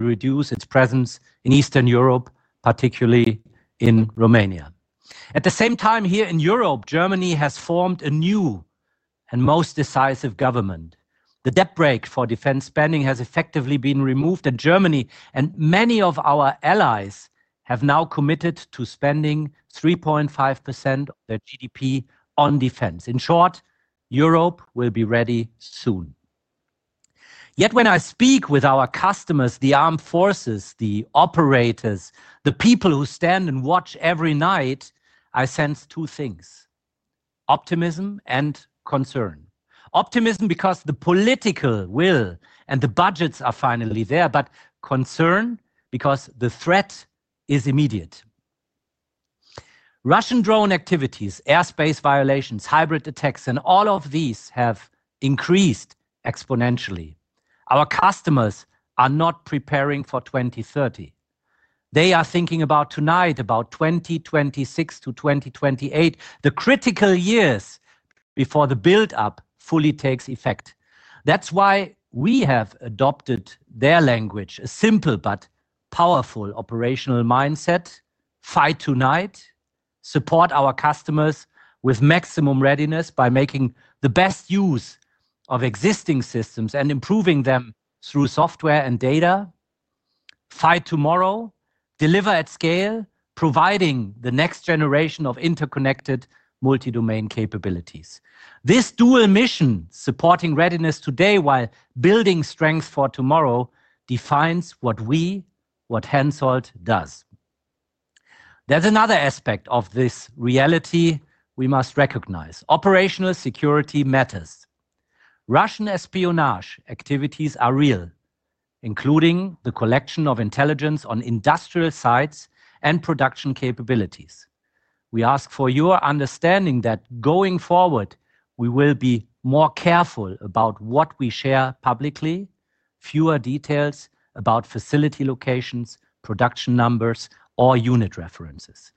Reduce its presence in Eastern Europe, particularly in Romania. At the same time, here in Europe, Germany has formed a new and most decisive government. The Debt Brake for defense spending has effectively been removed, and Germany and many of our allies have now committed to spending 3.5% of their GDP on defense. In short, Europe will be ready soon. Yet when I speak with our customers, the armed forces, the operators, the people who stand and watch every night, I sense two things: optimism and concern. Optimism because the political will and the budgets are finally there, but concern because the threat is immediate. Russian drone activities, airspace violations, hybrid attacks, and all of these have increased exponentially. Our customers are not preparing for 2030. They are thinking about tonight, about 2026 to 2028, the critical years before the build-up fully takes effect. That's why we have adopted their language: a simple but powerful operational mindset, fight tonight, support our customers with maximum readiness by making the best use of existing systems and improving them through software and data, fight tomorrow, deliver at scale, providing the next generation of interconnected multi-domain capabilities. This dual mission, supporting readiness today while building strength for tomorrow, defines what we, what Hensoldt does. There's another aspect of this reality we must recognize: operational security matters. Russian espionage activities are real, including the collection of intelligence on industrial sites and production capabilities. We ask for your understanding that going forward, we will be more careful about what we share publicly, fewer details about facility locations, production numbers, or unit references.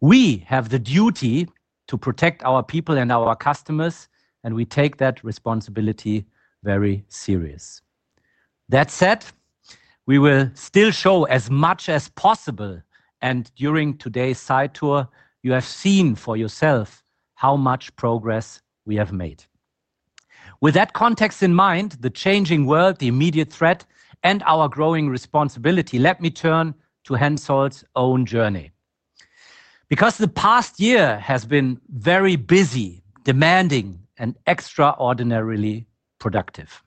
We have the duty to protect our people and our customers, and we take that responsibility very seriously. That said, we will still show as much as possible, and during today's site tour, you have seen for yourself how much progress we have made. With that context in mind, the changing world, the immediate threat, and our growing responsibility, let me turn to Hensoldt's own journey. Because the past year has been very busy, demanding, and extraordinarily productive.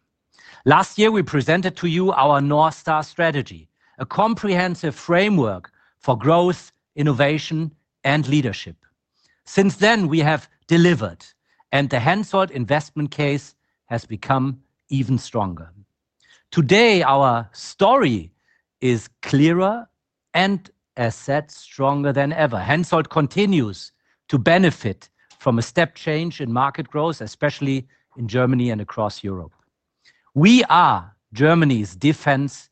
Last year, we presented to you our North Star Strategy, a comprehensive framework for growth, innovation, and leadership. Since then, we have delivered, and the Hensoldt investment case has become even stronger. Today, our story is clearer and, as said, stronger than ever. Hensoldt continues to benefit from a step change in market growth, especially in Germany and across Europe. We are Germany's defense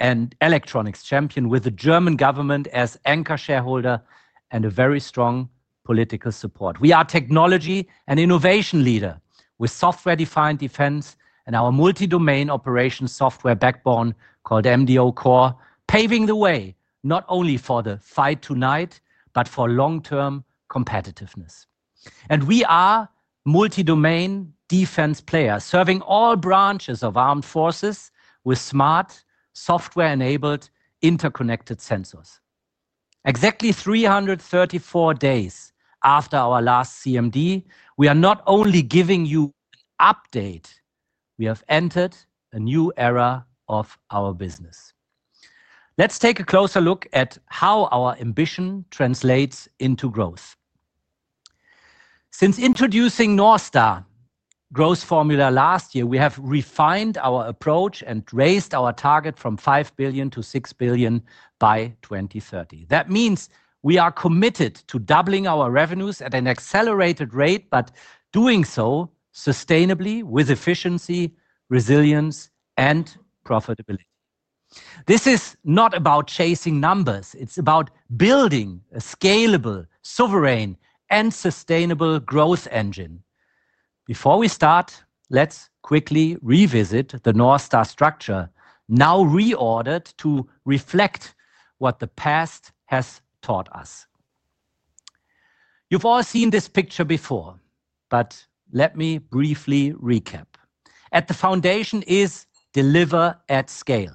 and electronics champion, with the German government as anchor shareholder and a very strong political support. We are technology and innovation leader, with software-defined defense and our multi-domain operations software backbone called MDO Core, paving the way not only for the fight tonight, but for long-term competitiveness. We are a multi-domain defense player, serving all branches of armed forces with smart, software-enabled, interconnected sensors. Exactly 334 days after our last CMD, we are not only giving you an update. We have entered a new era of our business. Let's take a closer look at how our ambition translates into growth. Since introducing North Star Growth Formula last year, we have refined our approach and raised our target from 5 billion to 6 billion by 2030. That means we are committed to doubling our revenues at an accelerated rate, but doing so sustainably, with efficiency, resilience, and profitability. This is not about chasing numbers. It is about building a scalable, sovereign, and sustainable growth engine. Before we start, let's quickly revisit the North Star structure, now reordered to reflect what the past has taught us. You've all seen this picture before, but let me briefly recap. At the foundation is deliver at scale,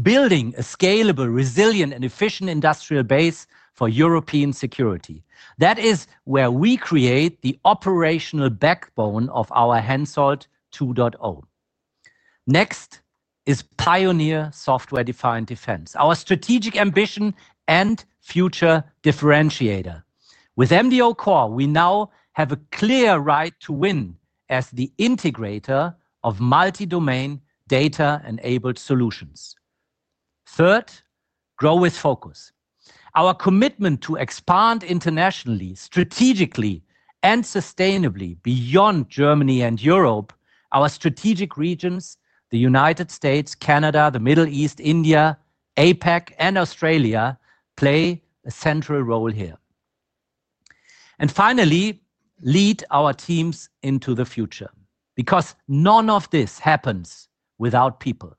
building a scalable, resilient, and efficient industrial base for European security. That is where we create the operational backbone of our Hensoldt 2.0. Next is pioneer software-defined defense, our strategic ambition and future differentiator. With MDO Core, we now have a clear right to win as the integrator of multi-domain data-enabled solutions. Third, grow with focus. Our commitment to expand internationally, strategically, and sustainably beyond Germany and Europe, our strategic regions, the United States, Canada, the Middle East, India, APAC, and Australia play a central role here. Finally, lead our teams into the future, because none of this happens without people.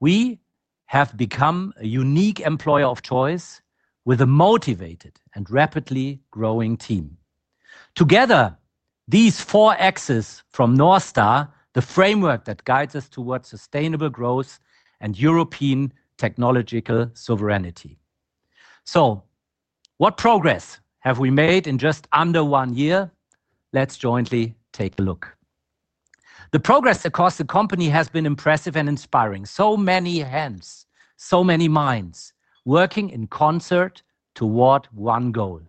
We have become a unique employer of choice with a motivated and rapidly growing team. Together, these four axes from North Star, the framework that guides us towards sustainable growth and European technological sovereignty. What progress have we made in just under one year? Let's jointly take a look. The progress across the company has been impressive and inspiring. So many hands, so many minds working in concert toward one goal.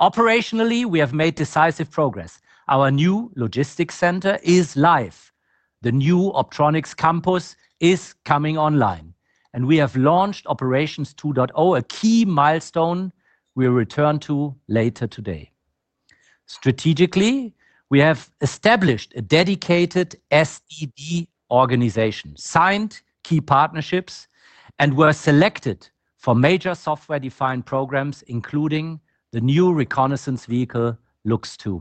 Operationally, we have made decisive progress. Our new logistics center is live. The new Optronics campus is coming online. We have launched Operations 2.0, a key milestone we'll return to later today. Strategically, we have established a dedicated SED organization, signed key partnerships, and were selected for major software-defined programs, including the new reconnaissance vehicle LUX II.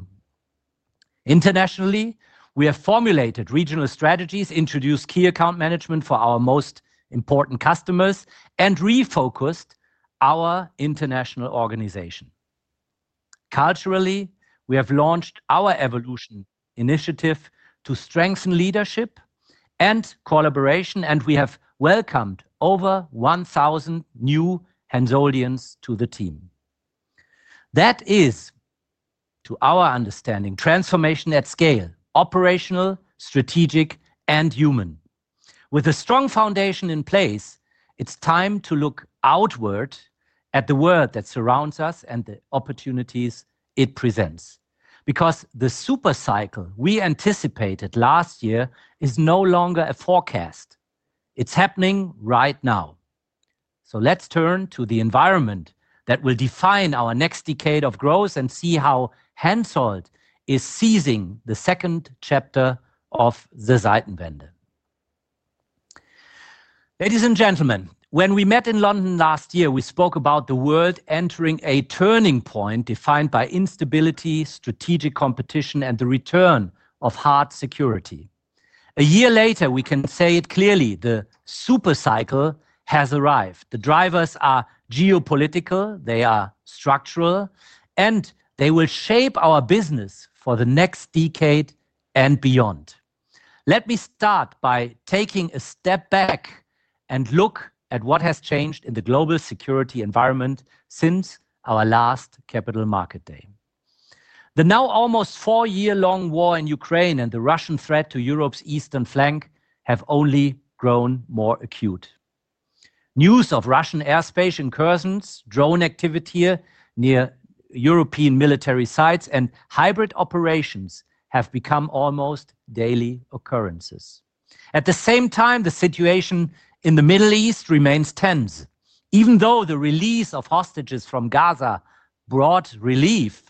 Internationally, we have formulated regional strategies, introduced key account management for our most important customers, and refocused our international organization. Culturally, we have launched our evolution initiative to strengthen leadership and collaboration, and we have welcomed over 1,000 new Hensoldtians to the team. That is, to our understanding, transformation at scale, operational, strategic, and human. With a strong foundation in place, it's time to look outward at the world that surrounds us and the opportunities it presents. Because the supercycle we anticipated last year is no longer a forecast. It's happening right now. Let's turn to the environment that will define our next decade of growth and see how Hensoldt is seizing the second chapter of the Zeitenwende. Ladies and gentlemen, when we met in London last year, we spoke about the world entering a turning point defined by instability, strategic competition, and the return of hard security. A year later, we can say it clearly: the supercycle has arrived. The drivers are geopolitical, they are structural, and they will shape our business for the next decade and beyond. Let me start by taking a step back and look at what has changed in the global security environment since our last Capital Market Day. The now almost four-year-long war in Ukraine and the Russian threat to Europe's eastern flank have only grown more acute. News of Russian airspace incursions, drone activity near European military sites, and hybrid operations have become almost daily occurrences. At the same time, the situation in the Middle East remains tense. Even though the release of hostages from Gaza brought relief,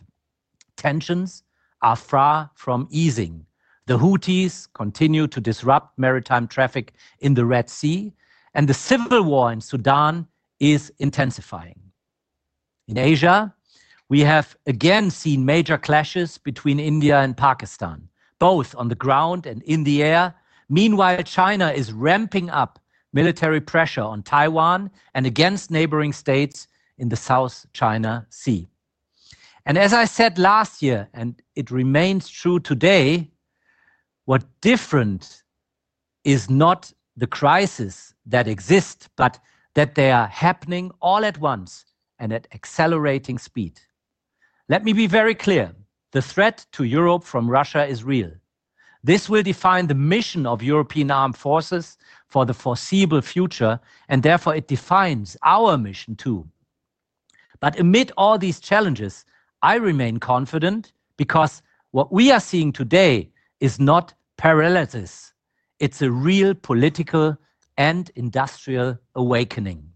tensions are far from easing. The Houthis continue to disrupt maritime traffic in the Red Sea, and the civil war in Sudan is intensifying. In Asia, we have again seen major clashes between India and Pakistan, both on the ground and in the air. Meanwhile, China is ramping up military pressure on Taiwan and against neighboring states in the South China Sea. As I said last year, and it remains true today, what is different is not the crisis that exists, but that they are happening all at once and at accelerating speed. Let me be very clear: the threat to Europe from Russia is real. This will define the mission of European armed forces for the foreseeable future, and therefore it defines our mission too. Amid all these challenges, I remain confident because what we are seeing today is not paralysis. It is a real political and industrial awakening.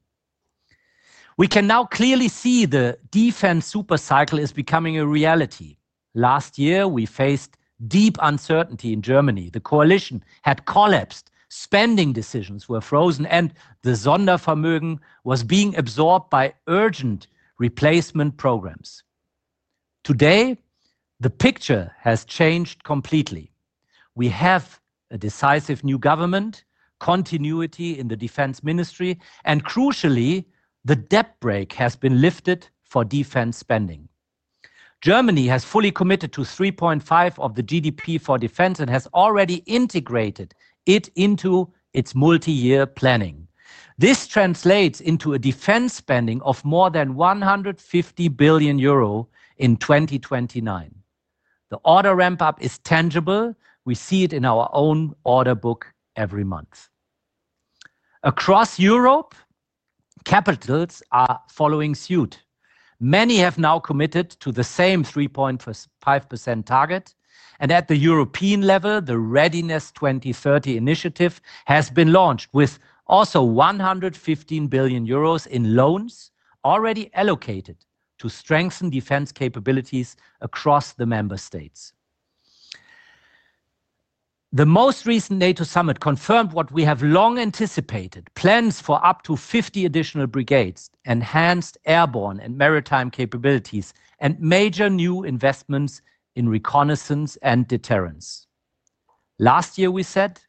We can now clearly see the defense supercycle is becoming a reality. Last year, we faced deep uncertainty in Germany. The coalition had collapsed, spending decisions were frozen, and the Sondervermögen was being absorbed by urgent replacement programs. Today, the picture has changed completely. We have a decisive new government, continuity in the Defense Ministry, and crucially, the Debt Brake has been lifted for defense spending. Germany has fully committed to 3.5% of the GDP for defense and has already integrated it into its multi-year planning. This translates into a defense spending of more than 150 billion euro in 2029. The order ramp-up is tangible. We see it in our own order book every month. Across Europe, capitals are following suit. Many have now committed to the same 3.5% target. At the European level, the Readiness 2030 initiative has been launched with also 115 billion euros in loans already allocated to strengthen defense capabilities across the member states. The most recent NATO summit confirmed what we have long anticipated: plans for up to 50 additional brigades, enhanced airborne and maritime capabilities, and major new investments in reconnaissance and deterrence. Last year, we said,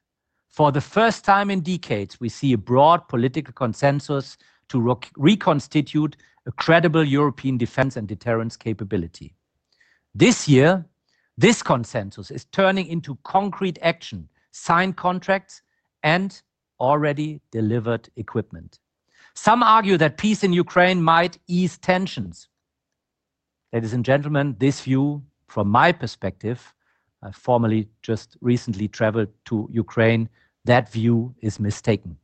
for the first time in decades, we see a broad political consensus to reconstitute a credible European defense and deterrence capability. This year, this consensus is turning into concrete action, signed contracts, and already delivered equipment. Some argue that peace in Ukraine might ease tensions. Ladies and gentlemen, this view, from my perspective, I formally just recently traveled to Ukraine, that view is mistaken.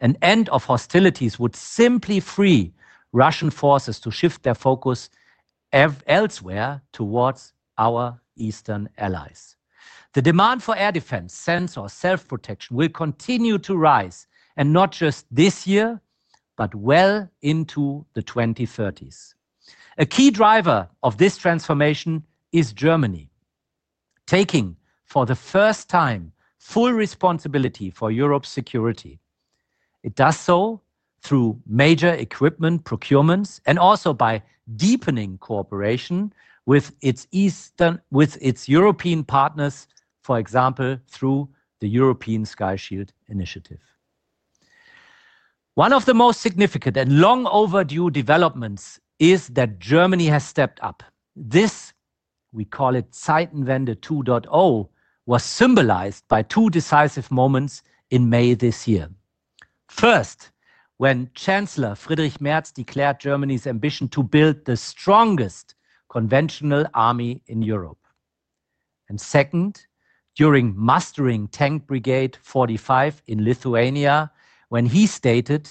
An end of hostilities would simply free Russian forces to shift their focus elsewhere towards our Eastern allies. The demand for air defense, sensor, self-protection will continue to rise, and not just this year, but well into the 2030s. A key driver of this transformation is Germany, taking for the first time full responsibility for Europe's security. It does so through major equipment procurements and also by deepening cooperation with its European partners, for example, through the European Sky Shield Initiative. One of the most significant and long-overdue developments is that Germany has stepped up. This, we call it Zeitenwende 2.0, was symbolized by two decisive moments in May this year. First, when Chancellor Friedrich Merz declared Germany's ambition to build the strongest conventional army in Europe. Second, during mustering Tank Brigade 45 in Lithuania, when he stated,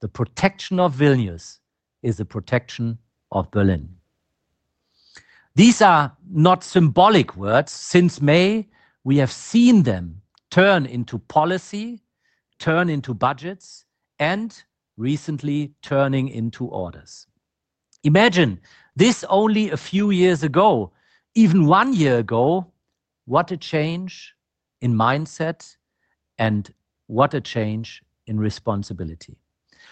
"The protection of Vilnius is the protection of Berlin." These are not symbolic words. Since May, we have seen them turn into policy, turn into budgets, and recently turning into orders. Imagine this only a few years ago, even one year ago, what a change in mindset and what a change in responsibility.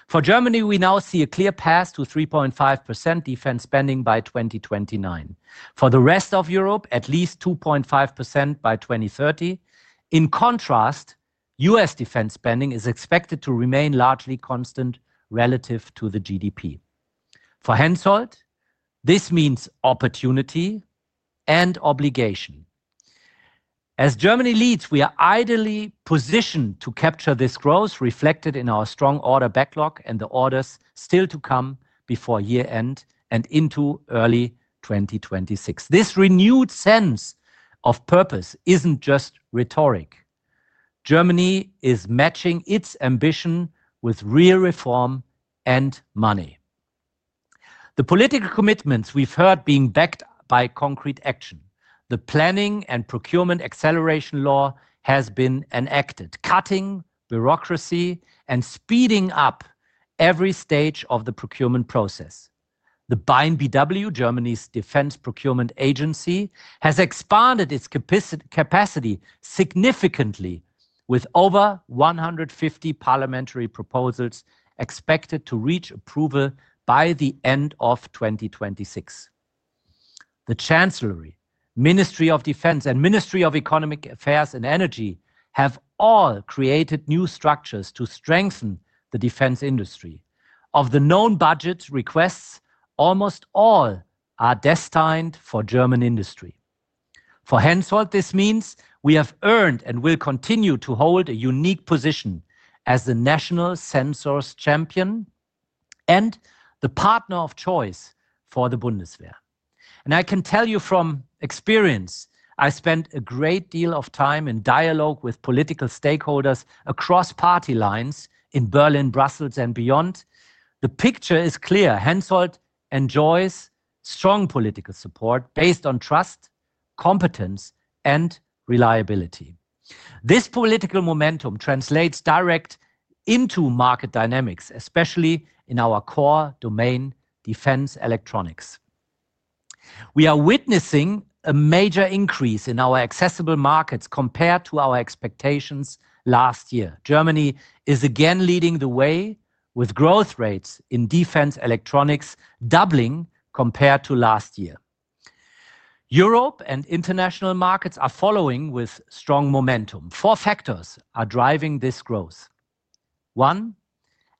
For Germany, we now see a clear path to 3.5% defense spending by 2029. For the rest of Europe, at least 2.5% by 2030. In contrast, U.S. defense spending is expected to remain largely constant relative to the GDP. For Hensoldt, this means opportunity and obligation. As Germany leads, we are ideally positioned to capture this growth reflected in our strong order backlog and the orders still to come before year-end and into early 2026. This renewed sense of purpose isn't just rhetoric. Germany is matching its ambition with real reform and money. The political commitments we've heard being backed by concrete action. The Planning and Procurement Acceleration Law has been enacted, cutting bureaucracy and speeding up every stage of the procurement process. The BNBW, Germany's defense procurement agency, has expanded its capacity significantly, with over 150 parliamentary proposals expected to reach approval by the end of 2026. The Chancellery, Ministry of Defense, and Ministry of Economic Affairs and Energy have all created new structures to strengthen the defense industry. Of the known budget requests, almost all are destined for German industry. For Hensoldt, this means we have earned and will continue to hold a unique position as the national sensors champion and the partner of choice for the Bundeswehr. I can tell you from experience, I spent a great deal of time in dialogue with political stakeholders across party lines in Berlin, Brussels, and beyond. The picture is clear. Hensoldt enjoys strong political support based on trust, competence, and reliability. This political momentum translates directly into market dynamics, especially in our core domain, defense electronics. We are witnessing a major increase in our accessible markets compared to our expectations last year. Germany is again leading the way with growth rates in defense electronics doubling compared to last year. Europe and international markets are following with strong momentum. Four factors are driving this growth. One,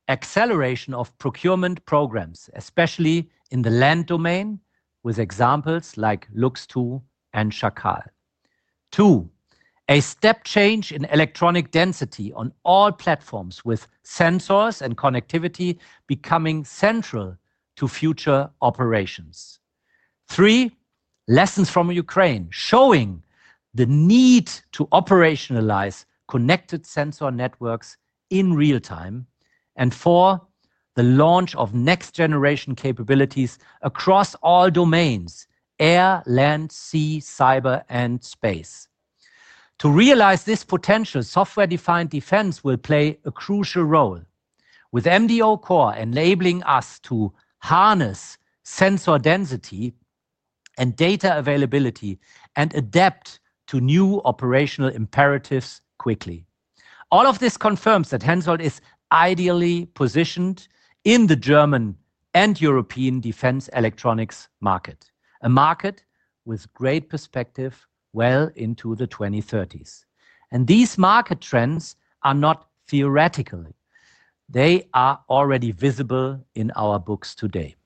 acceleration of procurement programs, especially in the land domain, with examples like LUX II and Schakal. Two, a step change in electronic density on all platforms, with sensors and connectivity becoming central to future operations. Three, lessons from Ukraine showing the need to operationalize connected sensor networks in real time. Four, the launch of next-generation capabilities across all domains: air, land, sea, cyber, and space. To realize this potential, software-defined defense will play a crucial role, with MDO Core enabling us to harness sensor density and data availability and adapt to new operational imperatives quickly. All of this confirms that Hensoldt is ideally positioned in the German and European defense electronics market, a market with great perspective well into the 2030s. These market trends are not theoretical. They are already visible in our books today.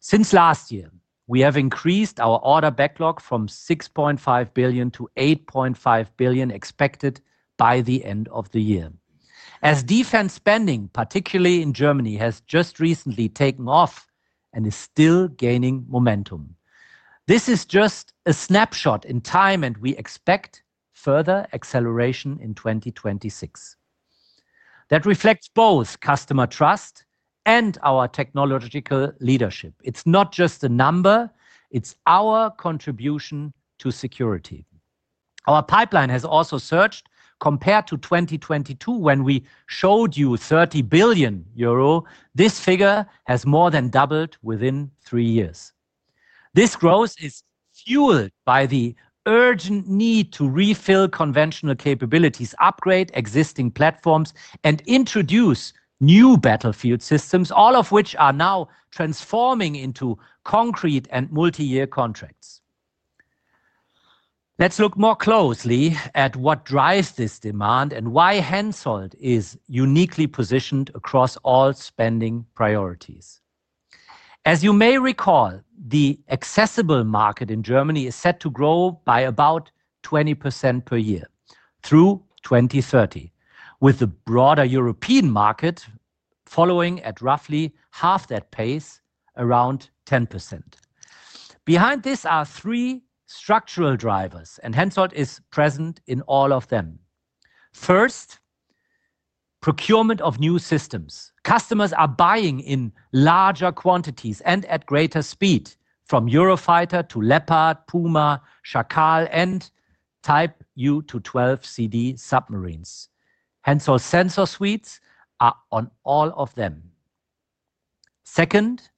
Since last year, we have increased our order backlog from 6.5 billion to 8.5 billion expected by the end of the year, as defense spending, particularly in Germany, has just recently taken off and is still gaining momentum. This is just a snapshot in time, and we expect further acceleration in 2026. That reflects both customer trust and our technological leadership. It's not just a number. It's our contribution to security. Our pipeline has also surged compared to 2022, when we showed you 30 billion euro. This figure has more than doubled within three years. This growth is fueled by the urgent need to refill conventional capabilities, upgrade existing platforms, and introduce new battlefield systems, all of which are now transforming into concrete and multi-year contracts. Let's look more closely at what drives this demand and why Hensoldt is uniquely positioned across all spending priorities. As you may recall, the accessible market in Germany is set to grow by about 20% per year through 2030, with the broader European market following at roughly half that pace, around 10%. Behind this are three structural drivers, and Hensoldt is present in all of them. First, procurement of new systems. Customers are buying in larger quantities and at greater speed from Eurofighter to Leopard, Puma, Schakal, and Type 212A submarines. Hensoldt sensor suites are on all of them. Second,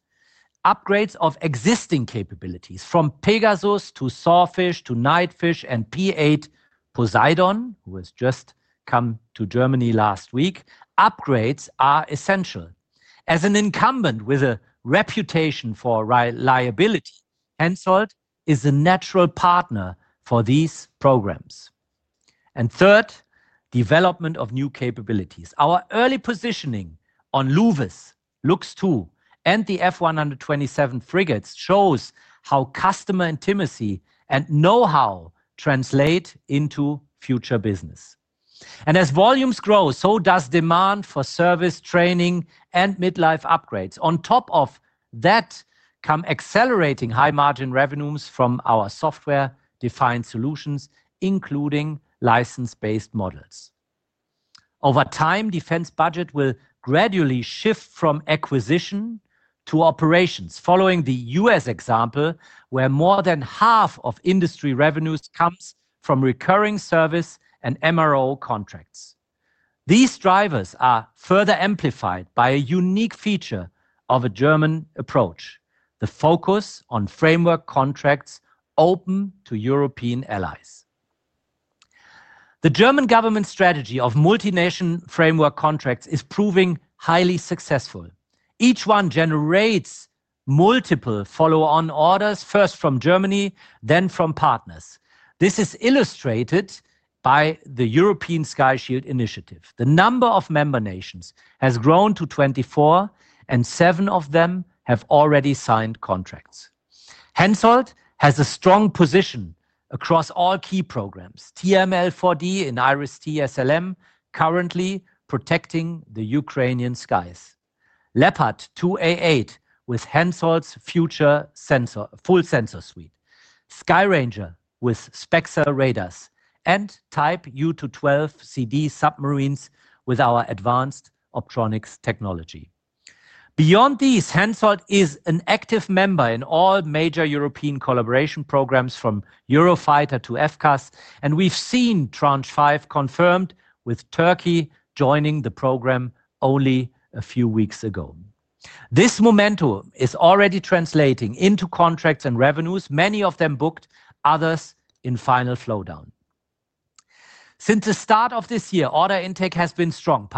upgrades of existing capabilities from Pegasus to Saarfish to Nightfish and P-8 Poseidon, which has just come to Germany last week. Upgrades are essential. As an incumbent with a reputation for reliability, Hensoldt is a natural partner for these programs. Third, development of new capabilities. Our early positioning on LUVIS, LUX II, and the F-127 frigates shows how customer intimacy and know-how translate into future business. As volumes grow, so does demand for service, training, and mid-life upgrades. On top of that come accelerating high-margin revenues from our software-defined solutions, including license-based models. Over time, defense budget will gradually shift from acquisition to operations, following the U.S. example, where more than half of industry revenues comes from recurring service and MRO contracts. These drivers are further amplified by a unique feature of a German approach: the focus on framework contracts open to European allies. The German government strategy of multinational framework contracts is proving highly successful. Each one generates multiple follow-on orders, first from Germany, then from partners. This is illustrated by the European Sky Shield Initiative. The number of member nations has grown to 24, and seven of them have already signed contracts. Hensoldt has a strong position across all key programs: TRML-4D in IRIS-T SLM, currently protecting the Ukrainian skies; Leopard 2A8 with Hensoldt's future full sensor suite; Sky Ranger with SPEXR radars; and Type 212A submarines with our advanced optronics technology. Beyond these, Hensoldt is an active member in all major European collaboration programs, from Eurofighter to FCAS, and we've seen Tranche 5 confirmed, with Turkey joining the program only a few weeks ago. This momentum is already translating into contracts and revenues, many of them booked, others in final flow down. Since the start of this year, order intake has been strong,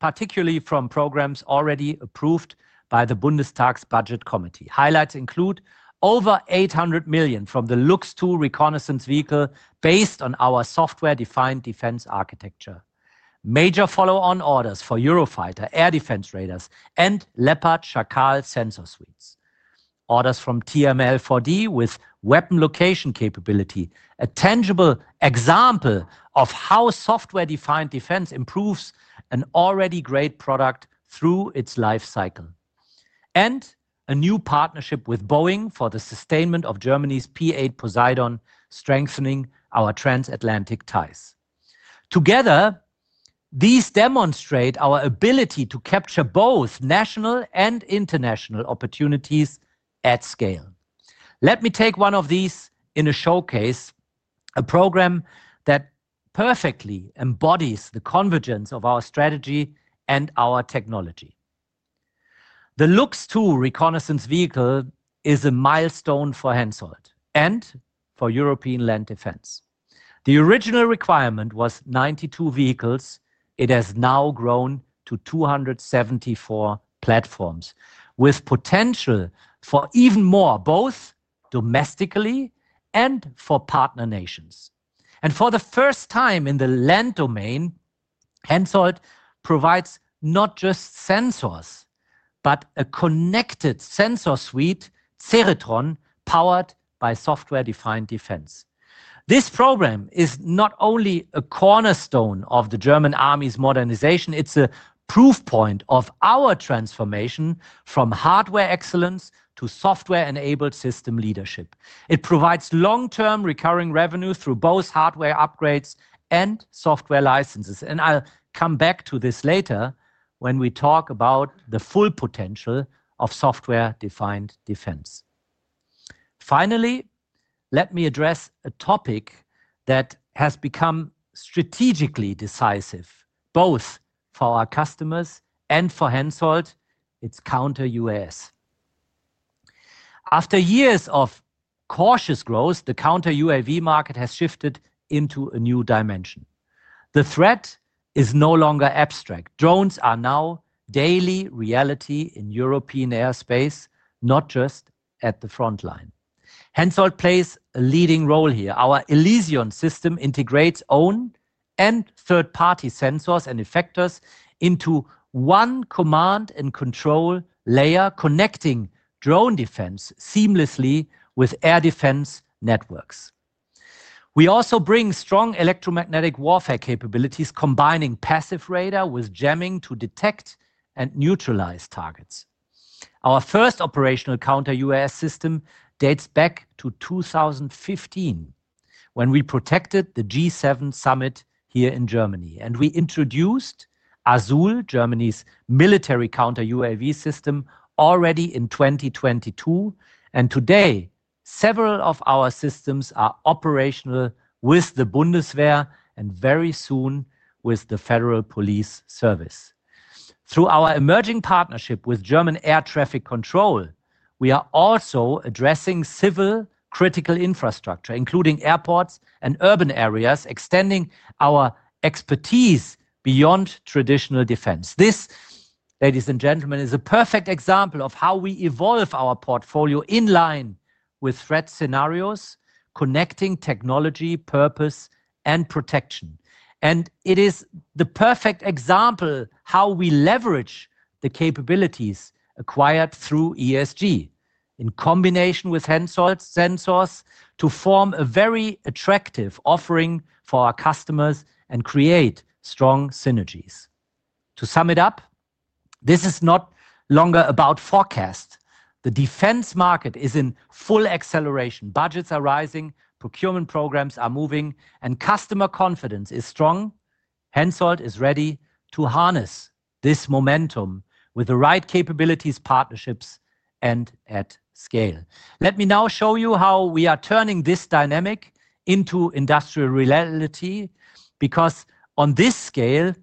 particularly from programs already approved by the Bundestag's Budget Committee. Highlights include over 800 million from the LUX II reconnaissance vehicle based on our software-defined defense architecture, major follow-on orders for Eurofighter air defense radars and Leopard-Schakal sensor suites, orders from TRML-4D with weapon location capability, a tangible example of how software-defined defense improves an already great product through its life cycle, and a new partnership with Boeing for the sustainment of Germany's P-8 Poseidon, strengthening our transatlantic ties. Together, these demonstrate our ability to capture both national and international opportunities at scale. Let me take one of these in a showcase, a program that perfectly embodies the convergence of our strategy and our technology. The LUX II reconnaissance vehicle is a milestone for Hensoldt and for European land defense. The original requirement was 92 vehicles. It has now grown to 274 platforms, with potential for even more, both domestically and for partner nations. For the first time in the land domain, Hensoldt provides not just sensors, but a connected sensor suite, Ceritron, powered by software-defined defense. This program is not only a cornerstone of the German army's modernization. It is a proof point of our transformation from hardware excellence to software-enabled system leadership. It provides long-term recurring revenue through both hardware upgrades and software licenses. I will come back to this later when we talk about the full potential of software-defined defense. Finally, let me address a topic that has become strategically decisive, both for our customers and for Hensoldt: its counter-UAS. After years of cautious growth, the counter-UAV market has shifted into a new dimension. The threat is no longer abstract. Drones are now daily reality in European airspace, not just at the front line. Hensoldt plays a leading role here. Our Elysion system integrates own and third-party sensors and effectors into one command-and-control layer, connecting drone defense seamlessly with air defense networks. We also bring strong electromagnetic warfare capabilities, combining passive radar with jamming to detect and neutralize targets. Our first operational counter-UAS system dates back to 2015, when we protected the G7 summit here in Germany, and we introduced Azul, Germany's military counter-UAV system, already in 2022. Several of our systems are operational with the Bundeswehr and very soon with the Federal Police Service. Through our emerging partnership with German Air Traffic Control, we are also addressing civil critical infrastructure, including airports and urban areas, extending our expertise beyond traditional defense. This, ladies and gentlemen, is a perfect example of how we evolve our portfolio in line with threat scenarios, connecting technology, purpose, and protection. It is the perfect example of how we leverage the capabilities acquired through ESG in combination with Hensoldt sensors to form a very attractive offering for our customers and create strong synergies. To sum it up, this is no longer about forecasts. The defense market is in full acceleration. Budgets are rising, procurement programs are moving, and customer confidence is strong. Hensoldt is ready to harness this momentum with the right capabilities, partnerships, and at scale. Let me now show you how we are turning this dynamic into industrial reality because on this scale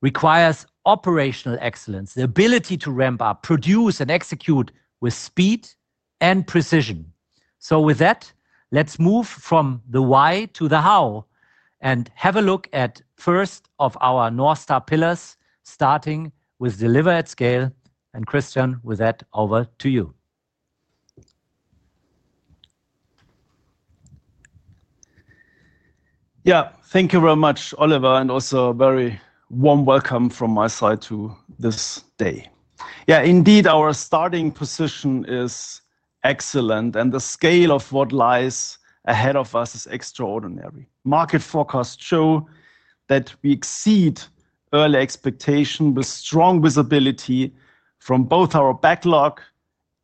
requires operational excellence, the ability to ramp up, produce, and execute with speed and precision. With that, let's move from the why to the how and have a look at the first of our North Star pillars, starting with Deliver at Scale. Christian, with that, over to you. Yeah, thank you very much, Oliver, and also a very warm welcome from my side to this day. Yeah, indeed, our starting position is excellent, and the scale of what lies ahead of us is extraordinary. Market forecasts show that we exceed early expectations with strong visibility from both our backlog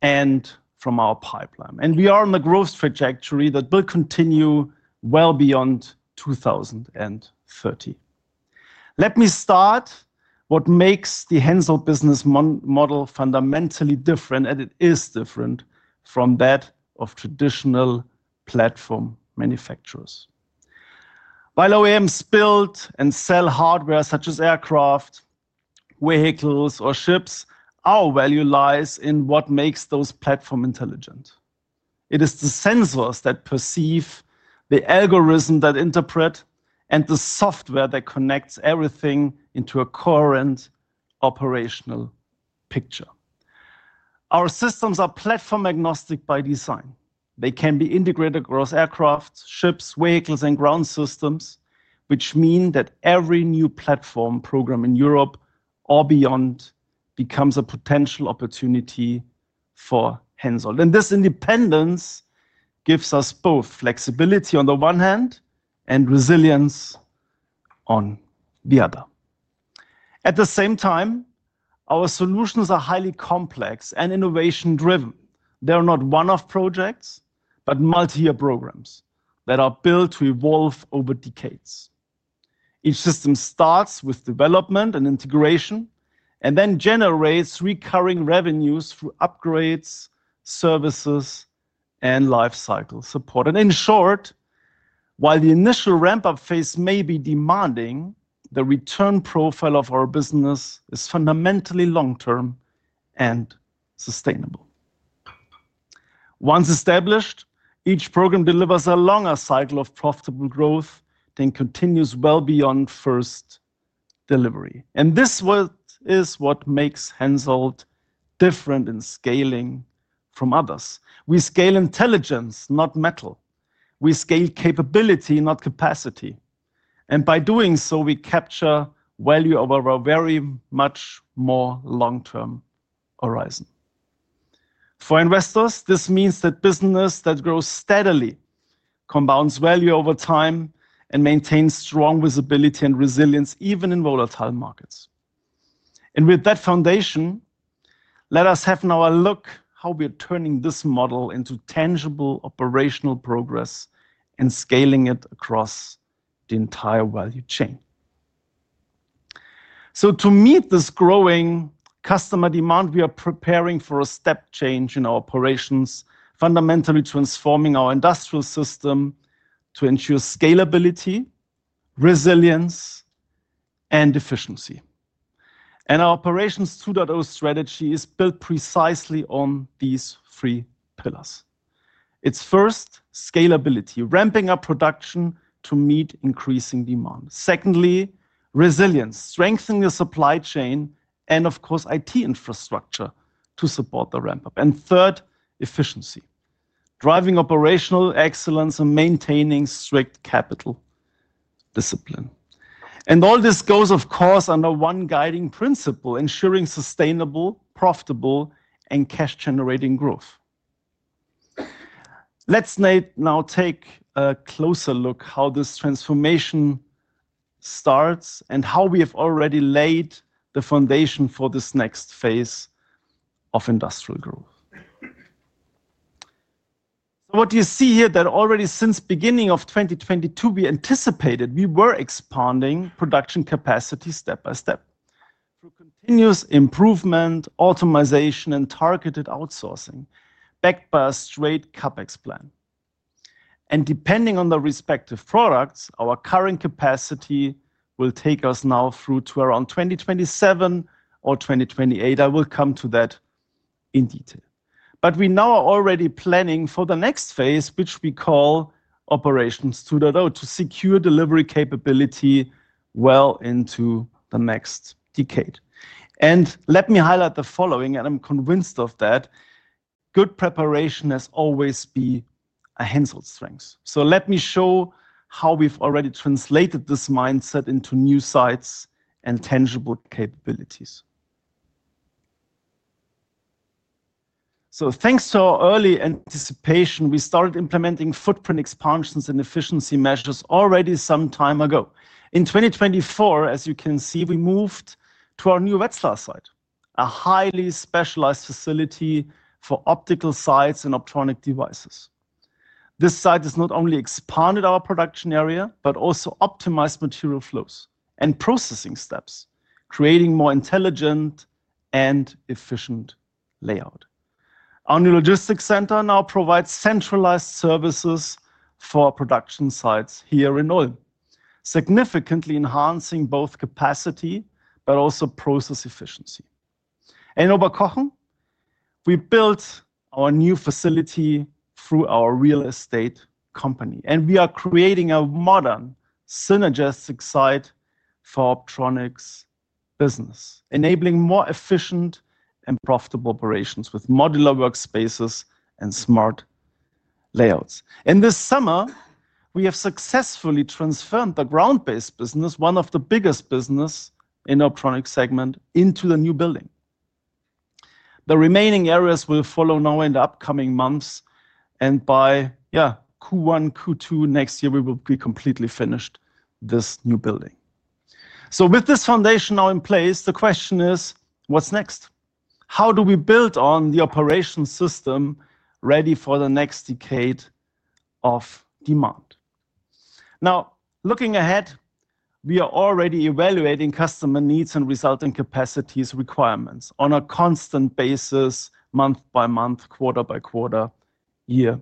and from our pipeline. We are on a growth trajectory that will continue well beyond 2030. Let me start with what makes the Hensoldt business model fundamentally different, and it is different from that of traditional platform manufacturers. While OEMs build and sell hardware such as aircraft, vehicles, or ships, our value lies in what makes those platforms intelligent. It is the sensors that perceive, the algorithms that interpret, and the software that connects everything into a coherent operational picture. Our systems are platform-agnostic by design. They can be integrated across aircraft, ships, vehicles, and ground systems, which means that every new platform program in Europe or beyond becomes a potential opportunity for Hensoldt. This independence gives us both flexibility on the one hand and resilience on the other. At the same time, our solutions are highly complex and innovation-driven. They are not one-off projects, but multi-year programs that are built to evolve over decades. Each system starts with development and integration and then generates recurring revenues through upgrades, services, and life cycle support. In short, while the initial ramp-up phase may be demanding, the return profile of our business is fundamentally long-term and sustainable. Once established, each program delivers a longer cycle of profitable growth that continues well beyond first delivery. This is what makes Hensoldt different in scaling from others. We scale intelligence, not metal. We scale capability, not capacity. By doing so, we capture value over a very much more long-term horizon. For investors, this means that business that grows steadily compounds value over time and maintains strong visibility and resilience even in volatile markets. With that foundation, let us have now a look at how we are turning this model into tangible operational progress and scaling it across the entire value chain. To meet this growing customer demand, we are preparing for a step change in our operations, fundamentally transforming our industrial system to ensure scalability, resilience, and efficiency. Our Operations 2.0 strategy is built precisely on these three pillars. It is first, scalability, ramping up production to meet increasing demand. Secondly, resilience, strengthening the supply chain and, of course, IT infrastructure to support the ramp-up. Third, efficiency, driving operational excellence and maintaining strict capital discipline. All this goes, of course, under one guiding principle: ensuring sustainable, profitable, and cash-generating growth. Let's now take a closer look at how this transformation starts and how we have already laid the foundation for this next phase of industrial growth. What you see here is that already since the beginning of 2022, we anticipated we were expanding production capacity step by step through continuous improvement, optimization, and targeted outsourcing backed by a straight CapEx plan. Depending on the respective products, our current capacity will take us now through to around 2027 or 2028. I will come to that in detail. We now are already planning for the next phase, which we call Operations 2.0, to secure delivery capability well into the next decade. Let me highlight the following, and I'm convinced of that: good preparation has always been a Hensoldt strength. Let me show how we've already translated this mindset into new sites and tangible capabilities. Thanks to our early anticipation, we started implementing footprint expansions and efficiency measures already some time ago. In 2024, as you can see, we moved to our new Wetzlar site, a highly specialized facility for optical sites and optronic devices. This site has not only expanded our production area but also optimized material flows and processing steps, creating a more intelligent and efficient layout. Our new logistics center now provides centralized services for production sites here in Ulm, significantly enhancing both capacity and process efficiency. In Oberkochen, we built our new facility through our real estate company, and we are creating a modern synergistic site for the Optronics business, enabling more efficient and profitable operations with modular workspaces and smart layouts. In this summer, we have successfully transferred the ground-based business, one of the biggest businesses in the Optronics segment, into the new building. The remaining areas will follow now in the upcoming months. By Q1, Q2 next year, we will be completely finished with this new building. With this foundation now in place, the question is, what's next? How do we build on the operation system ready for the next decade of demand? Now, looking ahead, we are already evaluating customer needs and resulting capacity requirements on a constant basis, month by month, quarter by quarter, year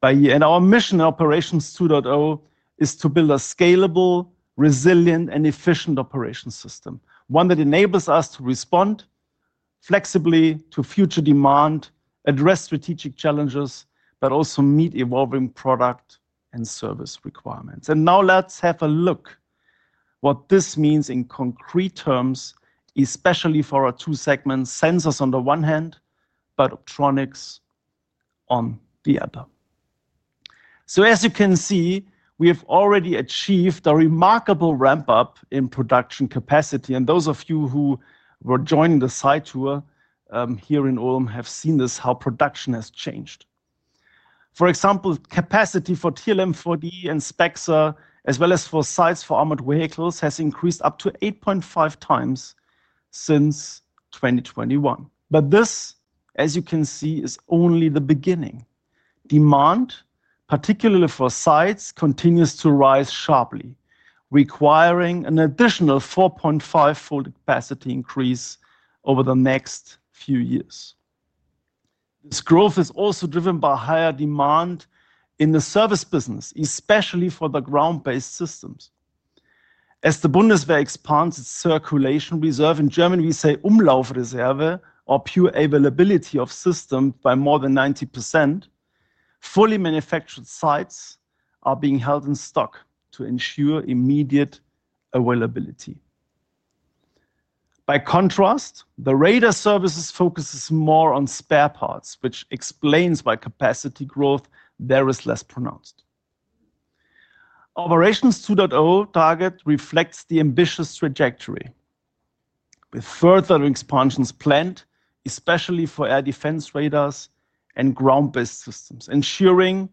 by year. Our mission in Operations 2.0 is to build a scalable, resilient, and efficient operation system, one that enables us to respond flexibly to future demand, address strategic challenges, but also meet evolving product and service requirements. Now let's have a look at what this means in concrete terms, especially for our two segments: sensors on the one hand, but optronics on the other. As you can see, we have already achieved a remarkable ramp-up in production capacity. Those of you who were joining the site tour here in Ulm have seen how production has changed. For example, capacity for TRML-4D and SPEXR, as well as for sites for armored vehicles, has increased up to 8.5 times since 2021. This, as you can see, is only the beginning. Demand, particularly for sites, continues to rise sharply, requiring an additional 4.5-fold capacity increase over the next few years. This growth is also driven by higher demand in the service business, especially for the ground-based systems. As the Bundeswehr expands its circulation reserve, in Germany, we say Umlaufreserve or pure availability of systems by more than 90%, fully manufactured sites are being held in stock to ensure immediate availability. By contrast, the radar services focus more on spare parts, which explains why capacity growth there is less pronounced. Operations 2.0 target reflects the ambitious trajectory with further expansions planned, especially for air defense radars and ground-based systems, ensuring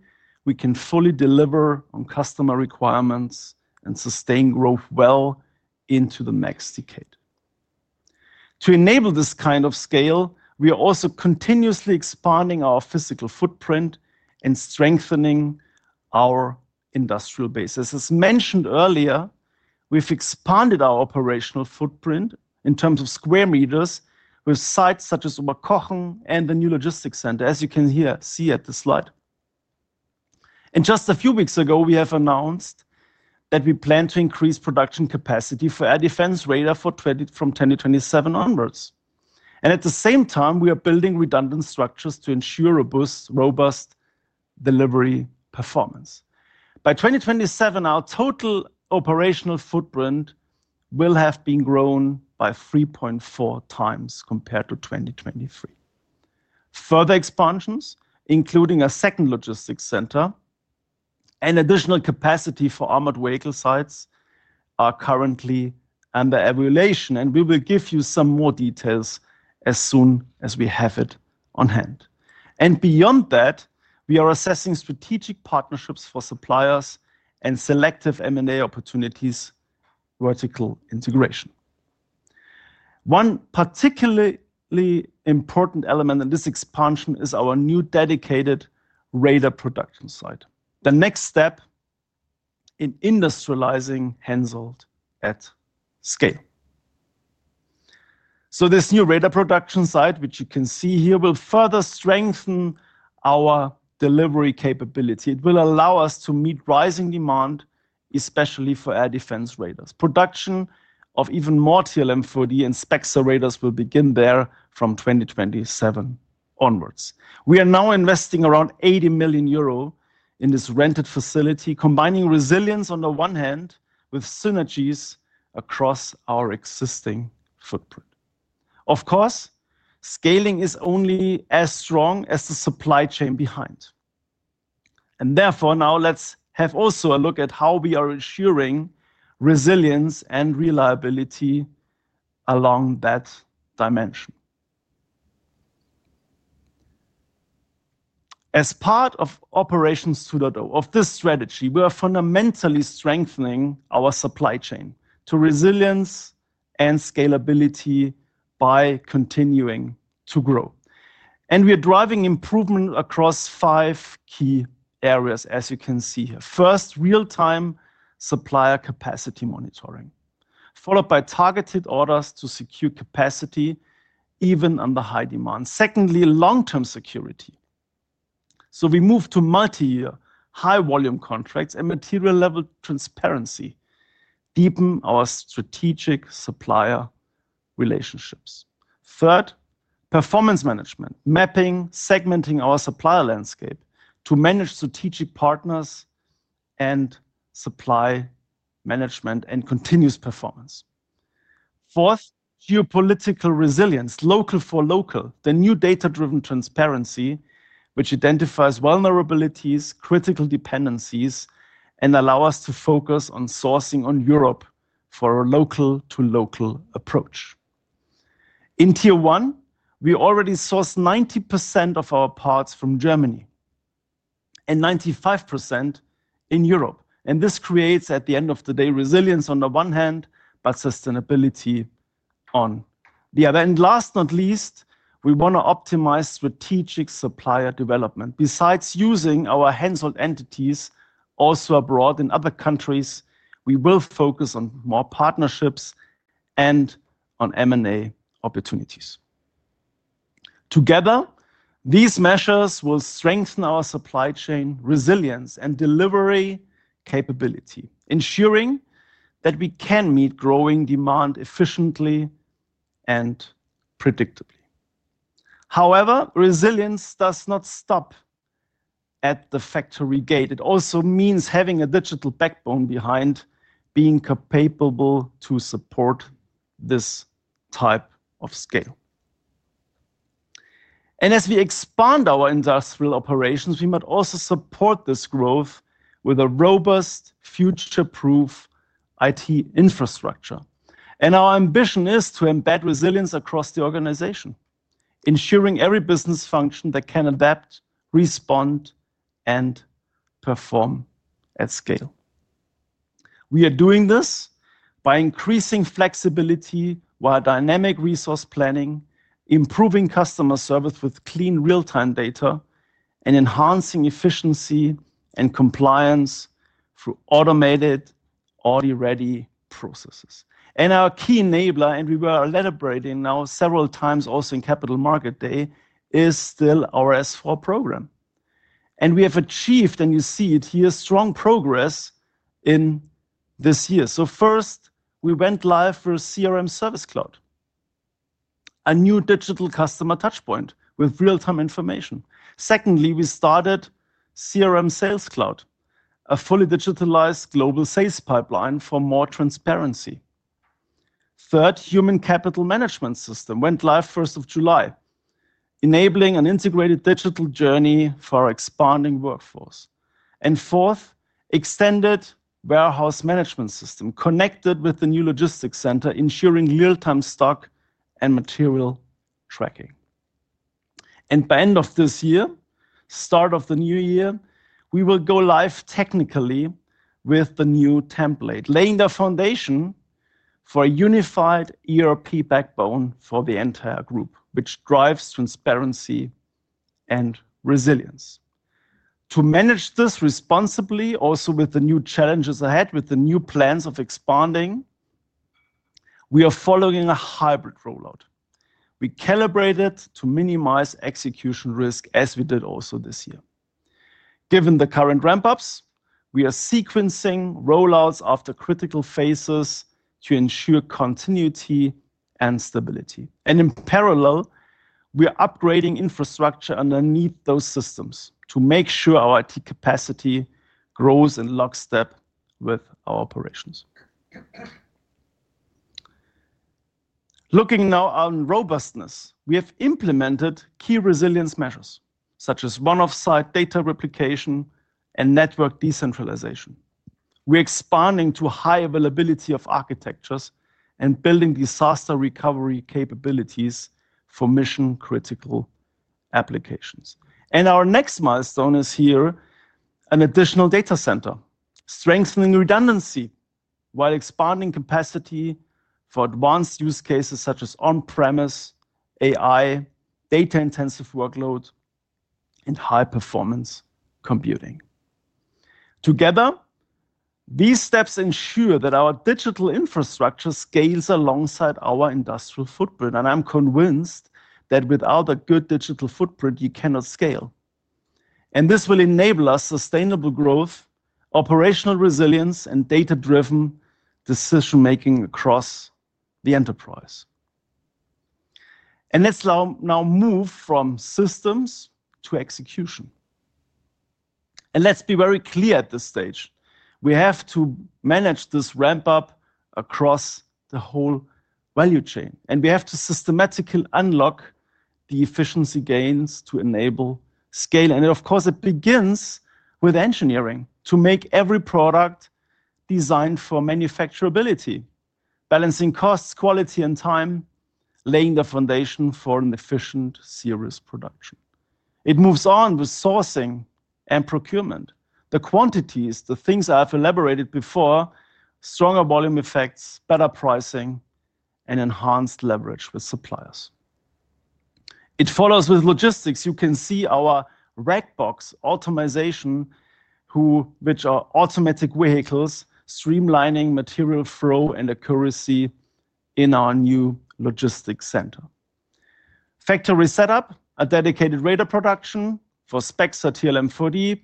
we can fully deliver on customer requirements and sustain growth well into the next decade. To enable this kind of scale, we are also continuously expanding our physical footprint and strengthening our industrial bases. As mentioned earlier, we've expanded our operational footprint in terms of square meters with sites such as Oberkochen and the new logistics center, as you can see at the slide. Just a few weeks ago, we have announced that we plan to increase production capacity for air defense radar from 2027 onwards. At the same time, we are building redundant structures to ensure robust delivery performance. By 2027, our total operational footprint will have been grown by 3.4 times compared to 2023. Further expansions, including a second logistics center and additional capacity for armored vehicle sites, are currently under evaluation, and we will give you some more details as soon as we have it on hand. Beyond that, we are assessing strategic partnerships for suppliers and selective M&A opportunities vertical integration. One particularly important element in this expansion is our new dedicated radar production site, the next step in industrializing Hensoldt at scale. This new radar production site, which you can see here, will further strengthen our delivery capability. It will allow us to meet rising demand, especially for air defense radars. Production of even more TRML-4D and SPEXR radars will begin there from 2027 onwards. We are now investing around 80 million euro in this rented facility, combining resilience on the one hand with synergies across our existing footprint. Of course, scaling is only as strong as the supply chain behind. Therefore, now let's have also a look at how we are ensuring resilience and reliability along that dimension. As part of Operations 2.0, of this strategy, we are fundamentally strengthening our supply chain to resilience and scalability by continuing to grow. We are driving improvement across five key areas, as you can see here. First, real-time supplier capacity monitoring, followed by targeted orders to secure capacity even under high demand. Secondly, long-term security. We move to multi-year, high-volume contracts and material-level transparency, deepening our strategic supplier relationships. Third, performance management, mapping, segmenting our supplier landscape to manage strategic partners and supply management and continuous performance. Fourth, geopolitical resilience, local for local, the new data-driven transparency, which identifies vulnerabilities, critical dependencies, and allows us to focus on sourcing in Europe for a local-to-local approach. In Tier 1, we already source 90% of our parts from Germany and 95% in Europe. This creates, at the end of the day, resilience on the one hand, but sustainability on the other. Last but not least, we want to optimize strategic supplier development. Besides using our Hensoldt entities also abroad in other countries, we will focus on more partnerships and on M&A opportunities. Together, these measures will strengthen our supply chain resilience and delivery capability, ensuring that we can meet growing demand efficiently and predictably. However, resilience does not stop at the factory gate. It also means having a digital backbone behind being capable to support this type of scale. As we expand our industrial operations, we must also support this growth with a robust, future-proof IT infrastructure. Our ambition is to embed resilience across the organization, ensuring every business function that can adapt, respond, and perform at scale. We are doing this by increasing flexibility via dynamic resource planning, improving customer service with clean real-time data, and enhancing efficiency and compliance through automated, already ready processes. Our key enabler, and we were elaborating now several times also in Capital Market Day, is still our S/4HANA program. We have achieved, and you see it here, strong progress in this year. First, we went live with CRM Service Cloud, a new digital customer touchpoint with real-time information. Secondly, we started CRM Sales Cloud, a fully digitalized global sales pipeline for more transparency. Third, Human Capital Management System went live 1st of July, enabling an integrated digital journey for our expanding workforce. Fourth, Extended Warehouse Management System connected with the new logistics center, ensuring real-time stock and material tracking. By the end of this year, start of the new year, we will go live technically with the new template, laying the foundation for a unified ERP backbone for the entire group, which drives transparency and resilience. To manage this responsibly, also with the new challenges ahead, with the new plans of expanding, we are following a hybrid rollout. We calibrate it to minimize execution risk, as we did also this year. Given the current ramp-ups, we are sequencing rollouts after critical phases to ensure continuity and stability. In parallel, we are upgrading infrastructure underneath those systems to make sure our IT capacity grows in lockstep with our operations. Looking now on robustness, we have implemented key resilience measures, such as one-off site data replication and network decentralization. We are expanding to high availability of architectures and building disaster recovery capabilities for mission-critical applications. Our next milestone is here, an additional data center, strengthening redundancy while expanding capacity for advanced use cases, such as on-premise, AI, data-intensive workload, and high-performance computing. Together, these steps ensure that our digital infrastructure scales alongside our industrial footprint. I am convinced that without a good digital footprint, you cannot scale. This will enable us sustainable growth, operational resilience, and data-driven decision-making across the enterprise. Let's now move from systems to execution. Let's be very clear at this stage. We have to manage this ramp-up across the whole value chain. We have to systematically unlock the efficiency gains to enable scale. Of course, it begins with engineering to make every product designed for manufacturability, balancing costs, quality, and time, laying the foundation for an efficient, serious production. It moves on with sourcing and procurement. The quantities, the things I have elaborated before, stronger volume effects, better pricing, and enhanced leverage with suppliers. It follows with logistics. You can see our rack box optimization, which are automatic vehicles, streamlining material flow and accuracy in our new logistics center. Factory setup, a dedicated radar production for SPEXR, TRML-4D,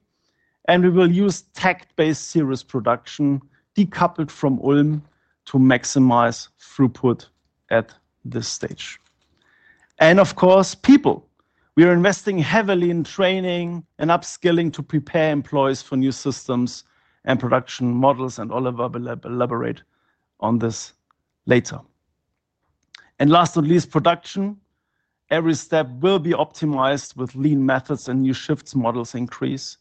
and we will use tag-based serious production decoupled from Ulm to maximize throughput at this stage. Of course, people. We are investing heavily in training and upskilling to prepare employees for new systems and production models, and Oliver will elaborate on this later. Last but not least, production. Every step will be optimized with lean methods and new shift models increase,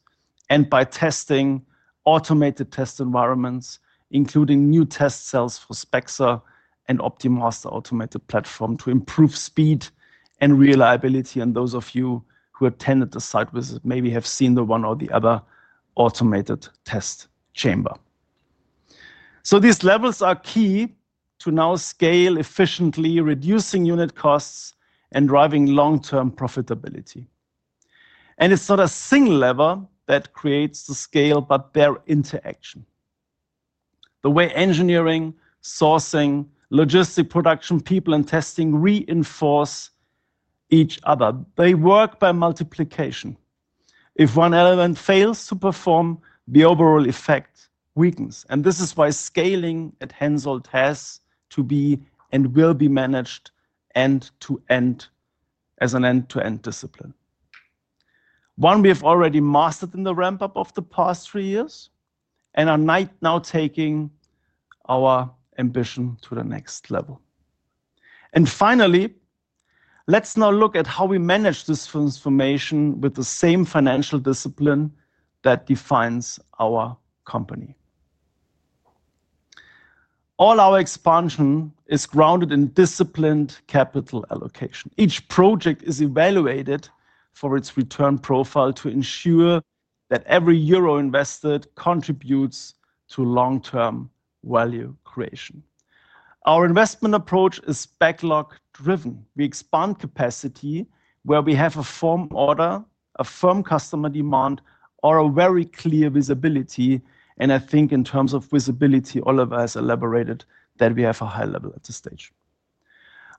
and by testing automated test environments, including new test cells for SPEXR and OptiMaster automated platform to improve speed and reliability. Those of you who attended the site visit maybe have seen the one or the other automated test chamber. These levels are key to now scale efficiently, reducing unit costs and driving long-term profitability. It is not a single level that creates the scale, but their interaction. The way engineering, sourcing, logistics, production, people, and testing reinforce each other. They work by multiplication. If one element fails to perform, the overall effect weakens. This is why scaling at Hensoldt has to be and will be managed end-to-end as an end-to-end discipline. One we have already mastered in the ramp-up of the past three years and are now taking our ambition to the next level. Finally, let's now look at how we manage this transformation with the same financial discipline that defines our company. All our expansion is grounded in disciplined capital allocation. Each project is evaluated for its return profile to ensure that every euro invested contributes to long-term value creation. Our investment approach is backlog-driven. We expand capacity where we have a firm order, a firm customer demand, or a very clear visibility. I think in terms of visibility, Oliver has elaborated that we have a high level at this stage.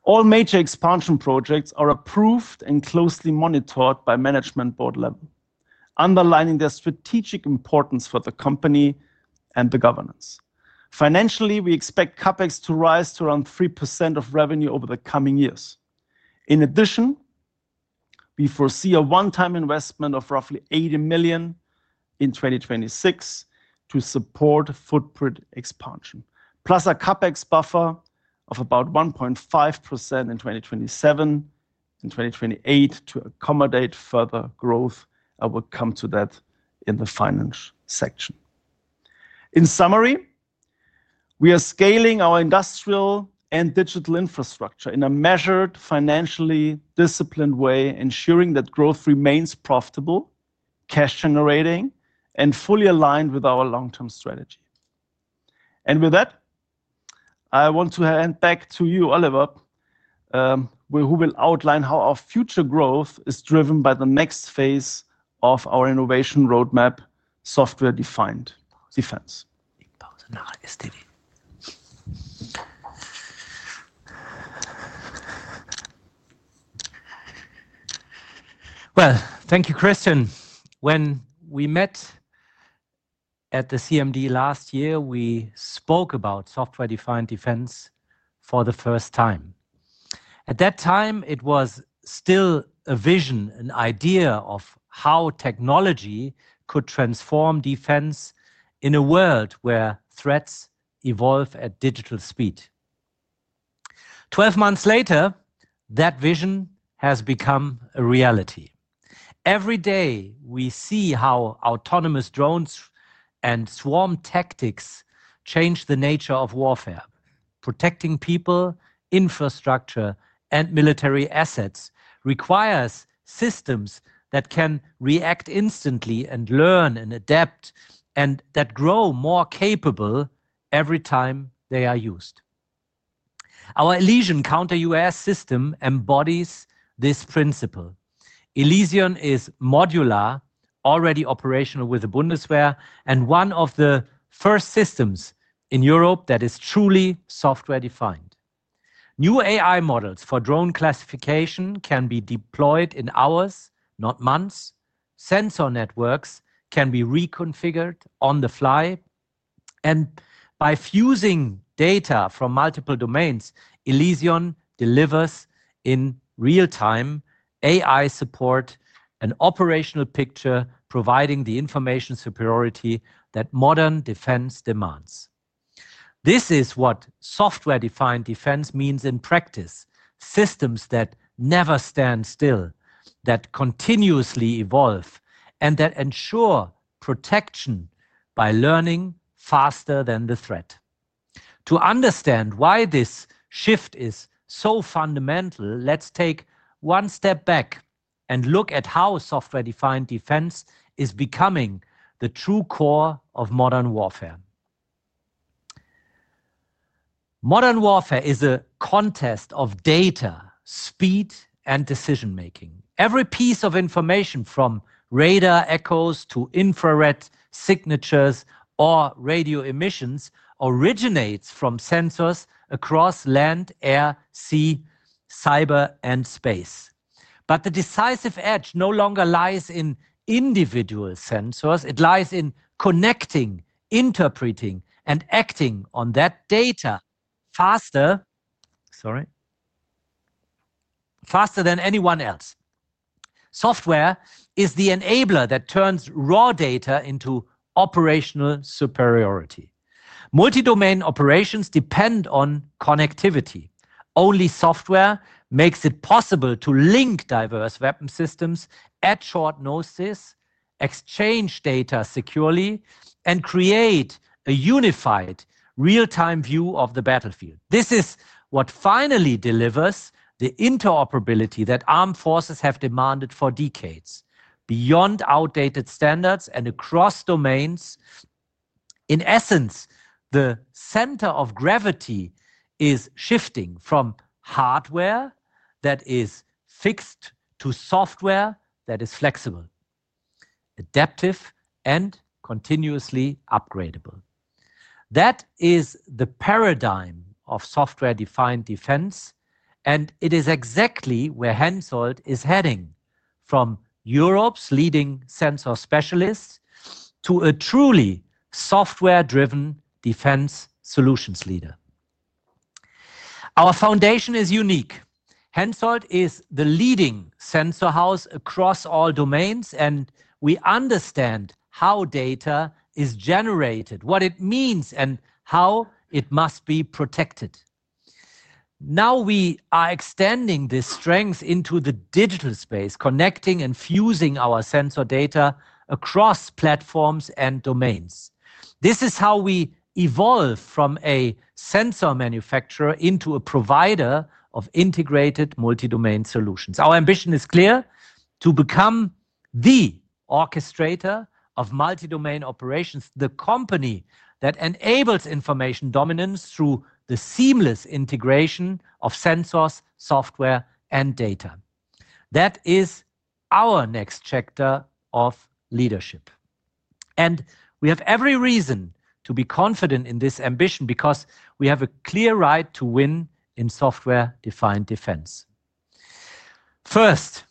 All major expansion projects are approved and closely monitored by management board level, underlining their strategic importance for the company and the governance. Financially, we expect CapEx to rise to around 3% of revenue over the coming years. In addition, we foresee a one-time investment of roughly 80 million in 2026 to support footprint expansion, plus a CapEx buffer of about 1.5% in 2027 and 2028 to accommodate further growth. I will come to that in the finance section. In summary, we are scaling our industrial and digital infrastructure in a measured, financially disciplined way, ensuring that growth remains profitable, cash-generating, and fully aligned with our long-term strategy. I want to hand back to you, Oliver, who will outline how our future growth is driven by the next phase of our innovation roadmap, software-defined defense. Thank you, Christian. When we met at the CMD last year, we spoke about software-defined defense for the first time. At that time, it was still a vision, an idea of how technology could transform defense in a world where threats evolve at digital speed. Twelve months later, that vision has become a reality. Every day, we see how autonomous drones and swarm tactics change the nature of warfare. Protecting people, infrastructure, and military assets requires systems that can react instantly and learn and adapt and that grow more capable every time they are used. Our Elysion counter-UAS system embodies this principle. Elysion is modular, already operational with the Bundeswehr, and one of the first systems in Europe that is truly software-defined. New AI models for drone classification can be deployed in hours, not months. Sensor networks can be reconfigured on the fly. By fusing data from multiple domains, Elysion delivers in real-time AI support, an operational picture providing the information superiority that modern defense demands. This is what software-defined defense means in practice: systems that never stand still, that continuously evolve, and that ensure protection by learning faster than the threat. To understand why this shift is so fundamental, let's take one step back and look at how software-defined defense is becoming the true core of modern warfare. Modern warfare is a contest of data, speed, and decision-making. Every piece of information, from radar echoes to infrared signatures or radio emissions, originates from sensors across land, air, sea, cyber, and space. The decisive edge no longer lies in individual sensors. It lies in connecting, interpreting, and acting on that data faster, sorry, faster than anyone else. Software is the enabler that turns raw data into operational superiority. Multi-domain operations depend on connectivity. Only software makes it possible to link diverse weapon systems at short notices, exchange data securely, and create a unified real-time view of the battlefield. This is what finally delivers the interoperability that armed forces have demanded for decades, beyond outdated standards and across domains. In essence, the center of gravity is shifting from hardware that is fixed to software that is flexible, adaptive, and continuously upgradable. That is the paradigm of software-defined defense, and it is exactly where Hensoldt is heading, from Europe's leading sensor specialists to a truly software-driven defense solutions leader. Our foundation is unique. Hensoldt is the leading sensor house across all domains, and we understand how data is generated, what it means, and how it must be protected. Now we are extending this strength into the digital space, connecting and fusing our sensor data across platforms and domains. This is how we evolve from a sensor manufacturer into a provider of integrated multi-domain solutions. Our ambition is clear: to become the orchestrator of multi-domain operations, the company that enables information dominance through the seamless integration of sensors, software, and data. That is our next chapter of leadership. We have every reason to be confident in this ambition because we have a clear right to win in software-defined defense. First,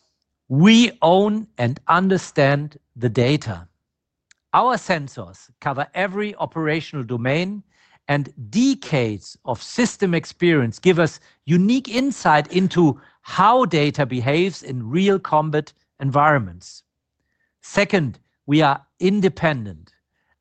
we own and understand the data. Our sensors cover every operational domain, and decades of system experience give us unique insight into how data behaves in real combat environments. Second, we are independent.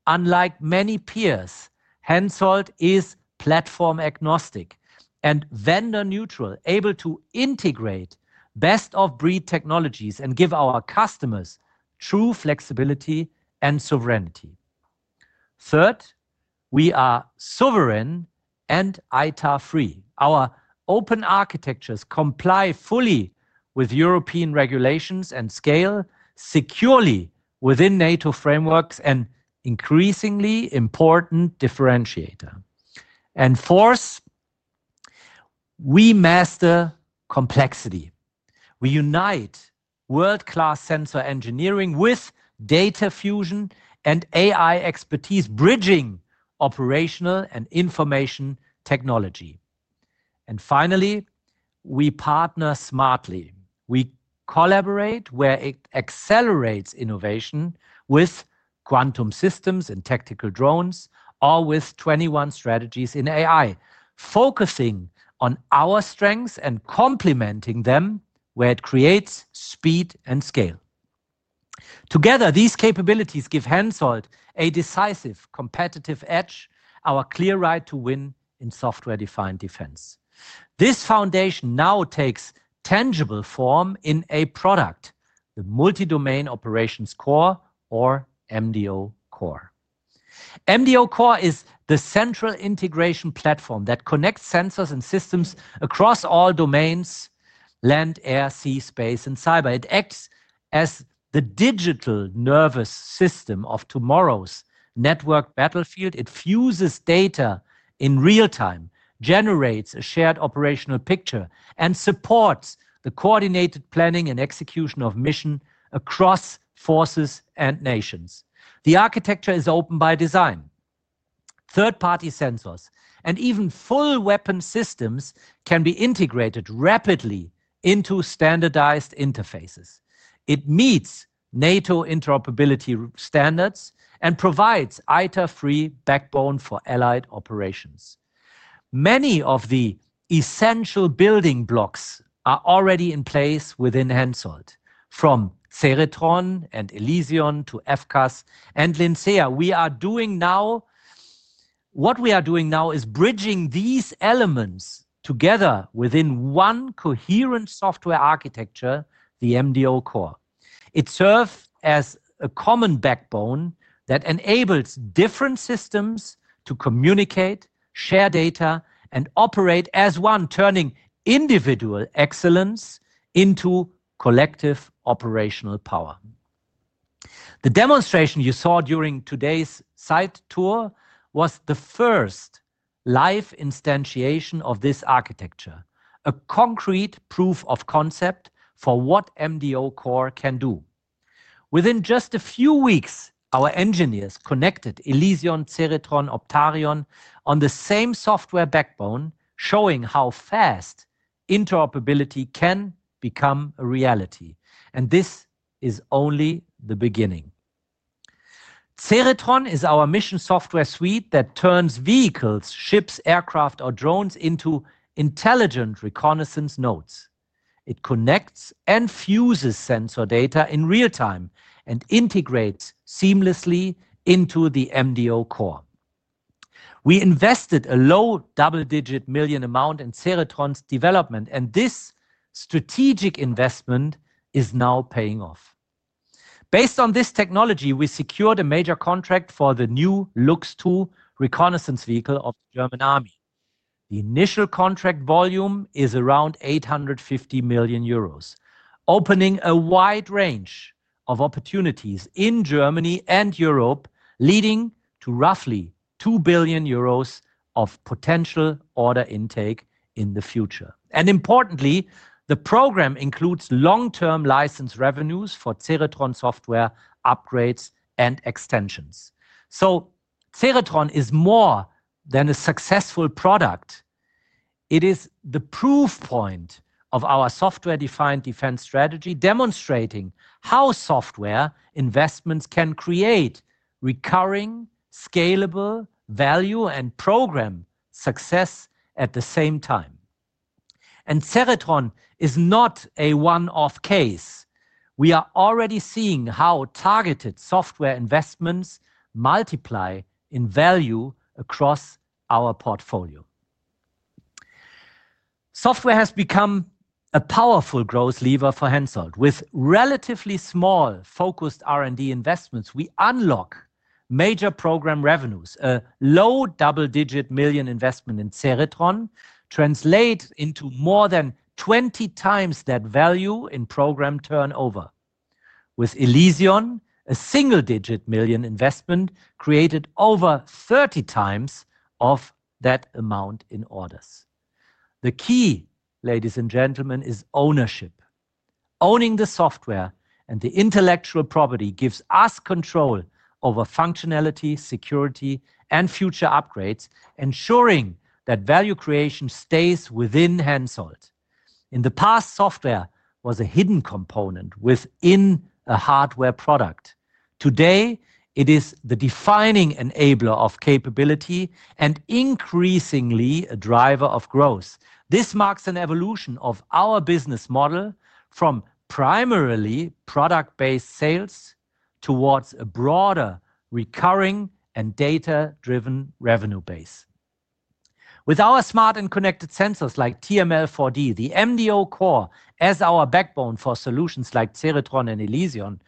Unlike many peers, Hensoldt is platform-agnostic and vendor-neutral, able to integrate best-of-breed technologies and give our customers true flexibility and sovereignty. Third, we are sovereign and ITAR-free. Our open architectures comply fully with European regulations and scale securely within NATO frameworks, an increasingly important differentiator. Fourth, we master complexity. We unite world-class sensor engineering with data fusion and AI expertise, bridging operational and information technology. Finally, we partner smartly. We collaborate where it accelerates innovation with Quantum Systems and tactical drones, or with 21strategies in AI, focusing on our strengths and complementing them where it creates speed and scale. Together, these capabilities give Hensoldt a decisive competitive edge, our clear right to win in software-defined defense. This foundation now takes tangible form in a product, the multi-domain operations core or MDO Core. MDO Core is the central integration platform that connects sensors and systems across all domains: land, air, sea, space, and cyber. It acts as the digital nervous system of tomorrow's network battlefield. It fuses data in real time, generates a shared operational picture, and supports the coordinated planning and execution of mission across forces and nations. The architecture is open by design. Third-party sensors and even full weapon systems can be integrated rapidly into standardized interfaces. It meets NATO interoperability standards and provides ITAR-free backbone for allied operations. Many of the essential building blocks are already in place within Hensoldt, from Ceritron and Elysion to AFCAS and Lincea. What we are doing now is bridging these elements together within one coherent software architecture, the MDO Core. It serves as a common backbone that enables different systems to communicate, share data, and operate as one, turning individual excellence into collective operational power. The demonstration you saw during today's site tour was the first live instantiation of this architecture, a concrete proof of concept for what MDO Core can do. Within just a few weeks, our engineers connected Elysion, Ceritron, Optarion on the same software backbone, showing how fast interoperability can become a reality. This is only the beginning. Ceritron is our mission software suite that turns vehicles, ships, aircraft, or drones into intelligent reconnaissance nodes. It connects and fuses sensor data in real time and integrates seamlessly into the MDO Core. We invested a low double-digit million amount in Ceritron's development, and this strategic investment is now paying off. Based on this technology, we secured a major contract for the new LUX II reconnaissance vehicle of the German army. The initial contract volume is around 850 million euros, opening a wide range of opportunities in Germany and Europe, leading to roughly 2 billion euros of potential order intake in the future. Importantly, the program includes long-term license revenues for Ceritron software upgrades and extensions. Ceritron is more than a successful product. It is the proof point of our software-defined defense strategy, demonstrating how software investments can create recurring, scalable value and program success at the same time. Ceritron is not a one-off case. We are already seeing how targeted software investments multiply in value across our portfolio. Software has become a powerful growth lever for Hensoldt. With relatively small focused R&D investments, we unlock major program revenues. A low double-digit million investment in Ceritron translates into more than 20 times that value in program turnover. With Elysion, a single-digit million investment created over 30 times of that amount in orders. The key, ladies and gentlemen, is ownership. Owning the software and the intellectual property gives us control over functionality, security, and future upgrades, ensuring that value creation stays within Hensoldt. In the past, software was a hidden component within a hardware product. Today, it is the defining enabler of capability and increasingly a driver of growth. This marks an evolution of our business model from primarily product-based sales towards a broader recurring and data-driven revenue base. With our smart and connected sensors like TRML-4D, the MDO Core as our backbone for solutions like Ceritron and Elysion,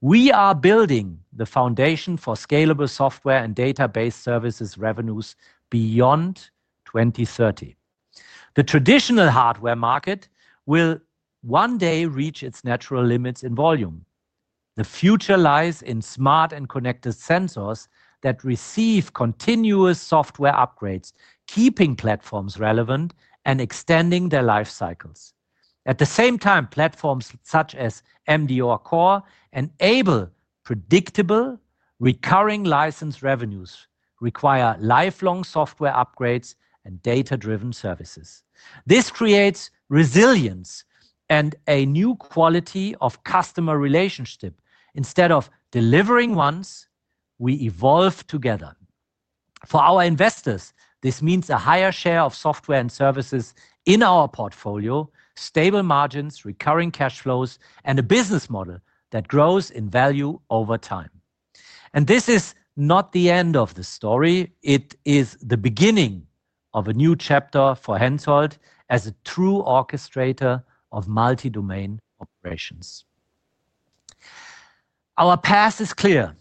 we are building the foundation for scalable software and database services revenues beyond 2030. The traditional hardware market will one day reach its natural limits in volume. The future lies in smart and connected sensors that receive continuous software upgrades, keeping platforms relevant and extending their life cycles. At the same time, platforms such as MDO Core enable predictable recurring license revenues, require lifelong software upgrades, and data-driven services. This creates resilience and a new quality of customer relationship. Instead of delivering once, we evolve together. For our investors, this means a higher share of software and services in our portfolio, stable margins, recurring cash flows, and a business model that grows in value over time. This is not the end of the story. It is the beginning of a new chapter for Hensoldt as a true orchestrator of multi-domain operations. Our path is clear.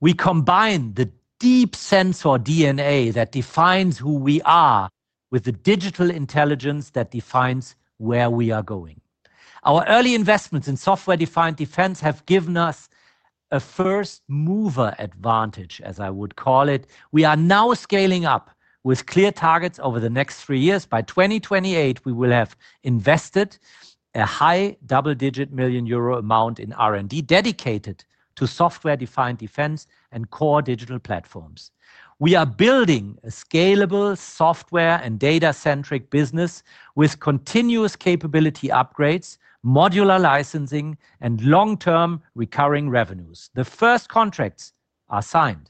We combine the deep sensor DNA that defines who we are with the digital intelligence that defines where we are going. Our early investments in software-defined defense have given us a first-mover advantage, as I would call it. We are now scaling up with clear targets over the next three years. By 2028, we will have invested a high double-digit million EUR amount in R&D dedicated to software-defined defense and core digital platforms. We are building a scalable software and data-centric business with continuous capability upgrades, modular licensing, and long-term recurring revenues. The first contracts are signed.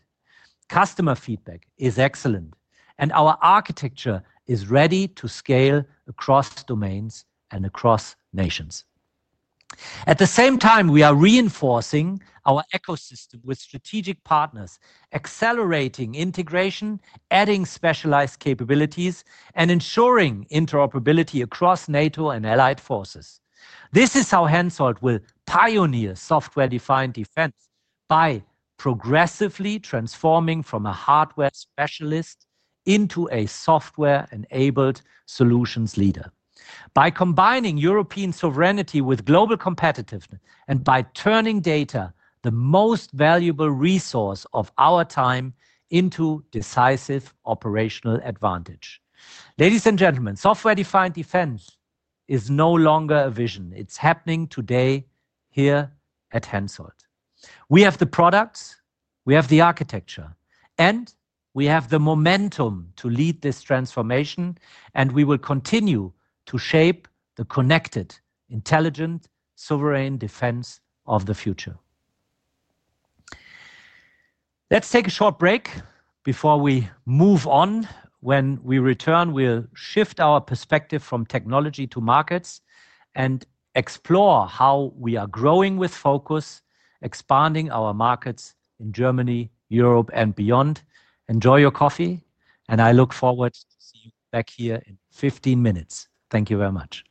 Customer feedback is excellent, and our architecture is ready to scale across domains and across nations. At the same time, we are reinforcing our ecosystem with strategic partners, accelerating integration, adding specialized capabilities, and ensuring interoperability across NATO and allied forces. This is how Hensoldt will pioneer software-defined defense by progressively transforming from a hardware specialist into a software-enabled solutions leader. By combining European sovereignty with global competitiveness and by turning data, the most valuable resource of our time, into decisive operational advantage. Ladies and gentlemen, software-defined defense is no longer a vision. It's happening today here at Hensoldt. We have the products, we have the architecture, and we have the momentum to lead this transformation, and we will continue to shape the connected, intelligent, sovereign defense of the future. Let's take a short break before we move on. When we return, we'll shift our perspective from technology to markets and explore how we are growing with focus, expanding our markets in Germany, Europe, and beyond. Enjoy your coffee, and I look forward to seeing you back here in 15 minutes. Thank you very much.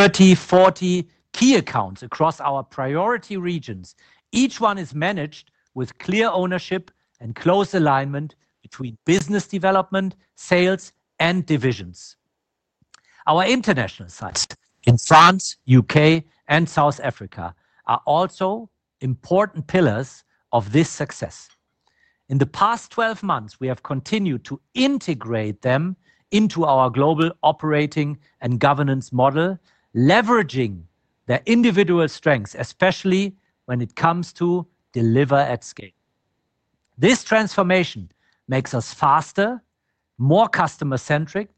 We got the corner too tight. Sometimes we feel good, sometimes we feel bad. We go through it feeling like we're through. The routine proves that everything sucks when you let it. 30-40 key accounts across our priority regions. Each one is managed with clear ownership and close alignment between business development, sales, and divisions. Our international sites in France, the U.K., and South Africa are also important pillars of this success. In the past 12 months, we have continued to integrate them into our global operating and governance model, leveraging their individual strengths, especially when it comes to deliver at scale. This transformation makes us faster, more customer-centric,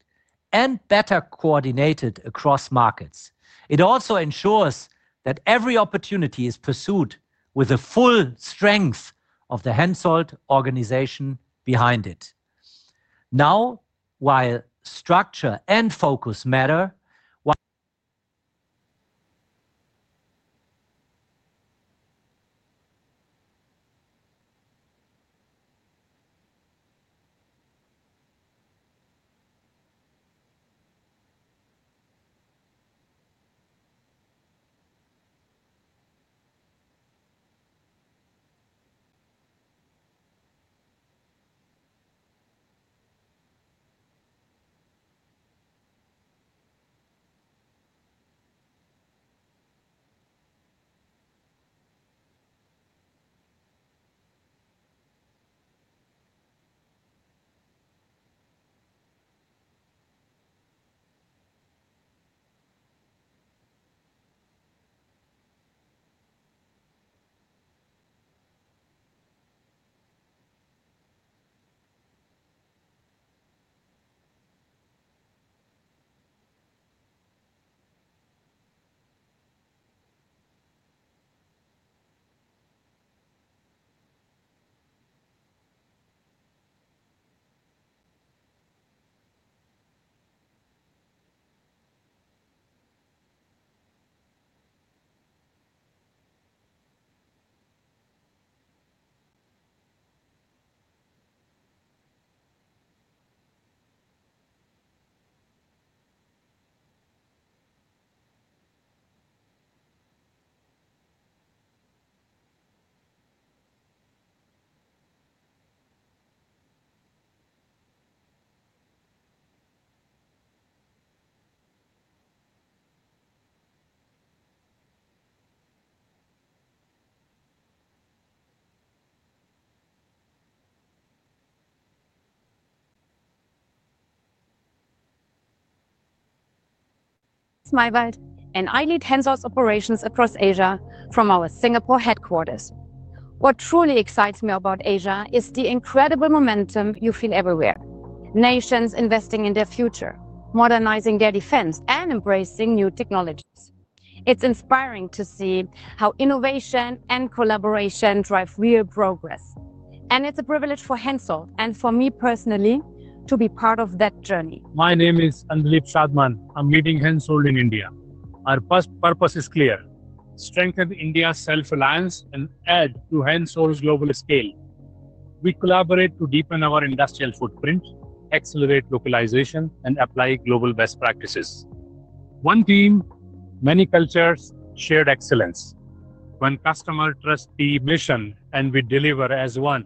and better coordinated across markets. It also ensures that every opportunity is pursued with the full strength of the Hensoldt organization behind it. Now, while structure and focus matter, while... My world, and I lead Hensoldt's operations across Asia from our Singapore headquarters. What truly excites me about Asia is the incredible momentum you feel everywhere: nations investing in their future, modernizing their defense, and embracing new technologies. It's inspiring to see how innovation and collaboration drive real progress. It is a privilege for Hensoldt and for me personally to be part of that journey. My name is Andleeb Shadman. I'm leading Hensoldt in India. Our first purpose is clear: strengthen India's self-reliance and add to Hensoldt's global scale. We collaborate to deepen our industrial footprint, accelerate localization, and apply global best practices. One team, many cultures, shared excellence. When customer trusts the mission and we deliver as one.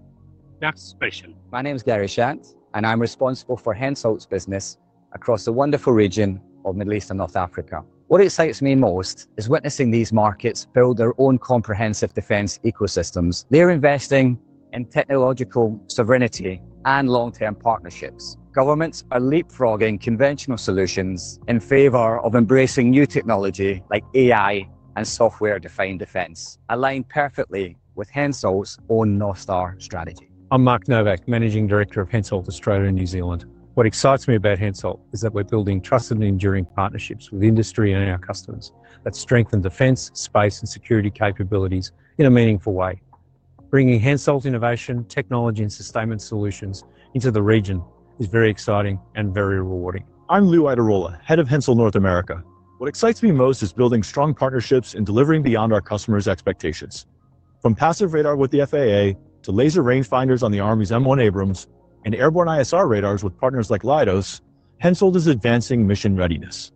That's special. My name is Gary Shand, and I'm responsible for Hensoldt's business across the wonderful region of Middle East and North Africa. What excites me most is witnessing these markets build their own comprehensive defense ecosystems. They're investing in technological sovereignty and long-term partnerships. Governments are leapfrogging conventional solutions in favor of embracing new technology like AI and software-defined defense, aligned perfectly with Hensoldt's own North Star Strategy. I'm Mark Novak, Managing Director of Hensoldt Australia and New Zealand. What excites me about Hensoldt is that we're building trusted and enduring partnerships with industry and our customers that strengthen defense, space, and security capabilities in a meaningful way. Bringing Hensoldt's innovation, technology, and sustainment solutions into the region is very exciting and very rewarding. I'm Lew ladarola, Head of Hensoldt North America. What excites me most is building strong partnerships and delivering beyond our customers' expectations. From passive radar with the FAA to laser rangefinders on the Army's M1 Abrams and airborne ISR radars with partners like L3Harris, Hensoldt is advancing mission readiness.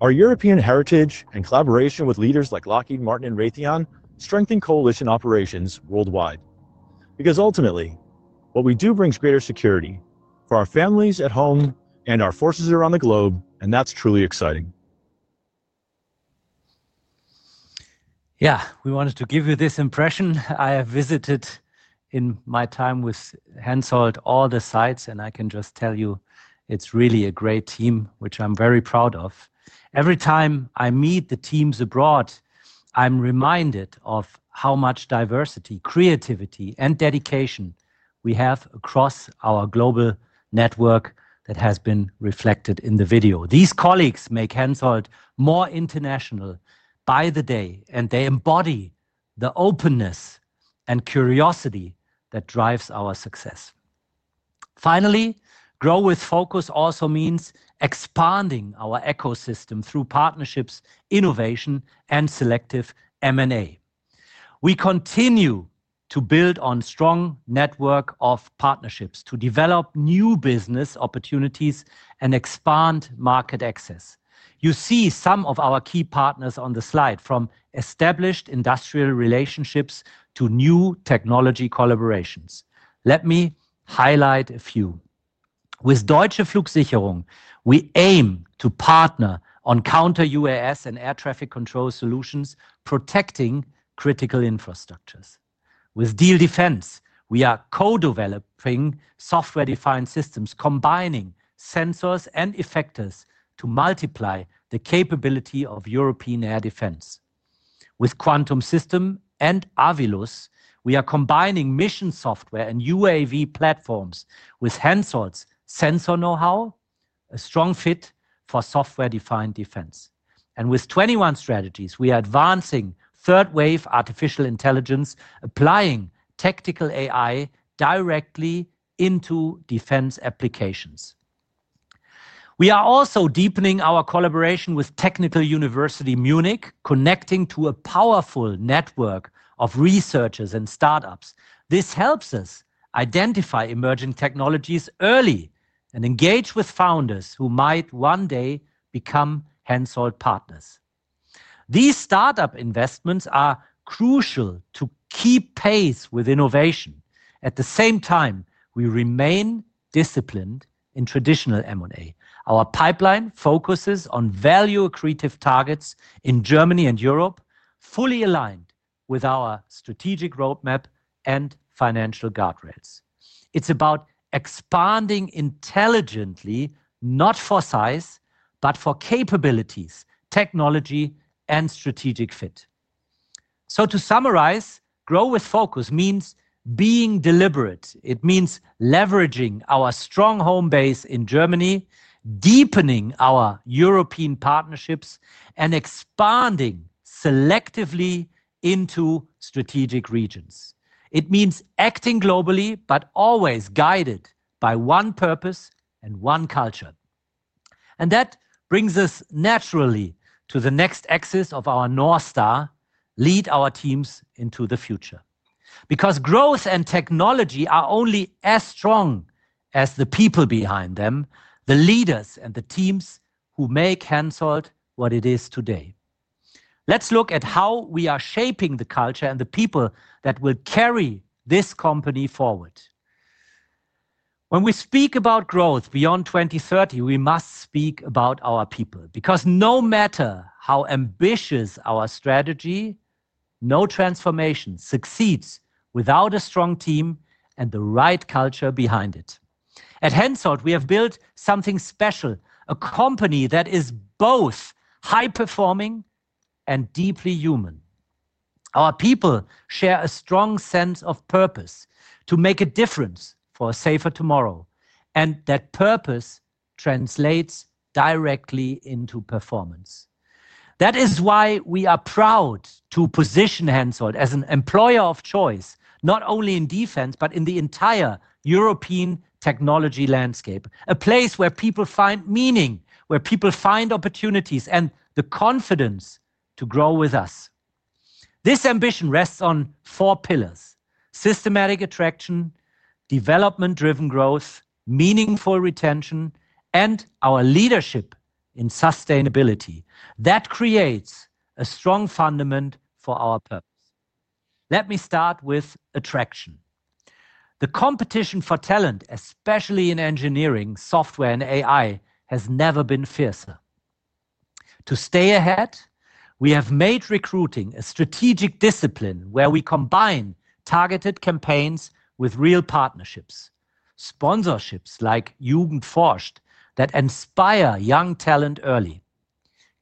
Our European heritage and collaboration with leaders like Lockheed Martin and Raytheon strengthen coalition operations worldwide. Because ultimately, what we do brings greater security for our families at home and our forces around the globe, and that's truly exciting. Yeah, we wanted to give you this impression.I have visited in my time with Hensoldt all the sites, and I can just tell you it's really a great team, which I'm very proud of. Every time I meet the teams abroad, I'm reminded of how much diversity, creativity, and dedication we have across our global network that has been reflected in the video. These colleagues make Hensoldt more international by the day, and they embody the openness and curiosity that drives our success. Finally, grow with focus also means expanding our ecosystem through partnerships, innovation, and selective M&A. We continue to build on a strong network of partnerships to develop new business opportunities and expand market access. You see some of our key partners on the slide, from established industrial relationships to new technology collaborations. Let me highlight a few. With Deutsche Flugsicherung, we aim to partner on counter-UAS and air traffic control solutions, protecting critical infrastructures. With Diehl Defence, we are co-developing software-defined systems, combining sensors and effectors to multiply the capability of European air defense. With Quantum Systems and AVILUS, we are combining mission software and UAV platforms with Hensoldt's sensor know-how, a strong fit for software-defined defense. With 21strategies, we are advancing third-wave artificial intelligence, applying tactical AI directly into defense applications. We are also deepening our collaboration with Technical University of Munich, connecting to a powerful network of researchers and startups. This helps us identify emerging technologies early and engage with founders who might one day become Hensoldt partners. These startup investments are crucial to keep pace with innovation. At the same time, we remain disciplined in traditional M&A. Our pipeline focuses on value-accretive targets in Germany and Europe, fully aligned with our strategic roadmap and financial guardrails. It's about expanding intelligently, not for size, but for capabilities, technology, and strategic fit. To summarize, grow with focus means being deliberate. It means leveraging our strong home base in Germany, deepening our European partnerships, and expanding selectively into strategic regions. It means acting globally, but always guided by one purpose and one culture. That brings us naturally to the next axis of our North Star: lead our teams into the future. Because growth and technology are only as strong as the people behind them, the leaders, and the teams who make Hensoldt what it is today. Let's look at how we are shaping the culture and the people that will carry this company forward. When we speak about growth beyond 2030, we must speak about our people. Because no matter how ambitious our strategy, no transformation succeeds without a strong team and the right culture behind it. At Hensoldt, we have built something special, a company that is both high-performing and deeply human. Our people share a strong sense of purpose to make a difference for a safer tomorrow, and that purpose translates directly into performance. That is why we are proud to position Hensoldt as an employer of choice, not only in defense, but in the entire European technology landscape, a place where people find meaning, where people find opportunities, and the confidence to grow with us. This ambition rests on four pillars: systematic attraction, development-driven growth, meaningful retention, and our leadership in sustainability. That creates a strong fundament for our purpose. Let me start with attraction. The competition for talent, especially in engineering, software, and AI, has never been fiercer. To stay ahead, we have made recruiting a strategic discipline where we combine targeted campaigns with real partnerships, sponsorships like Jugend forscht, that inspire young talent early,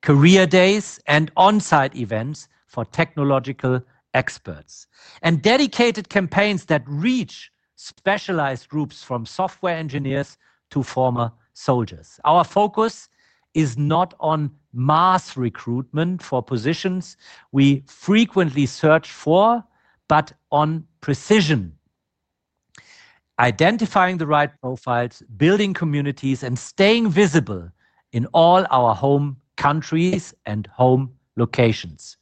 career days and on-site events for technological experts, and dedicated campaigns that reach specialized groups from software engineers to former soldiers. Our focus is not on mass recruitment for positions we frequently search for, but on precision, identifying the right profiles, building communities, and staying visible in all our home countries and home locations.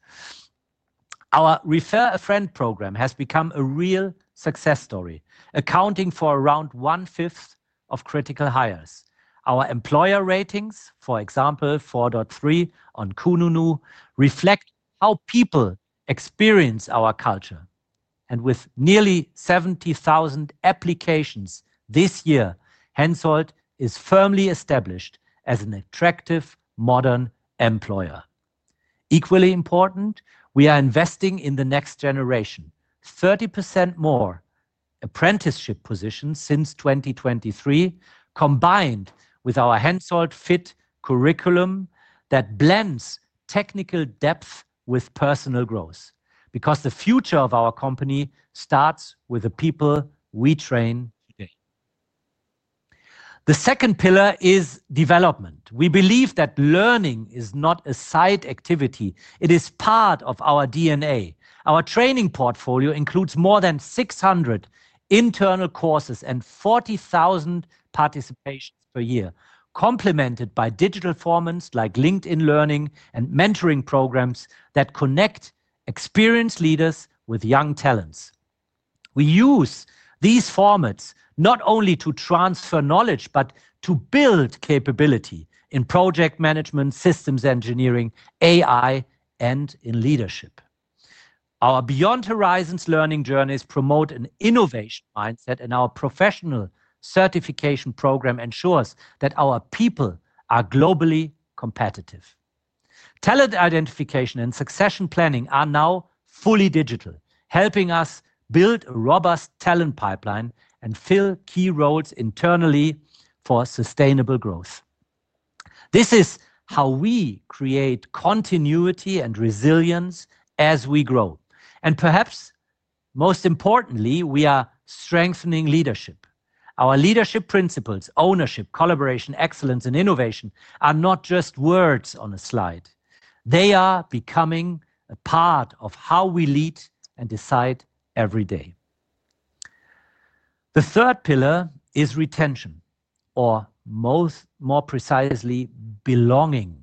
Our refer-a-friend program has become a real success story, accounting for around one-fifth of critical hires. Our employer ratings, for example, 4.3 on Kununu, reflect how people experience our culture. With nearly 70,000 applications this year, Hensoldt is firmly established as an attractive, modern employer. Equally important, we are investing in the next generation: 30% more apprenticeship positions since 2023, combined with our Hensoldt-fit curriculum that blends technical depth with personal growth. Because the future of our company starts with the people we train today. The second pillar is development. We believe that learning is not a side activity, it is part of our DNA. Our training portfolio includes more than 600 internal courses and 40,000 participations per year, complemented by digital formats like LinkedIn Learning and mentoring programs that connect experienced leaders with young talents. We use these formats not only to transfer knowledge, but to build capability in project management, systems engineering, AI, and in leadership. Our Beyond Horizons learning journeys promote an innovation mindset, and our professional certification program ensures that our people are globally competitive. Talent identification and succession planning are now fully digital, helping us build a robust talent pipeline and fill key roles internally for sustainable growth. This is how we create continuity and resilience as we grow. Perhaps most importantly, we are strengthening leadership. Our leadership principles, ownership, collaboration, excellence, and innovation are not just words on a slide. They are becoming a part of how we lead and decide every day. The third pillar is retention, or more precisely, belonging.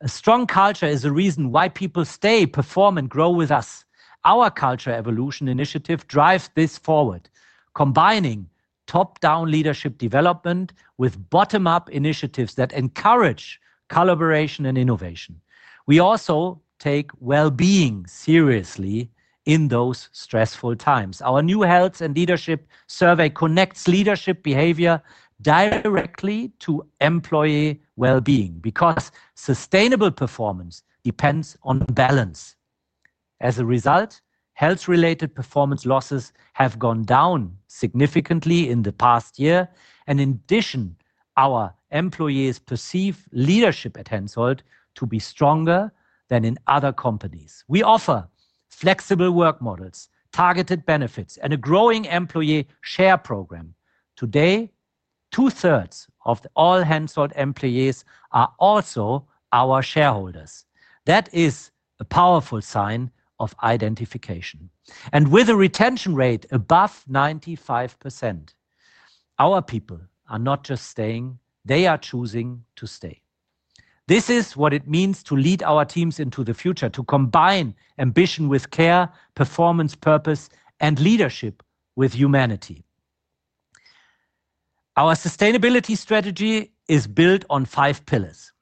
A strong culture is a reason why people stay, perform, and grow with us. Our Culture Evolution Initiative drives this forward, combining top-down leadership development with bottom-up initiatives that encourage collaboration and innovation. We also take well-being seriously in those stressful times. Our new Health and Leadership Survey connects leadership behavior directly to employee well-being because sustainable performance depends on balance. As a result, health-related performance losses have gone down significantly in the past year. In addition, our employees perceive leadership at Hensoldt to be stronger than in other companies. We offer flexible work models, targeted benefits, and a growing employee share program. Today, two-thirds of all Hensoldt employees are also our shareholders. That is a powerful sign of identification. With a retention rate above 95%, our people are not just staying; they are choosing to stay. This is what it means to lead our teams into the future, to combine ambition with care, performance, purpose, and leadership with humanity. Our sustainability strategy is built on five pillars: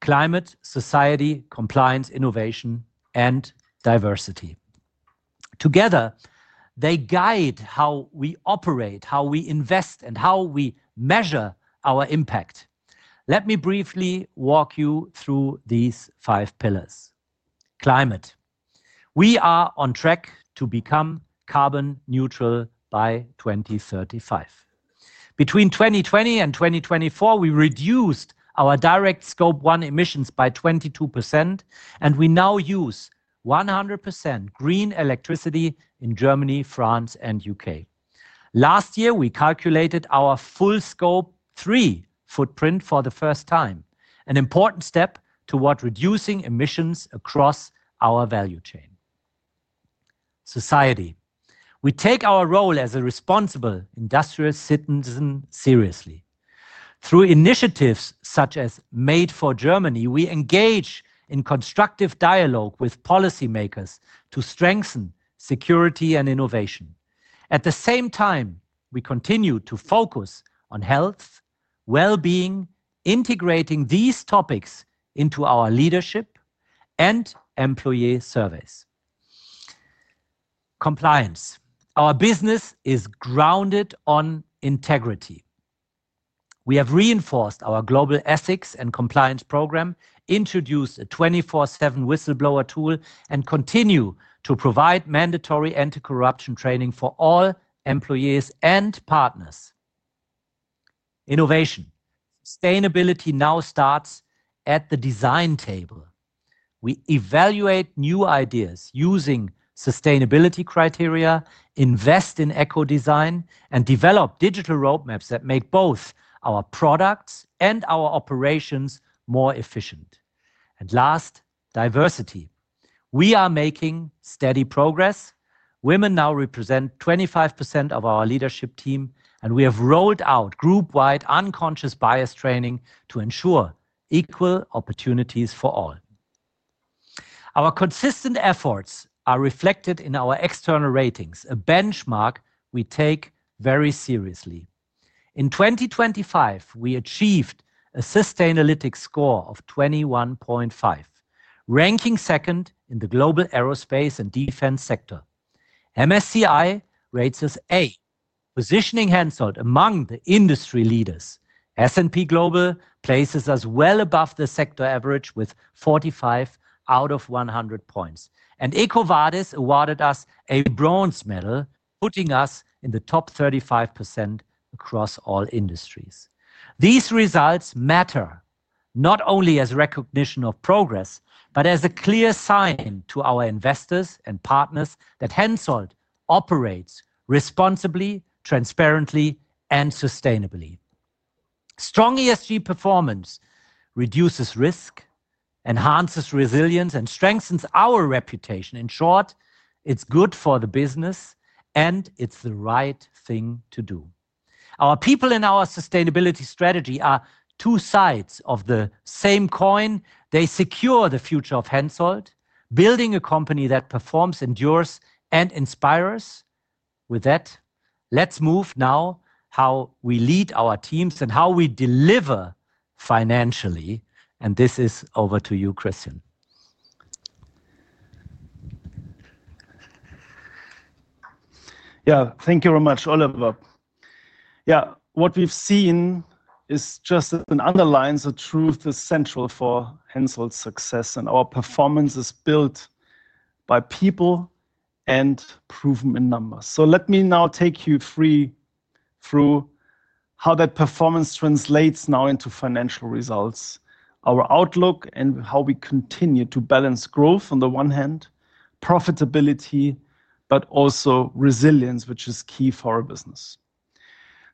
climate, society, compliance, innovation, and diversity. Together, they guide how we operate, how we invest, and how we measure our impact. Let me briefly walk you through these five pillars. Climate: We are on track to become carbon neutral by 2035. Between 2020 and 2024, we reduced our direct Scope 1 emissions by 22%, and we now use 100% green electricity in Germany, France, and the U.K. Last year, we calculated our full Scope 3 footprint for the first time, an important step toward reducing emissions across our value chain. Society: We take our role as a responsible industrial citizen seriously. Through initiatives such as Made for Germany, we engage in constructive dialogue with policymakers to strengthen security and innovation. At the same time, we continue to focus on health, well-being, integrating these topics into our leadership and employee surveys. Compliance: Our business is grounded on integrity. We have reinforced our global ethics and compliance program, introduced a 24/7 whistleblower tool, and continue to provide mandatory anti-corruption training for all employees and partners. Innovation: Sustainability now starts at the design table. We evaluate new ideas using sustainability criteria, invest in eco-design, and develop digital roadmaps that make both our products and our operations more efficient. Last, diversity: We are making steady progress. Women now represent 25% of our leadership team, and we have rolled out group-wide unconscious bias training to ensure equal opportunities for all. Our consistent efforts are reflected in our external ratings, a benchmark we take very seriously. In 2025, we achieved a Sustainalytics score of 21.5, ranking second in the global aerospace and defense sector. MSCI rates us A, positioning Hensoldt among the industry leaders. S&P Global places us well above the sector average with 45 out of 100 points. EcoVadis awarded us a bronze medal, putting us in the top 35% across all industries. These results matter not only as recognition of progress, but as a clear sign to our investors and partners that Hensoldt operates responsibly, transparently, and sustainably. Strong ESG performance reduces risk, enhances resilience, and strengthens our reputation. In short, it's good for the business, and it's the right thing to do. Our people and our sustainability strategy are two sides of the same coin. They secure the future of Hensoldt, building a company that performs, endures, and inspires. With that, let's move now to how we lead our teams and how we deliver financially. This is over to you, Christian. Yeah, thank you very much, Oliver. Yeah, what we've seen is just an underline. The truth is central for Hensoldt's success, and our performance is built by people and proven in numbers. Let me now take you through how that performance translates now into financial results, our outlook, and how we continue to balance growth on the one hand, profitability, but also resilience, which is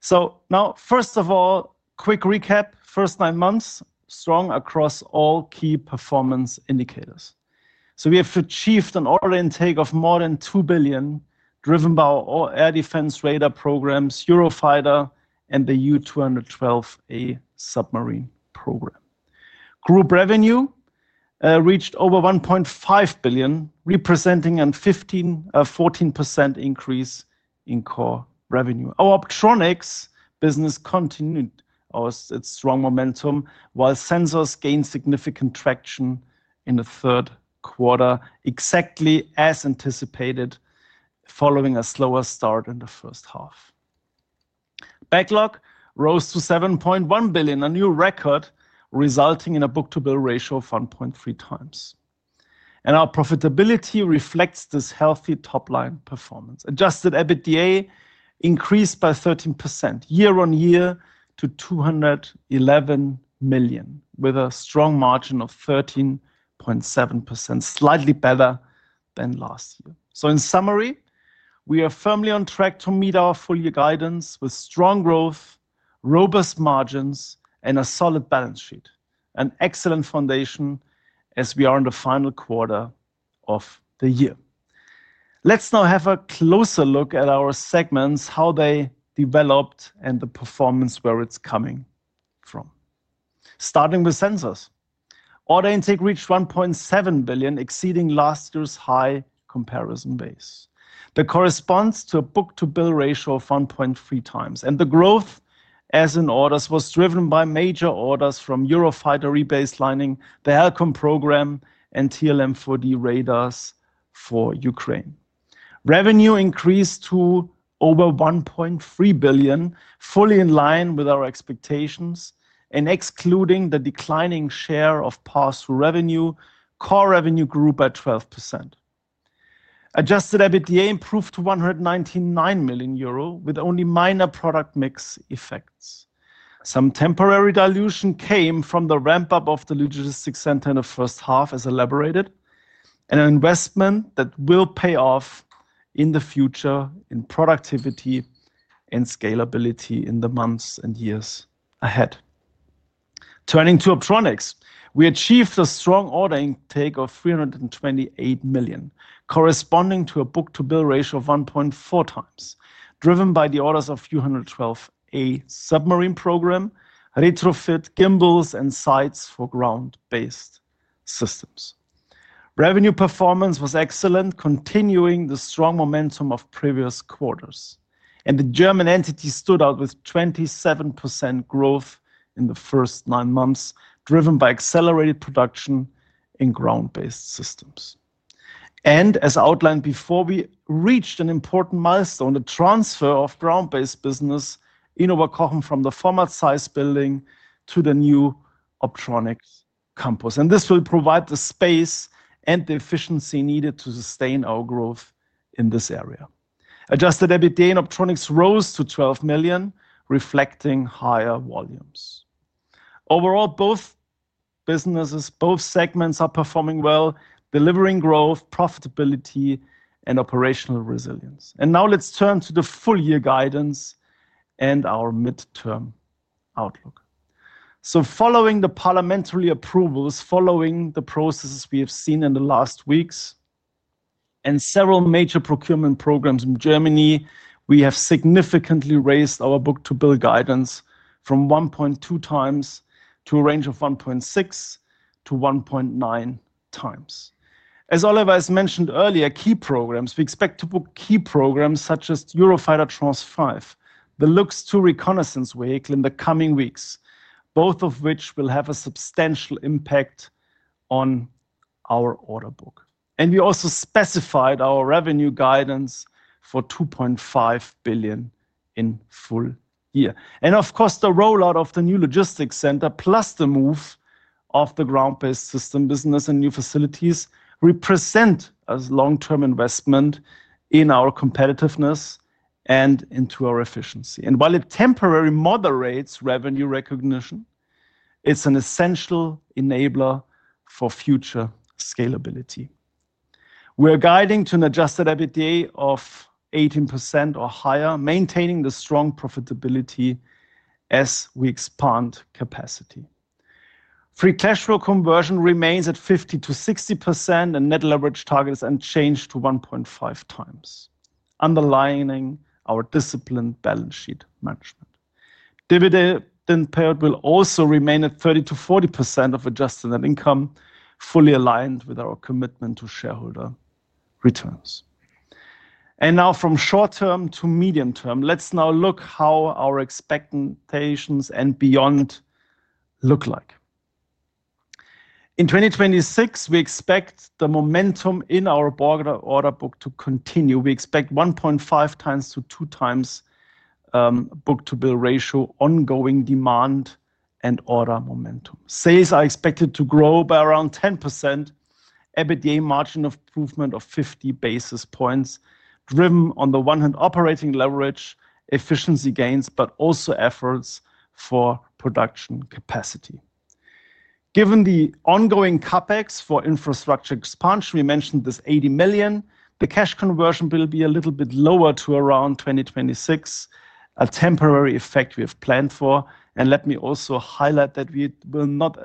key for our business. First of all, quick recap: first nine months, strong across all key performance indicators. We have achieved an order intake of more than 2 billion, driven by our air defense radar programs, Eurofighter, and the Type 212A submarine program. Group revenue reached over 1.5 billion, representing a 14% increase in core revenue. Our Optronics business continued its strong momentum, while Sensors gained significant traction in the third quarter, exactly as anticipated, following a slower start in the first half. Backlog rose to 7.1 billion, a new record resulting in a book-to-bill ratio of 1.3 times. Our profitability reflects this healthy top-line performance. Adjusted EBITDA increased by 13% year-on-year to 211 million, with a strong margin of 13.7%, slightly better than last year. In summary, we are firmly on track to meet our four-year guidance with strong growth, robust margins, and a solid balance sheet, an excellent foundation as we are in the final quarter of the year. Let's now have a closer look at our segments, how they developed, and the performance where it's coming from. Starting with Sensors, order intake reached 1.7 billion, exceeding last year's high comparison base. That corresponds to a book-to-bill ratio of 1.3 times. The growth, as in orders, was driven by major orders from Eurofighter rebaselining, the Helcom program, and TRML-4D radars for Ukraine. Revenue increased to over 1.3 billion, fully in line with our expectations, and excluding the declining share of pass-through revenue, core revenue grew by 12%. Adjusted EBITDA improved to 199 million euro, with only minor product mix effects. Some temporary dilution came from the ramp-up of the logistics center in the first half, as elaborated, and an investment that will pay off in the future in productivity and scalability in the months and years ahead. Turning to optronics, we achieved a strong order intake of 328 million, corresponding to a book-to-bill ratio of 1.4 times, driven by the orders of U-212A submarine program, retrofit gimbals, and sites for ground-based systems. Revenue performance was excellent, continuing the strong momentum of previous quarters. The German entity stood out with 27% growth in the first nine months, driven by accelerated production in ground-based systems. As outlined before, we reached an important milestone, the transfer of ground-based business in Oberkochen from the format-size building to the new optronics campus. This will provide the space and the efficiency needed to sustain our growth in this area. Adjusted EBITDA in Optronics rose to 12 million, reflecting higher volumes. Overall, both businesses, both segments are performing well, delivering growth, profitability, and operational resilience. Now let's turn to the full-year guidance and our midterm outlook. Following the parliamentary approvals, following the processes we have seen in the last weeks and several major procurement programs in Germany, we have significantly raised our book-to-bill guidance from 1.2 times to a range of 1.6-1.9 times. As Oliver has mentioned earlier, we expect to book key programs such as Eurofighter Tranche 5, the LUX II reconnaissance vehicle in the coming weeks, both of which will have a substantial impact on our order book. We also specified our revenue guidance for 2.5 billion in full year. Of course, the rollout of the new logistics center, plus the move of the ground-based system business and new facilities represent a long-term investment in our competitiveness and into our efficiency. While it temporarily moderates revenue recognition, it is an essential enabler for future scalability. We are guiding to an adjusted EBITDA of 18% or higher, maintaining the strong profitability as we expand capacity. Free cash flow conversion remains at 50%-60%, and net leverage target is unchanged to 1.5 times, underlining our disciplined balance sheet management. Dividend payout will also remain at 30%-40% of adjusted net income, fully aligned with our commitment to shareholder returns. Now, from short-term to medium-term, let's look at how our expectations and beyond look like. In 2026, we expect the momentum in our order book to continue. We expect 1.5-2 times book-to-bill ratio, ongoing demand and order momentum. Sales are expected to grow by around 10%, EBITDA margin of improvement of 50 basis points, driven on the one hand by operating leverage, efficiency gains, but also efforts for production capacity. Given the ongoing CapEx for infrastructure expansion, we mentioned this 80 million. The cash conversion will be a little bit lower to around 2026, a temporary effect we have planned for. Let me also highlight that we will not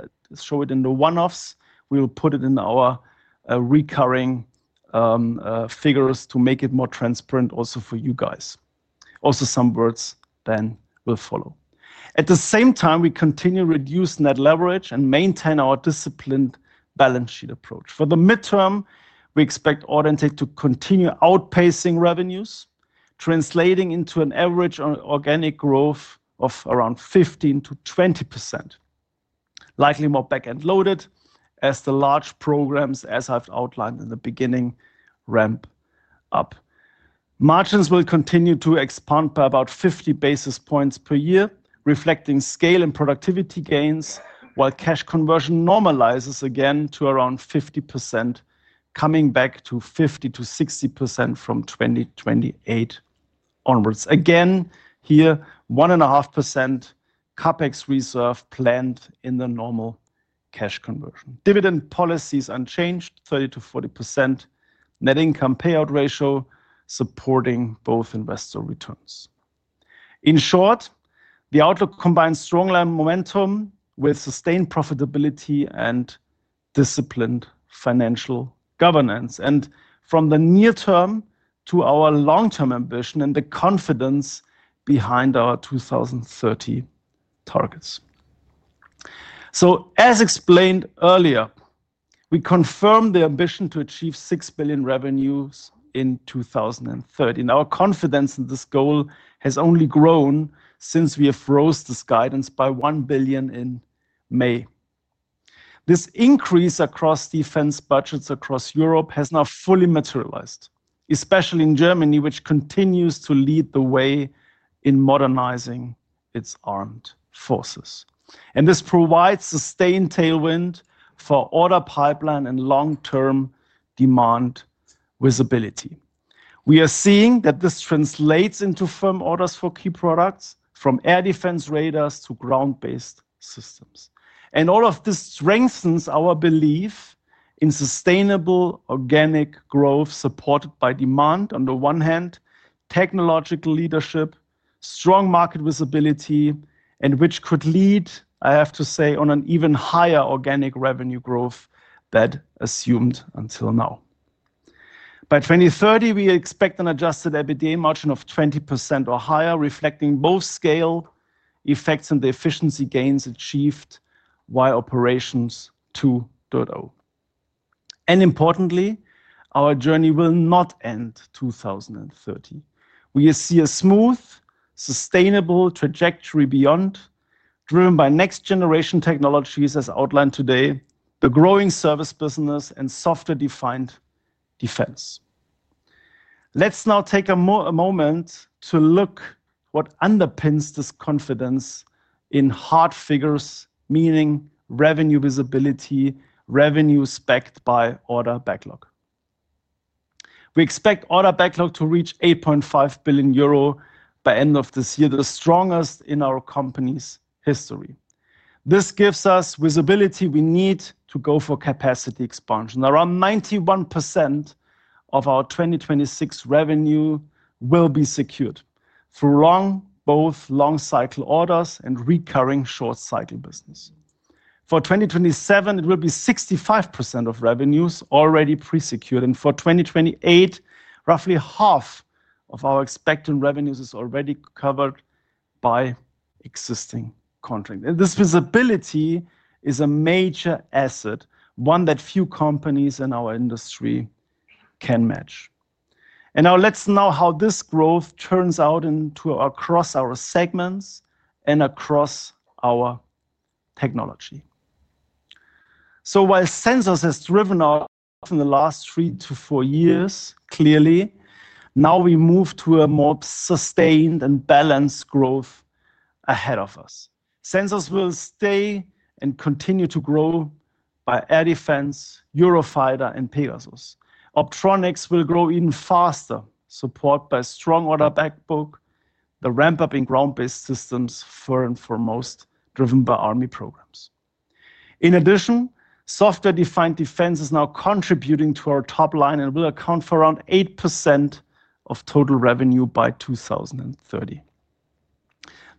show it in the one-offs. We will put it in our recurring figures to make it more transparent also for you guys. Also, some words then will follow. At the same time, we continue to reduce net leverage and maintain our disciplined balance sheet approach. For the midterm, we expect order intake to continue outpacing revenues, translating into an average organic growth of around 15%-20%, likely more back-end loaded as the large programs, as I've outlined in the beginning, ramp up. Margins will continue to expand by about 50 basis points per year, reflecting scale and productivity gains, while cash conversion normalizes again to around 50%, coming back to 50%-60% from 2028 onwards. Again, here, 1.5% CapEx reserve planned in the normal cash conversion. Dividend policy is unchanged, 30%-40% net income payout ratio supporting both investor returns. In short, the outlook combines strong line momentum with sustained profitability and disciplined financial governance, and from the near term to our long-term ambition and the confidence behind our 2030 targets. As explained earlier, we confirm the ambition to achieve 6 billion revenues in 2030. Our confidence in this goal has only grown since we have froze this guidance by 1 billion in May. This increase across defense budgets across Europe has now fully materialized, especially in Germany, which continues to lead the way in modernizing its armed forces. This provides sustained tailwind for order pipeline and long-term demand visibility. We are seeing that this translates into firm orders for key products, from air defense radars to ground-based systems. All of this strengthens our belief in sustainable organic growth supported by demand, on the one hand, technological leadership, strong market visibility, and which could lead, I have to say, on an even higher organic revenue growth than assumed until now. By 2030, we expect an adjusted EBITDA margin of 20% or higher, reflecting both scale effects and the efficiency gains achieved while Operations 2.0. Importantly, our journey will not end 2030. We see a smooth, sustainable trajectory beyond, driven by next-generation technologies, as outlined today, the growing service business and software-defined defense. Let's now take a moment to look at what underpins this confidence in hard figures, meaning revenue visibility, revenue backed by order backlog. We expect order backlog to reach 8.5 billion euro by the end of this year, the strongest in our company's history. This gives us visibility we need to go for capacity expansion. Around 91% of our 2026 revenue will be secured through both long-cycle orders and recurring short-cycle business. For 2027, it will be 65% of revenues already pre-secured, and for 2028, roughly half of our expected revenues is already covered by existing contracts. This visibility is a major asset, one that few companies in our industry can match. Now let's know how this growth turns out across our segments and across our technology. While sensors have driven us in the last three to four years, clearly, now we move to a more sustained and balanced growth ahead of us. Sensors will stay and continue to grow by air defense, Eurofighter, and Pegasus. Optronics will grow even faster, supported by a strong order backlog, the ramp-up in ground-based systems, first and foremost, driven by army programs. In addition, software-defined defense is now contributing to our top line and will account for around 8% of total revenue by 2030.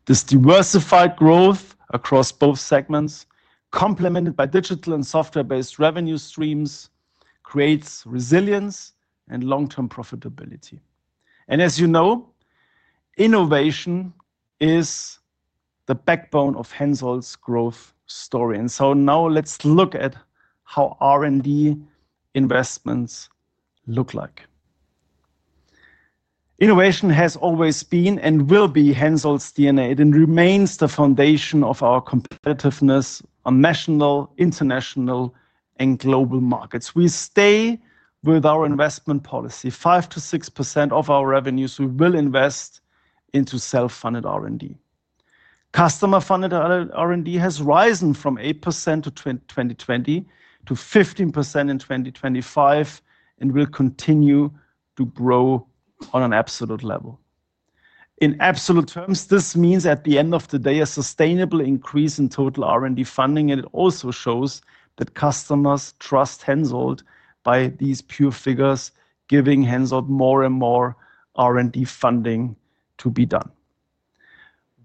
This diversified growth across both segments, complemented by digital and software-based revenue streams, creates resilience and long-term profitability. As you know, innovation is the backbone of Hensoldt's growth story. Now let's look at how R&D investments look like. Innovation has always been and will be Hensoldt's DNA. It remains the foundation of our competitiveness on national, international, and global markets. We stay with our investment policy. 5%-6% of our revenues, we will invest into self-funded R&D. Customer-funded R&D has risen from 8% in 2020 to 15% in 2025 and will continue to grow on an absolute level. In absolute terms, this means at the end of the day, a sustainable increase in total R&D funding, and it also shows that customers trust Hensoldt by these pure figures, giving Hensoldt more and more R&D funding to be done.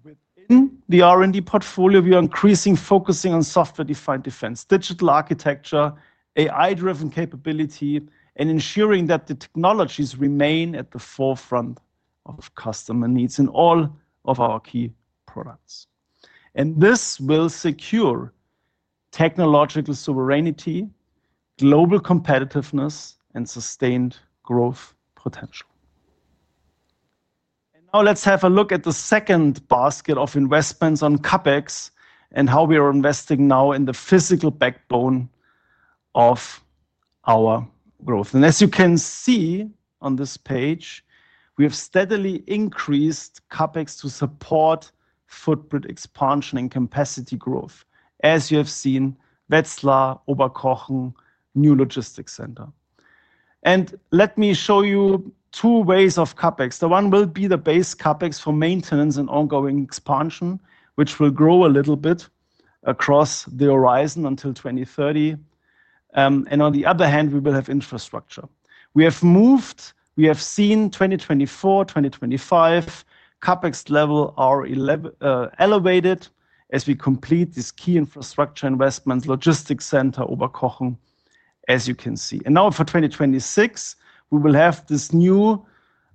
Within the R&D portfolio, we are increasingly focusing on software-defined defense, digital architecture, AI-driven capability, and ensuring that the technologies remain at the forefront of customer needs in all of our key products. This will secure technological sovereignty, global competitiveness, and sustained growth potential. Let's have a look at the second basket of investments on CapEx and how we are investing now in the physical backbone of our growth. As you can see on this page, we have steadily increased CapEx to support footprint expansion and capacity growth, as you have seen, Wetzlar, Oberkochen, new logistics center. Let me show you two ways of CapEx. One will be the base CapEx for maintenance and ongoing expansion, which will grow a little bit across the horizon until 2030. On the other hand, we will have infrastructure. We have moved, we have seen 2024, 2025, CapEx levels are elevated as we complete this key infrastructure investment, logistics center, Oberkochen, as you can see. Now for 2026, we will have this new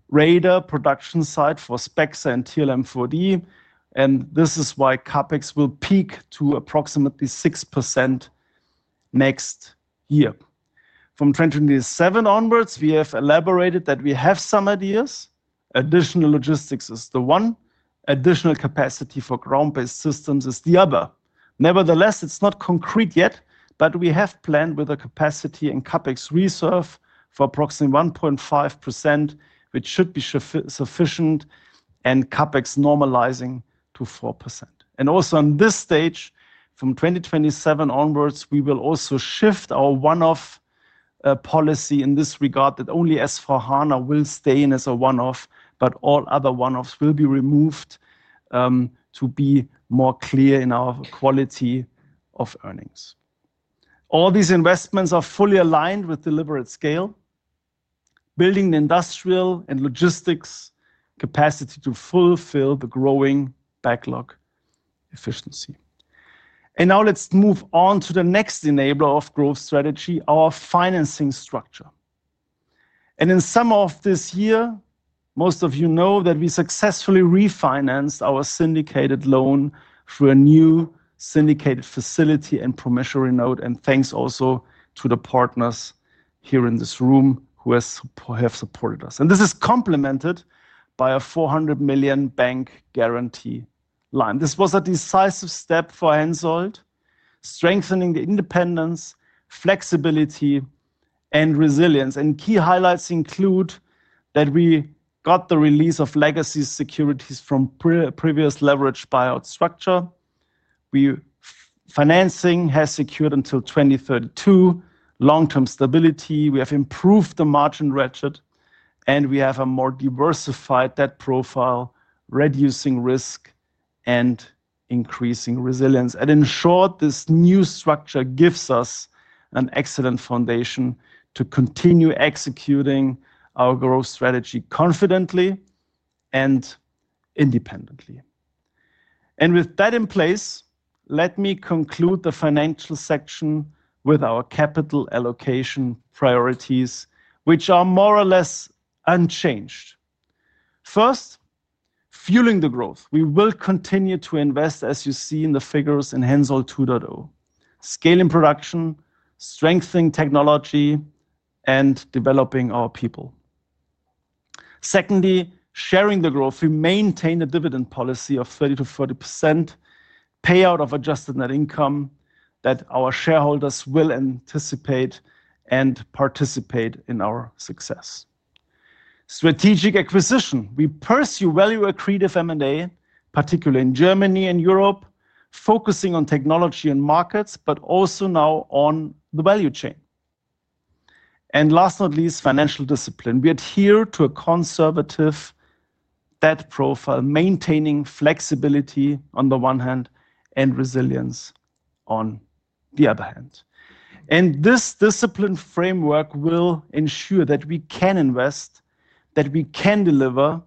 radar production site for Spexer and TRML-4D, and this is why CapEx will peak to approximately 6% next year. From 2027 onwards, we have elaborated that we have some ideas. Additional logistics is the one. Additional capacity for ground-based systems is the other. Nevertheless, it's not concrete yet, but we have planned with a capacity and CapEx reserve for approximately 1.5%, which should be sufficient, and CapEx normalizing to 4%. Also on this stage, from 2027 onwards, we will also shift our one-off policy in this regard that only S/4HANA will stay in as a one-off, but all other one-offs will be removed to be more clear in our quality of earnings. All these investments are fully aligned with deliberate scale, building the industrial and logistics capacity to fulfill the growing backlog efficiency. Let's move on to the next enabler of growth strategy, our financing structure. In summer of this year, most of you know that we successfully refinanced our syndicated loan through a new syndicated facility and promissory note, and thanks also to the partners here in this room who have supported us. This is complemented by a 400 million bank guarantee line. This was a decisive step for Hensoldt, strengthening the independence, flexibility, and resilience. Key highlights include that we got the release of legacy securities from previous leveraged buyout structure. Financing has secured until 2032, long-term stability. We have improved the margin ratchet, and we have a more diversified debt profile, reducing risk and increasing resilience. In short, this new structure gives us an excellent foundation to continue executing our growth strategy confidently and independently. With that in place, let me conclude the financial section with our capital allocation priorities, which are more or less unchanged. First, fueling the growth. We will continue to invest, as you see in the figures in Hensoldt 2.0, scaling production, strengthening technology, and developing our people. Secondly, sharing the growth. We maintain a dividend policy of 30%-40% payout of adjusted net income that our shareholders will anticipate and participate in our success. Strategic acquisition. We pursue value-accretive M&A, particularly in Germany and Europe, focusing on technology and markets, but also now on the value chain. Last but not least, financial discipline. We adhere to a conservative debt profile, maintaining flexibility on the one hand and resilience on the other hand. This discipline framework will ensure that we can invest, that we can deliver,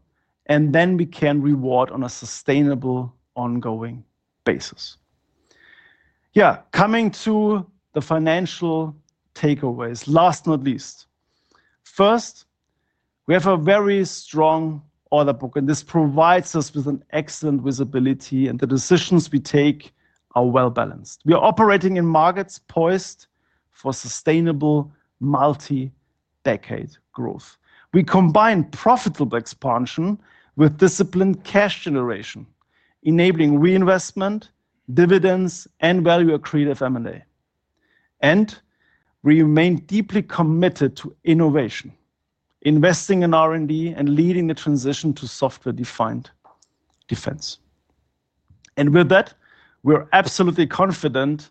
and that we can reward on a sustainable ongoing basis. Yeah, coming to the financial takeaways, last but not least. First, we have a very strong order book, and this provides us with an excellent visibility, and the decisions we take are well-balanced. We are operating in markets poised for sustainable multi-decade growth. We combine profitable expansion with disciplined cash generation, enabling reinvestment, dividends, and value-accretive M&A. We remain deeply committed to innovation, investing in R&D and leading the transition to software-defined defense. With that, we are absolutely confident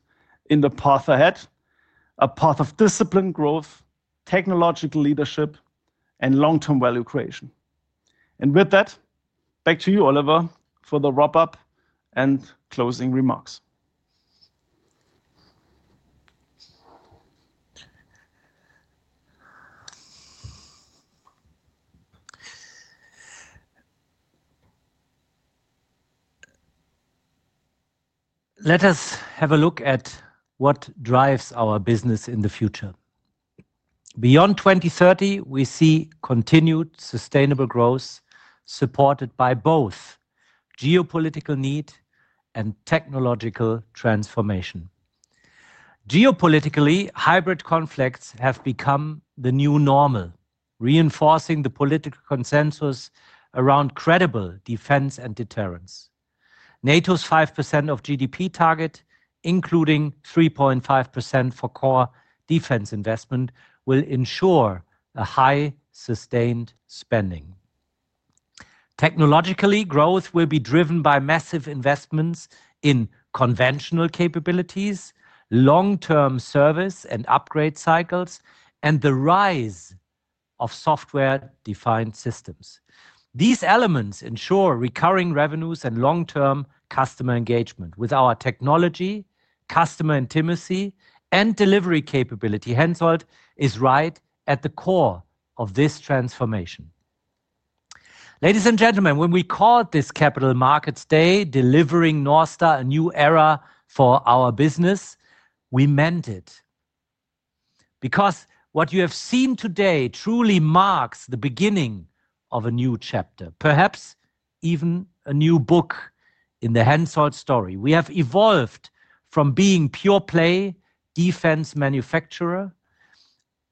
in the path ahead, a path of disciplined growth, technological leadership, and long-term value creation. With that, back to you, Oliver, for the wrap-up and closing remarks. Let us have a look at what drives our business in the future. Beyond 2030, we see continued sustainable growth supported by both geopolitical need and technological transformation. Geopolitically, hybrid conflicts have become the new normal, reinforcing the political consensus around credible defense and deterrence. NATO's 5% of GDP target, including 3.5% for core defense investment, will ensure a high sustained spending. Technologically, growth will be driven by massive investments in conventional capabilities, long-term service and upgrade cycles, and the rise of software-defined systems. These elements ensure recurring revenues and long-term customer engagement with our technology, customer intimacy, and delivery capability. Hensoldt is right at the core of this transformation. Ladies and gentlemen, when we called this Capital Markets Day, delivering North Star a new era for our business, we meant it. Because what you have seen today truly marks the beginning of a new chapter, perhaps even a new book in the Hensoldt story. We have evolved from being pure play defense manufacturer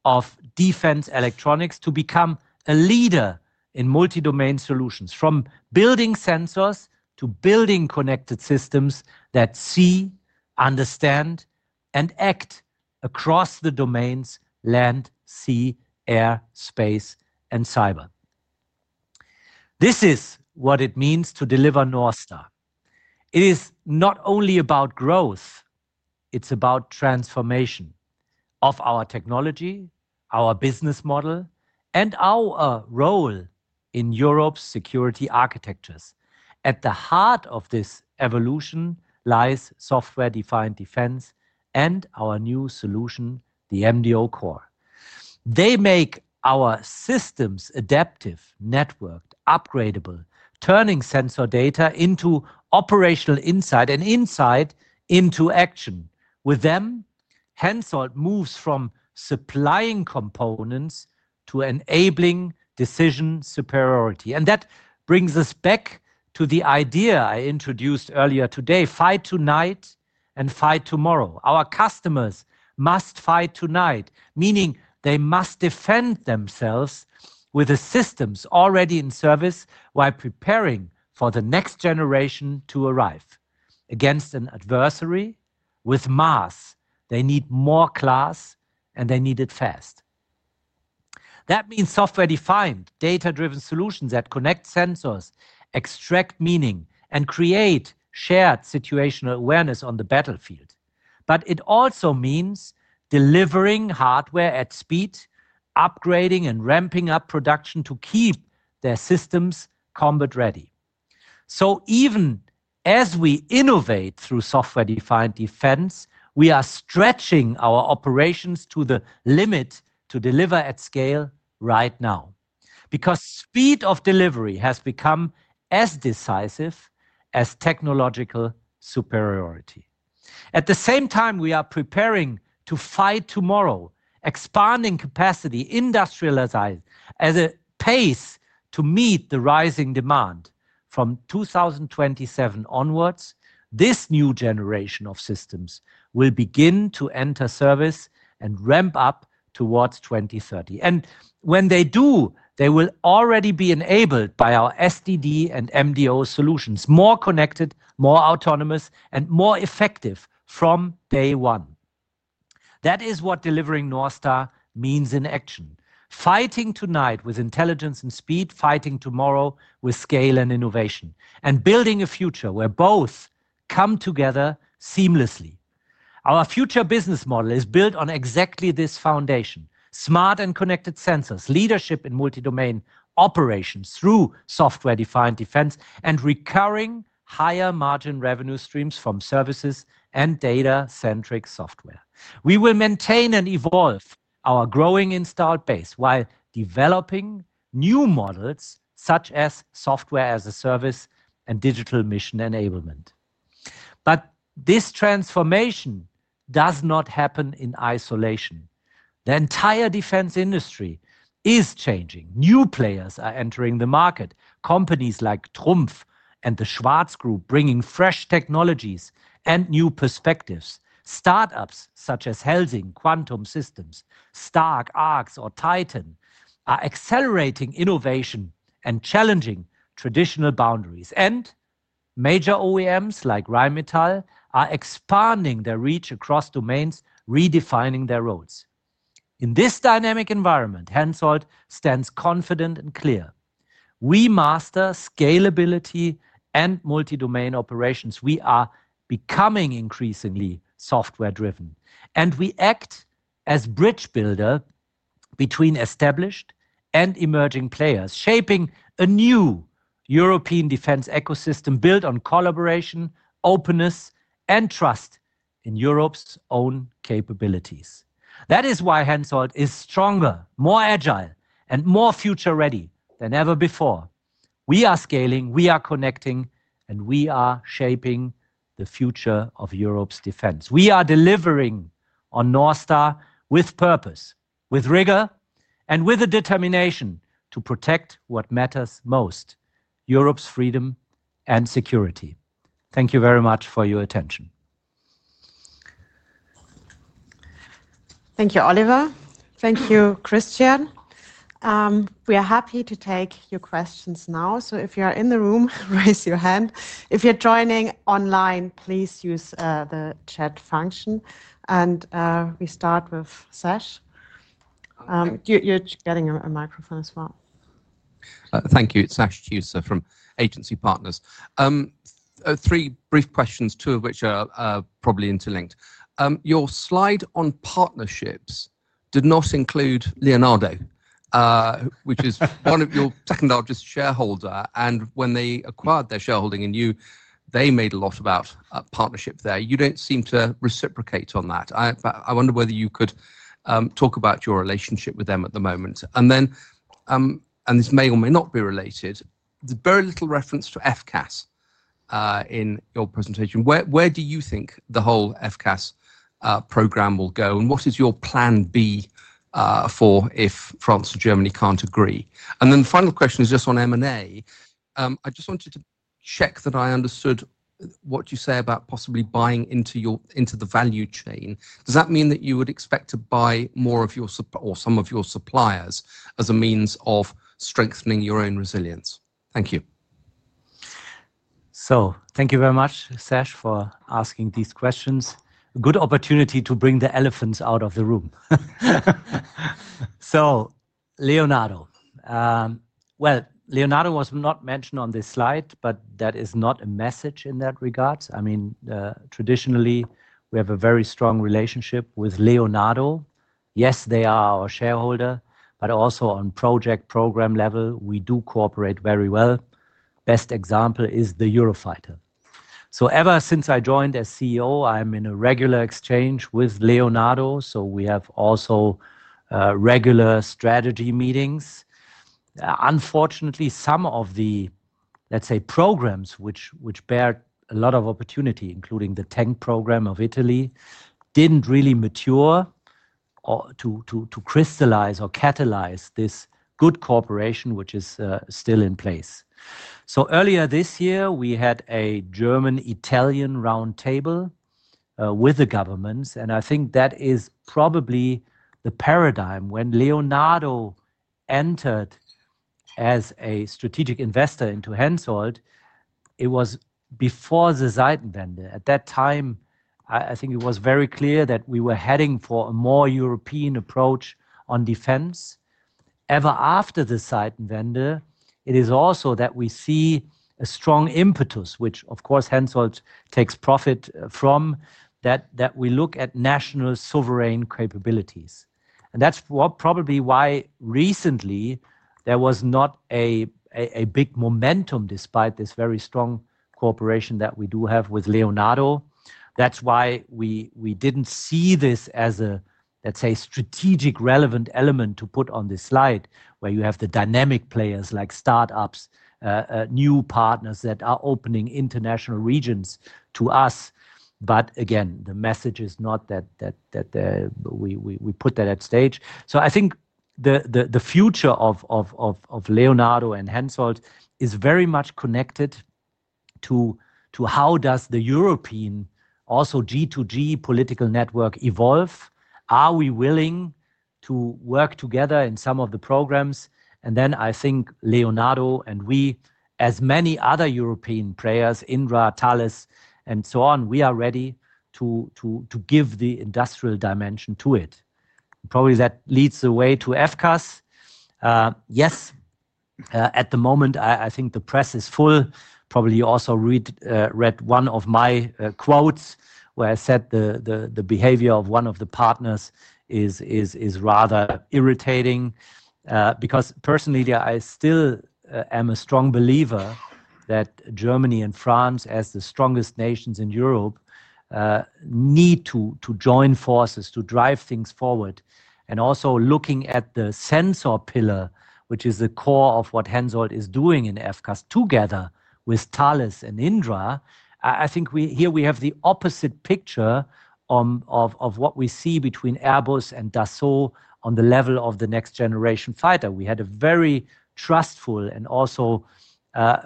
of defense electronics to become a leader in multi-domain solutions, from building sensors to building connected systems that see, understand, and act across the domains land, sea, air, space, and cyber. This is what it means to deliver North Star. It is not only about growth; it's about transformation of our technology, our business model, and our role in Europe's security architectures. At the heart of this evolution lies software-defined defense and our new solution, the MDO Core. They make our systems adaptive, networked, upgradable, turning sensor data into operational insight and insight into action. With them, Hensoldt moves from supplying components to enabling decision superiority. That brings us back to the idea I introduced earlier today: fight tonight and fight tomorrow. Our customers must fight tonight, meaning they must defend themselves with the systems already in service while preparing for the next generation to arrive against an adversary with mass. They need more class, and they need it fast. That means software-defined, data-driven solutions that connect sensors, extract meaning, and create shared situational awareness on the battlefield. It also means delivering hardware at speed, upgrading and ramping up production to keep their systems combat-ready. Even as we innovate through software-defined defense, we are stretching our operations to the limit to deliver at scale right now. Because speed of delivery has become as decisive as technological superiority. At the same time, we are preparing to fight tomorrow, expanding capacity industrialized at a pace to meet the rising demand. From 2027 onwards, this new generation of systems will begin to enter service and ramp up towards 2030. When they do, they will already be enabled by our SDD and MDO solutions: more connected, more autonomous, and more effective from day one. That is what delivering North Star means in action. Fighting tonight with intelligence and speed, fighting tomorrow with scale and innovation, and building a future where both come together seamlessly. Our future business model is built on exactly this foundation: smart and connected sensors, leadership in multi-domain operations through software-defined defense, and recurring higher margin revenue streams from services and data-centric software. We will maintain and evolve our growing installed base while developing new models such as software as a service and digital mission enablement. This transformation does not happen in isolation. The entire defense industry is changing. New players are entering the market, companies like Trumpf and the Schwarz Group bringing fresh technologies and new perspectives. Startups such as Helsing, Quantum Systems, Stark, Arx, or Titan are accelerating innovation and challenging traditional boundaries. Major OEMs like Rheinmetall are expanding their reach across domains, redefining their roles. In this dynamic environment, Hensoldt stands confident and clear. We master scalability and multi-domain operations. We are becoming increasingly software-driven, and we act as bridge builder between established and emerging players, shaping a new European defense ecosystem built on collaboration, openness, and trust in Europe's own capabilities. That is why Hensoldt is stronger, more agile, and more future-ready than ever before. We are scaling, we are connecting, and we are shaping the future of Europe's defense. We are delivering on North Star with purpose, with rigor, and with a determination to protect what matters most: Europe's freedom and security. Thank you very much for your attention. Thank you, Oliver. Thank you, Christian. We are happy to take your questions now. If you are in the room, raise your hand. If you're joining online, please use the chat function. We start with Sash. You're getting a microphone as well. Thank you. Sash Tusa from Agency Partners. Three brief questions, two of which are probably interlinked. Your slide on partnerships did not include Leonardo, which is one of your technologist shareholders. When they acquired their shareholding in you, they made a lot about partnership there. You do not seem to reciprocate on that. I wonder whether you could talk about your relationship with them at the moment. This may or may not be related. There is very little reference to FCAS in your presentation. Where do you think the whole FCAS program will go, and what is your plan B for if France and Germany cannot agree? The final question is just on M&A. I just wanted to check that I understood what you say about possibly buying into the value chain. Does that mean that you would expect to buy more of your or some of your suppliers as a means of strengthening your own resilience? Thank you. Thank you very much, Sash, for asking these questions. Good opportunity to bring the elephants out of the room. Leonardo. Leonardo was not mentioned on this slide, but that is not a message in that regard. I mean, traditionally, we have a very strong relationship with Leonardo. Yes, they are our shareholder, but also on project program level, we do cooperate very well. Best example is the Eurofighter. Ever since I joined as CEO, I'm in a regular exchange with Leonardo. We have also regular strategy meetings. Unfortunately, some of the, let's say, programs which bear a lot of opportunity, including the tank program of Italy, did not really mature to crystallize or catalyze this good cooperation, which is still in place. Earlier this year, we had a German-Italian round table with the governments. I think that is probably the paradigm when Leonardo entered as a strategic investor into Hensoldt. It was before the Zeitenwende. At that time, I think it was very clear that we were heading for a more European approach on defense. Ever after the Zeitenwende, it is also that we see a strong impetus, which of course Hensoldt takes profit from, that we look at national sovereign capabilities. That is probably why recently there was not a big momentum despite this very strong cooperation that we do have with Leonardo. That's why we didn't see this as a, let's say, strategic relevant element to put on this slide, where you have the dynamic players like startups, new partners that are opening international regions to us. Again, the message is not that we put that at stage. I think the future of Leonardo and Hensoldt is very much connected to how does the European also G2G political network evolve? Are we willing to work together in some of the programs? I think Leonardo and we, as many other European players, Indra, Thales, and so on, we are ready to give the industrial dimension to it. Probably that leads the way to FCAS. Yes, at the moment, I think the press is full. Probably also read one of my quotes where I said the behavior of one of the partners is rather irritating. Because personally, I still am a strong believer that Germany and France, as the strongest nations in Europe, need to join forces to drive things forward. Also looking at the sensor pillar, which is the core of what Hensoldt is doing in FCAS together with Thales and Indra, I think here we have the opposite picture of what we see between Airbus and Dassault on the level of the next generation fighter. We had a very trustful and also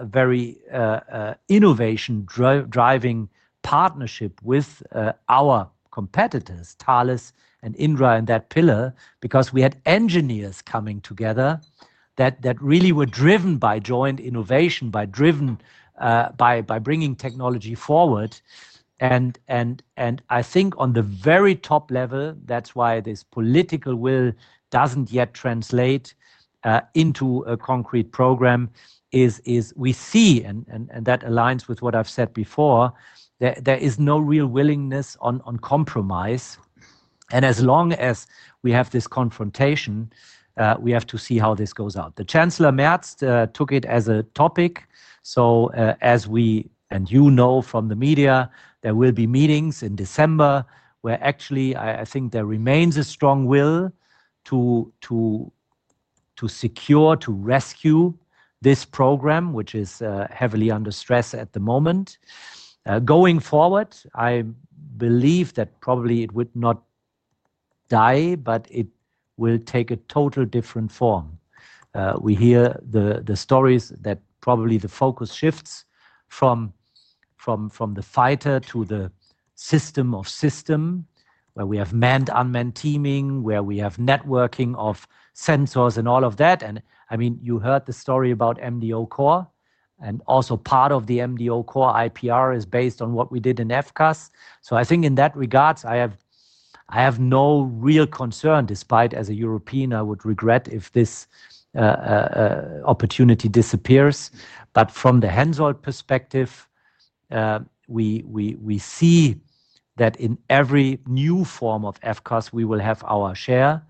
very innovation-driving partnership with our competitors, Thales and Indra in that pillar, because we had engineers coming together that really were driven by joint innovation, by bringing technology forward. I think on the very top level, that's why this political will does not yet translate into a concrete program. We see, and that aligns with what I've said before, there is no real willingness on compromise. As long as we have this confrontation, we have to see how this goes out. The Chancellor Merz took it as a topic. As we and you know from the media, there will be meetings in December where actually I think there remains a strong will to secure, to rescue this program, which is heavily under stress at the moment. Going forward, I believe that probably it would not die, but it will take a total different form. We hear the stories that probably the focus shifts from the fighter to the system of system, where we have manned-unmanned teaming, where we have networking of sensors and all of that. I mean, you heard the story about MDO Core. Also, part of the MDO Core IPR is based on what we did in FCAS. I think in that regard, I have no real concern, despite as a European, I would regret if this opportunity disappears. From the Hensoldt perspective, we see that in every new form of FCAS, we will have our share.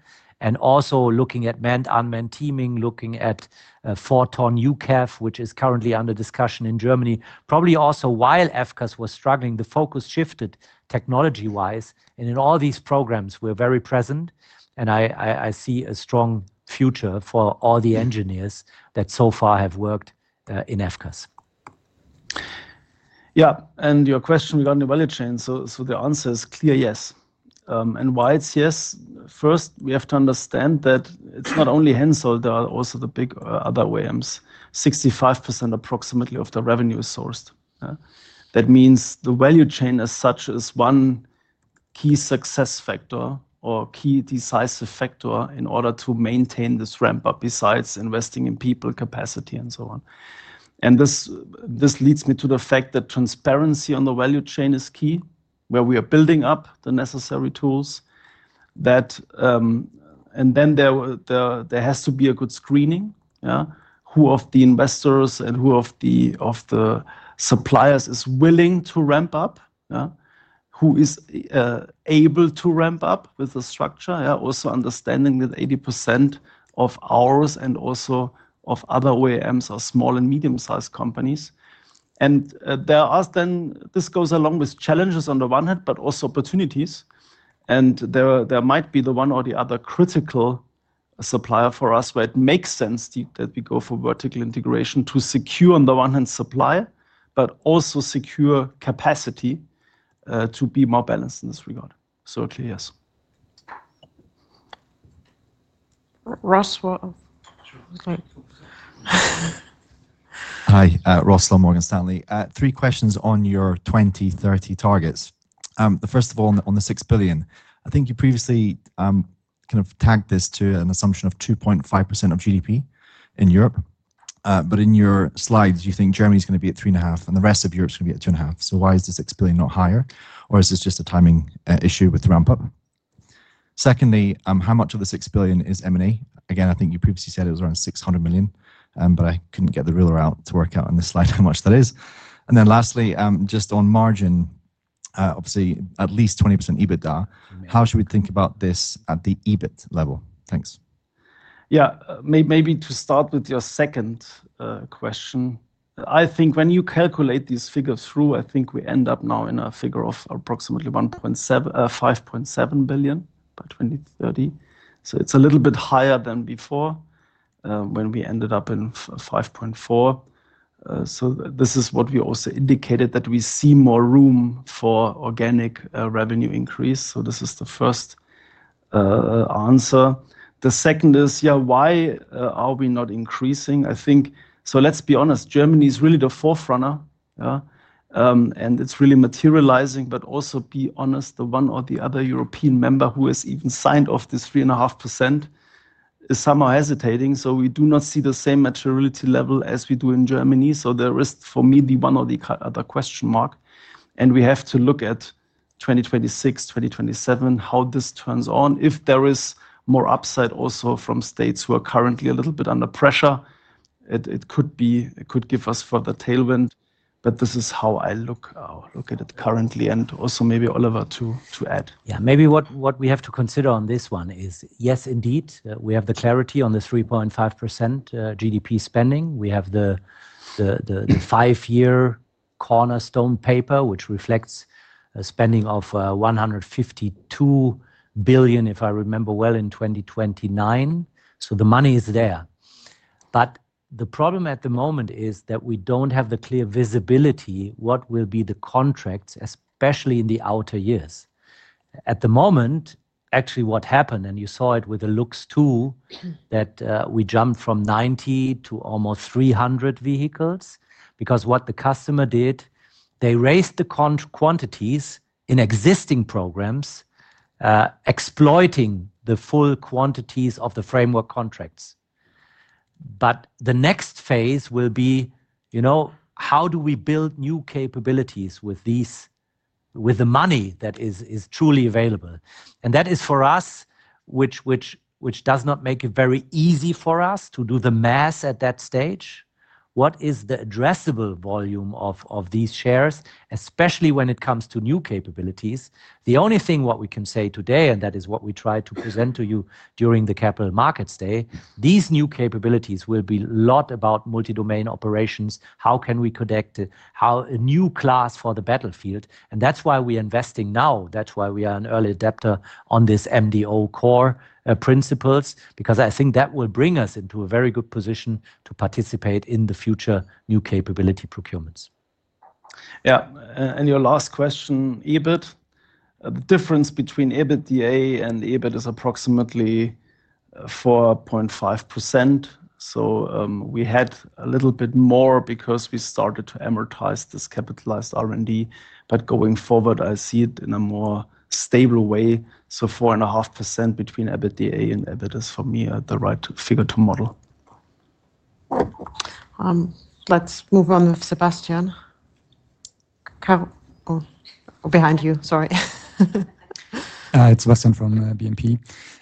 Also, looking at manned-unmanned teaming, looking at Forton UCAF, which is currently under discussion in Germany, probably also while FCAS was struggling, the focus shifted technology-wise. In all these programs, we're very present. I see a strong future for all the engineers that so far have worked in FCAS. Your question regarding the value chain, the answer is clear yes. Why is it yes? First, we have to understand that it's not only Hensoldt, there are also the big other OEMs. 65% approximately of the revenue is sourced. That means the value chain as such is one key success factor or key decisive factor in order to maintain this ramp-up besides investing in people, capacity, and so on. This leads me to the fact that transparency on the value chain is key, where we are building up the necessary tools. There has to be a good screening, who of the investors and who of the suppliers is willing to ramp up, who is able to ramp up with the structure, also understanding that 80% of ours and also of other OEMs are small and medium-sized companies. There are then this goes along with challenges on the one hand, but also opportunities. There might be the one or the other critical supplier for us where it makes sense that we go for vertical integration to secure on the one hand supply, but also secure capacity to be more balanced in this regard. Clear yes. Hi, Ross Law, Morgan Stanley. Three questions on your 2030 targets. First of all, on the 6 billion, I think you previously kind of tagged this to an assumption of 2.5% of GDP in Europe. In your slides, you think Germany is going to be at 3.5%, and the rest of Europe is going to be at 2.5%. Why is the 6 billion not higher? Is this just a timing issue with the ramp-up? Secondly, how much of the 6 billion is M&A? Again, I think you previously said it was around 600 million, but I could not get the ruler out to work out on this slide how much that is. Lastly, just on margin, obviously at least 20% EBITDA. How should we think about this at the EBIT level? Thanks. Maybe to start with your second question, I think when you calculate these figures through, I think we end up now in a figure of approximately 1.57 billion by 2030. It is a little bit higher than before when we ended up in 1.54 billion. This is what we also indicated, that we see more room for organic revenue increase. This is the first answer. The second is, why are we not increasing? I think, let us be honest, Germany is really the forerunner, and it is really materializing. But also, to be honest, the one or the other European member who has even signed off this 3.5% is somehow hesitating. We do not see the same materiality level as we do in Germany. There is, for me, the one or the other question mark. We have to look at 2026, 2027, how this turns on. If there is more upside also from states who are currently a little bit under pressure, it could give us further tailwind. This is how I look at it currently. Also, maybe Oliver to add. Yeah, maybe what we have to consider on this one is, yes, indeed, we have the clarity on the 3.5% GDP spending. We have the five-year cornerstone paper, which reflects spending of 152 billion, if I remember well, in 2029. The money is there. The problem at the moment is that we do not have the clear visibility what will be the contracts, especially in the outer years. At the moment, actually what happened, and you saw it with the LUX II too, that we jumped from 90 to almost 300 vehicles. Because what the customer did, they raised the quantities in existing programs, exploiting the full quantities of the framework contracts. The next phase will be, how do we build new capabilities with the money that is truly available? That is for us, which does not make it very easy for us to do the math at that stage. What is the addressable volume of these shares, especially when it comes to new capabilities? The only thing what we can say today, and that is what we try to present to you during the Capital Markets Day, these new capabilities will be a lot about multi-domain operations. How can we connect a new class for the battlefield? That is why we are investing now. That is why we are an early adapter on this MDO core principles, because I think that will bring us into a very good position to participate in the future new capability procurements. Yeah, and your last question, EBIT. The difference between EBITDA and EBIT is approximately 4.5%. We had a little bit more because we started to amortize this capitalized R&D. Going forward, I see it in a more stable way. 4.5% between EBITDA and EBIT is for me the right figure to model. Let's move on with Sebastian. Behind you, sorry. It's Sebastian from BNP.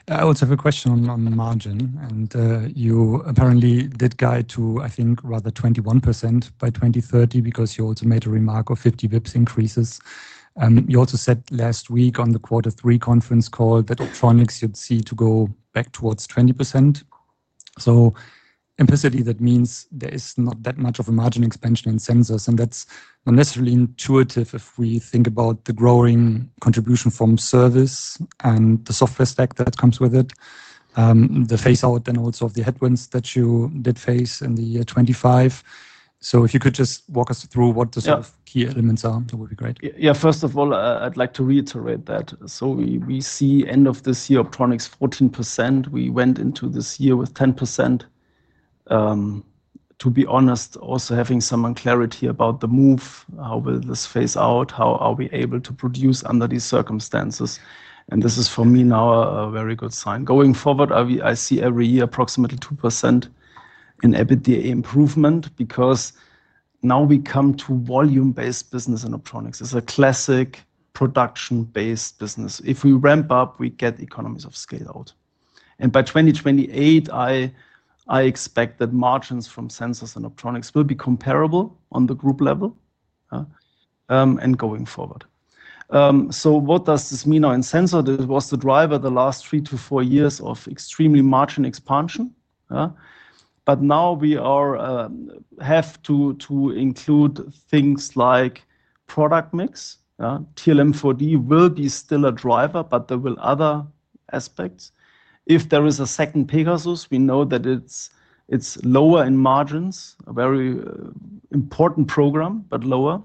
I also have a question on margin. You apparently did guide to, I think, rather 21% by 2030 because you also made a remark of 50 basis points increases. You also said last week on the quarter three conference call that electronics you'd see to go back towards 20%. Implicitly, that means there is not that much of a margin expansion in sensors. That's not necessarily intuitive if we think about the growing contribution from service and the software stack that comes with it, the phase-out then also of the headwinds that you did face in the year 2025. If you could just walk us through what the sort of key elements are, that would be great. Yeah, first of all, I'd like to reiterate that. We see end of this year electronics 14%. We went into this year with 10%. To be honest, also having some unclarity about the move, how will this phase out, how are we able to produce under these circumstances? This is for me now a very good sign. Going forward, I see every year approximately 2% in EBITDA improvement because now we come to volume-based business in electronics. It is a classic production-based business. If we ramp up, we get economies of scale out. By 2028, I expect that margins from sensors and electronics will be comparable on the group level and going forward. What does this mean on sensor? This was the driver the last three to four years of extremely margin expansion. Now we have to include things like product mix. TRML-4D will be still a driver, but there will be other aspects. If there is a second Pegasus, we know that it's lower in margins, a very important program, but lower.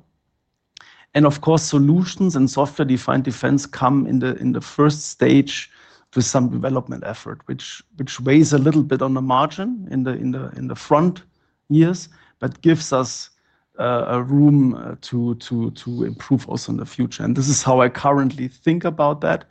Of course, solutions and software-defined defense come in the first stage with some development effort, which weighs a little bit on the margin in the front years, but gives us room to improve also in the future. This is how I currently think about that.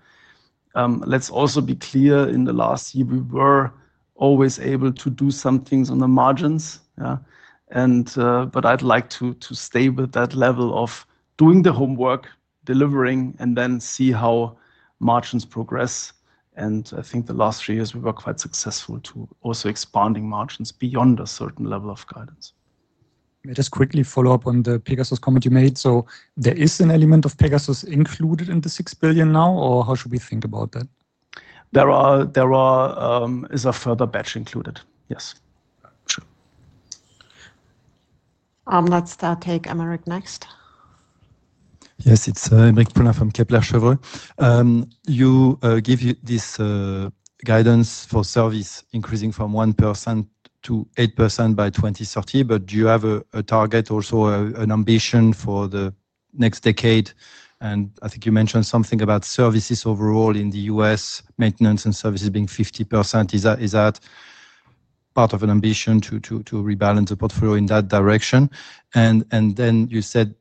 Let's also be clear, in the last year, we were always able to do some things on the margins. I'd like to stay with that level of doing the homework, delivering, and then see how margins progress. I think the last three years, we were quite successful to also expand margins beyond a certain level of guidance. Just quickly follow up on the Pegasus comment you made. There is an element of Pegasus included in the 6 billion now, or how should we think about that? There is a further batch included, yes. Sure. Let's take Emmerich next. Yes, it's Emmerich Brunner from Kepler Cheuvreux. You gave this guidance for service increasing from 1% to 8% by 2030. Do you have a target, also an ambition for the next decade? I think you mentioned something about services overall in the US, maintenance and services being 50%. Is that part of an ambition to rebalance the portfolio in that direction? You said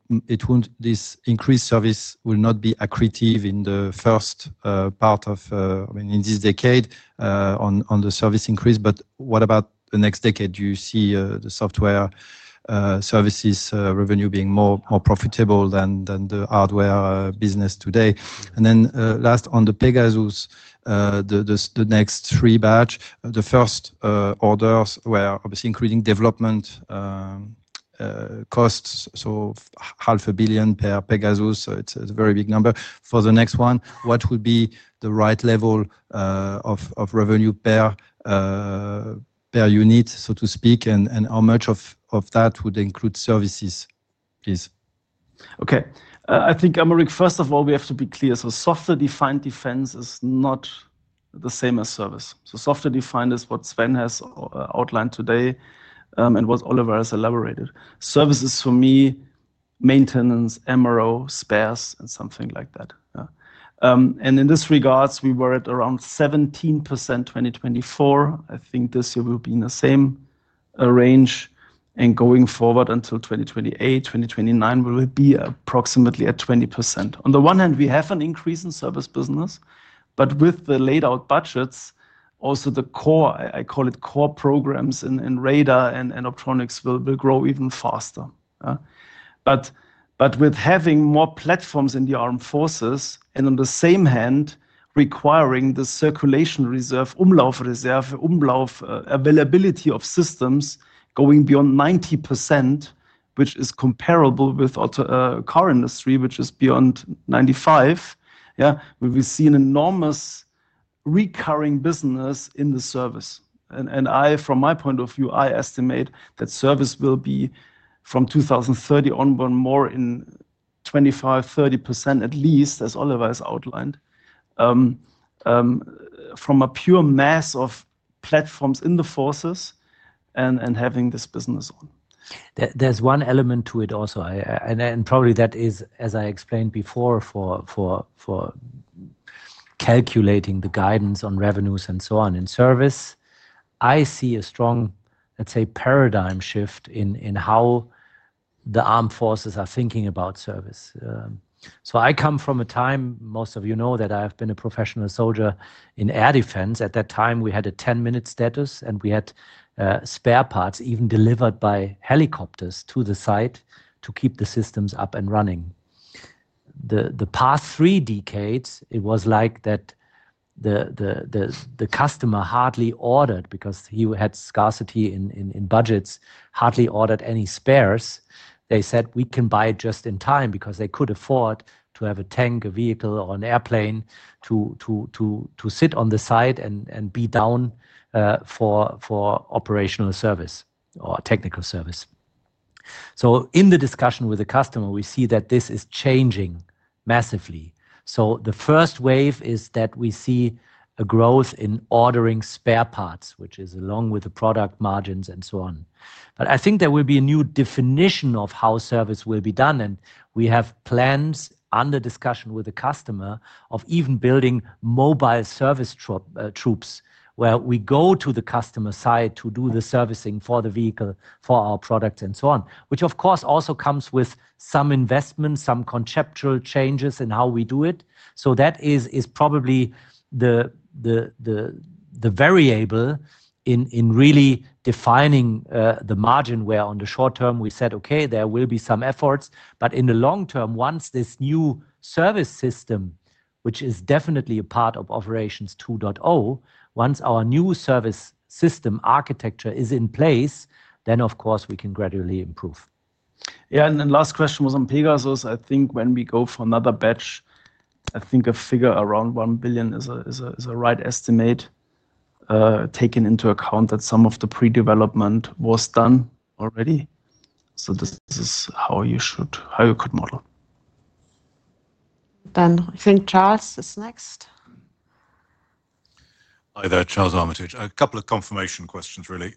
this increased service will not be accretive in the first part of, I mean, in this decade on the service increase. What about the next decade? Do you see the software services revenue being more profitable than the hardware business today? Then last on the Pegasus, the next three batch, the first orders were obviously including development costs, so 500,000,000 per Pegasus. It is a very big number. For the next one, what would be the right level of revenue per unit, so to speak, and how much of that would include services, please? Okay. I think, Emmerich, first of all, we have to be clear. Software-defined defense is not the same as service. Software-defined is what Sven has outlined today and what Oliver has elaborated. Services for me, maintenance, MRO, spares, and something like that. In this regard, we were at around 17% 2024. I think this year will be in the same range and going forward until 2028, 2029, we will be approximately at 20%. On the one hand, we have an increase in service business, but with the laid-out budgets, also the core, I call it core programs in radar and electronics will grow even faster. With having more platforms in the armed forces and on the same hand, requiring the circulation reserve, umlauf reserve, umlauf availability of systems going beyond 90%, which is comparable with our car industry, which is beyond 95%, we will see an enormous recurring business in the service. From my point of view, I estimate that service will be from 2030 onward more in 25-30% at least, as Oliver has outlined, from a pure mass of platforms in the forces and having this business on. There's one element to it also. Probably that is, as I explained before, for calculating the guidance on revenues and so on in service, I see a strong, let's say, paradigm shift in how the armed forces are thinking about service. I come from a time, most of you know, that I have been a professional soldier in air defense. At that time, we had a 10-minute status, and we had spare parts even delivered by helicopters to the site to keep the systems up and running. The past three decades, it was like that the customer hardly ordered because he had scarcity in budgets, hardly ordered any spares. They said, "We can buy it just in time," because they could afford to have a tank, a vehicle, or an airplane to sit on the side and be down for operational service or technical service. In the discussion with the customer, we see that this is changing massively. The first wave is that we see a growth in ordering spare parts, which is along with the product margins and so on. I think there will be a new definition of how service will be done. We have plans under discussion with the customer of even building mobile service troops where we go to the customer's site to do the servicing for the vehicle, for our products, and so on, which of course also comes with some investments, some conceptual changes in how we do it. That is probably the variable in really defining the margin where on the short term we said, "Okay, there will be some efforts." In the long term, once this new service system, which is definitely a part of Operations 2.0, once our new service system architecture is in place, then of course we can gradually improve. Yeah, and then last question was on Pegasus. I think when we go for another batch, I think a figure around 1 billion is a right estimate taken into account that some of the pre-development was done already. This is how you could model. I think Charles is next. Hi there, Charles Armitage. A couple of confirmation questions, really.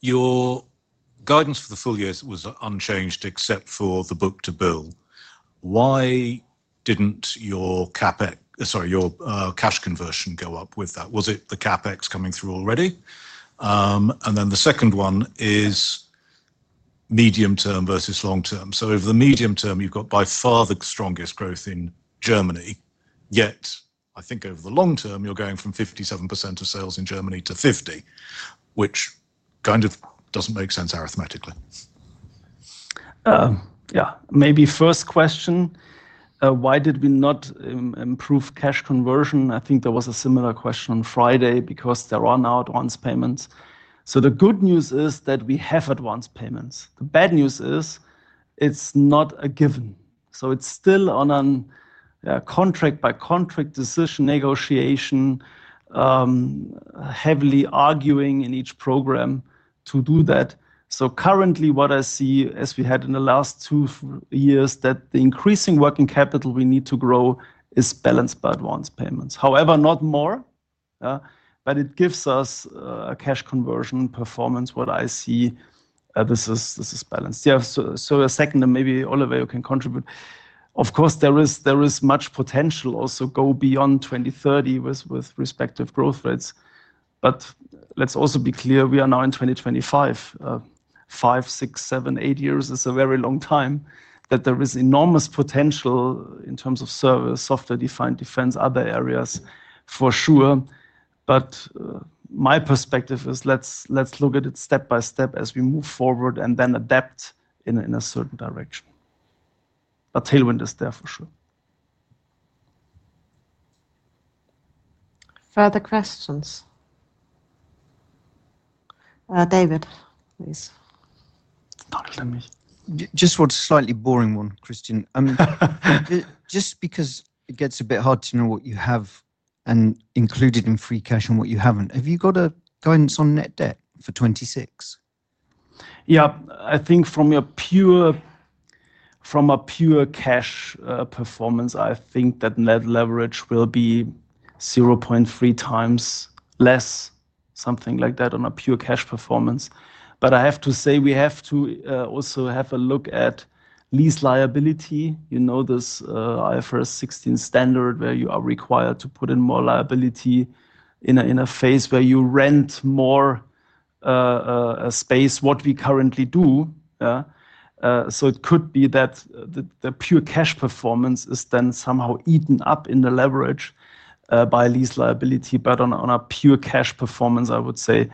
Your guidance for the full year was unchanged except for the book to bill. Why did not your CapEx, sorry, your cash conversion go up with that? Was it the CapEx coming through already? The second one is medium term versus long term. Over the medium term, you've got by far the strongest growth in Germany. Yet I think over the long term, you're going from 57% of sales in Germany to 50%, which kind of doesn't make sense arithmetically. Maybe first question, why did we not improve cash conversion? I think there was a similar question on Friday because there are now advance payments. The good news is that we have advance payments. The bad news is it's not a given. It's still on a contract-by-contract decision negotiation, heavily arguing in each program to do that. Currently, what I see, as we had in the last two years, is that the increasing working capital we need to grow is balanced by advance payments. However, not more. But it gives us a cash conversion performance, what I see. This is balanced. Yeah, so a second, and maybe Oliver, you can contribute. Of course, there is much potential also to go beyond 2030 with respective growth rates. Let's also be clear, we are now in 2025. Five, six, seven, eight years is a very long time that there is enormous potential in terms of service, software-defined defense, other areas for sure. My perspective is let's look at it step by step as we move forward and then adapt in a certain direction. Tailwind is there for sure. Further questions? David, please. Just one slightly boring one, Christian. Just because it gets a bit hard to know what you have included in free cash and what you haven't. Have you got a guidance on net debt for 2026? Yeah, I think from a pure cash performance, I think that net leverage will be 0.3 times less, something like that on a pure cash performance. I have to say we have to also have a look at lease liability. You know this IFRS 16 standard where you are required to put in more liability in a phase where you rent more space, what we currently do. It could be that the pure cash performance is then somehow eaten up in the leverage by lease liability. On a pure cash performance, I would say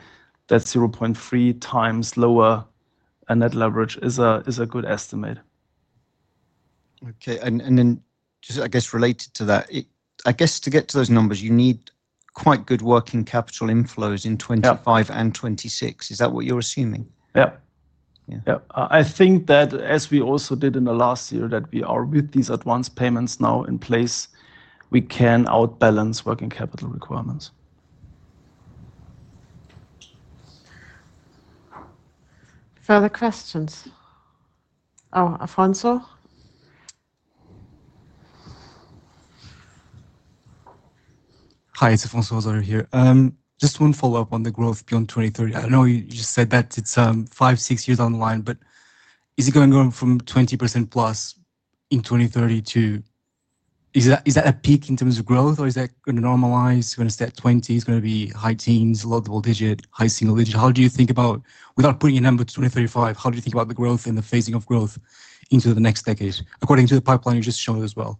that 0.3 times lower net leverage is a good estimate. Okay. Just, I guess, related to that, I guess to get to those numbers, you need quite good working capital inflows in 2025 and 2026. Is that what you're assuming? Yeah. Yeah. I think that as we also did in the last year that we are with these advance payments now in place, we can outbalance working capital requirements. Further questions? Oh, Afonso? Hi, it's Afonso Osorio here. Just one follow-up on the growth beyond 2030. I know you said that it's five, six years on the line, but is it going to go from 20% plus in 2030 to is that a peak in terms of growth, or is that going to normalize? You're going to stay at 20, it's going to be high teens, low double digit, high single digit. How do you think about, without putting a number, 2035, how do you think about the growth and the phasing of growth into the next decade, according to the pipeline you just showed as well?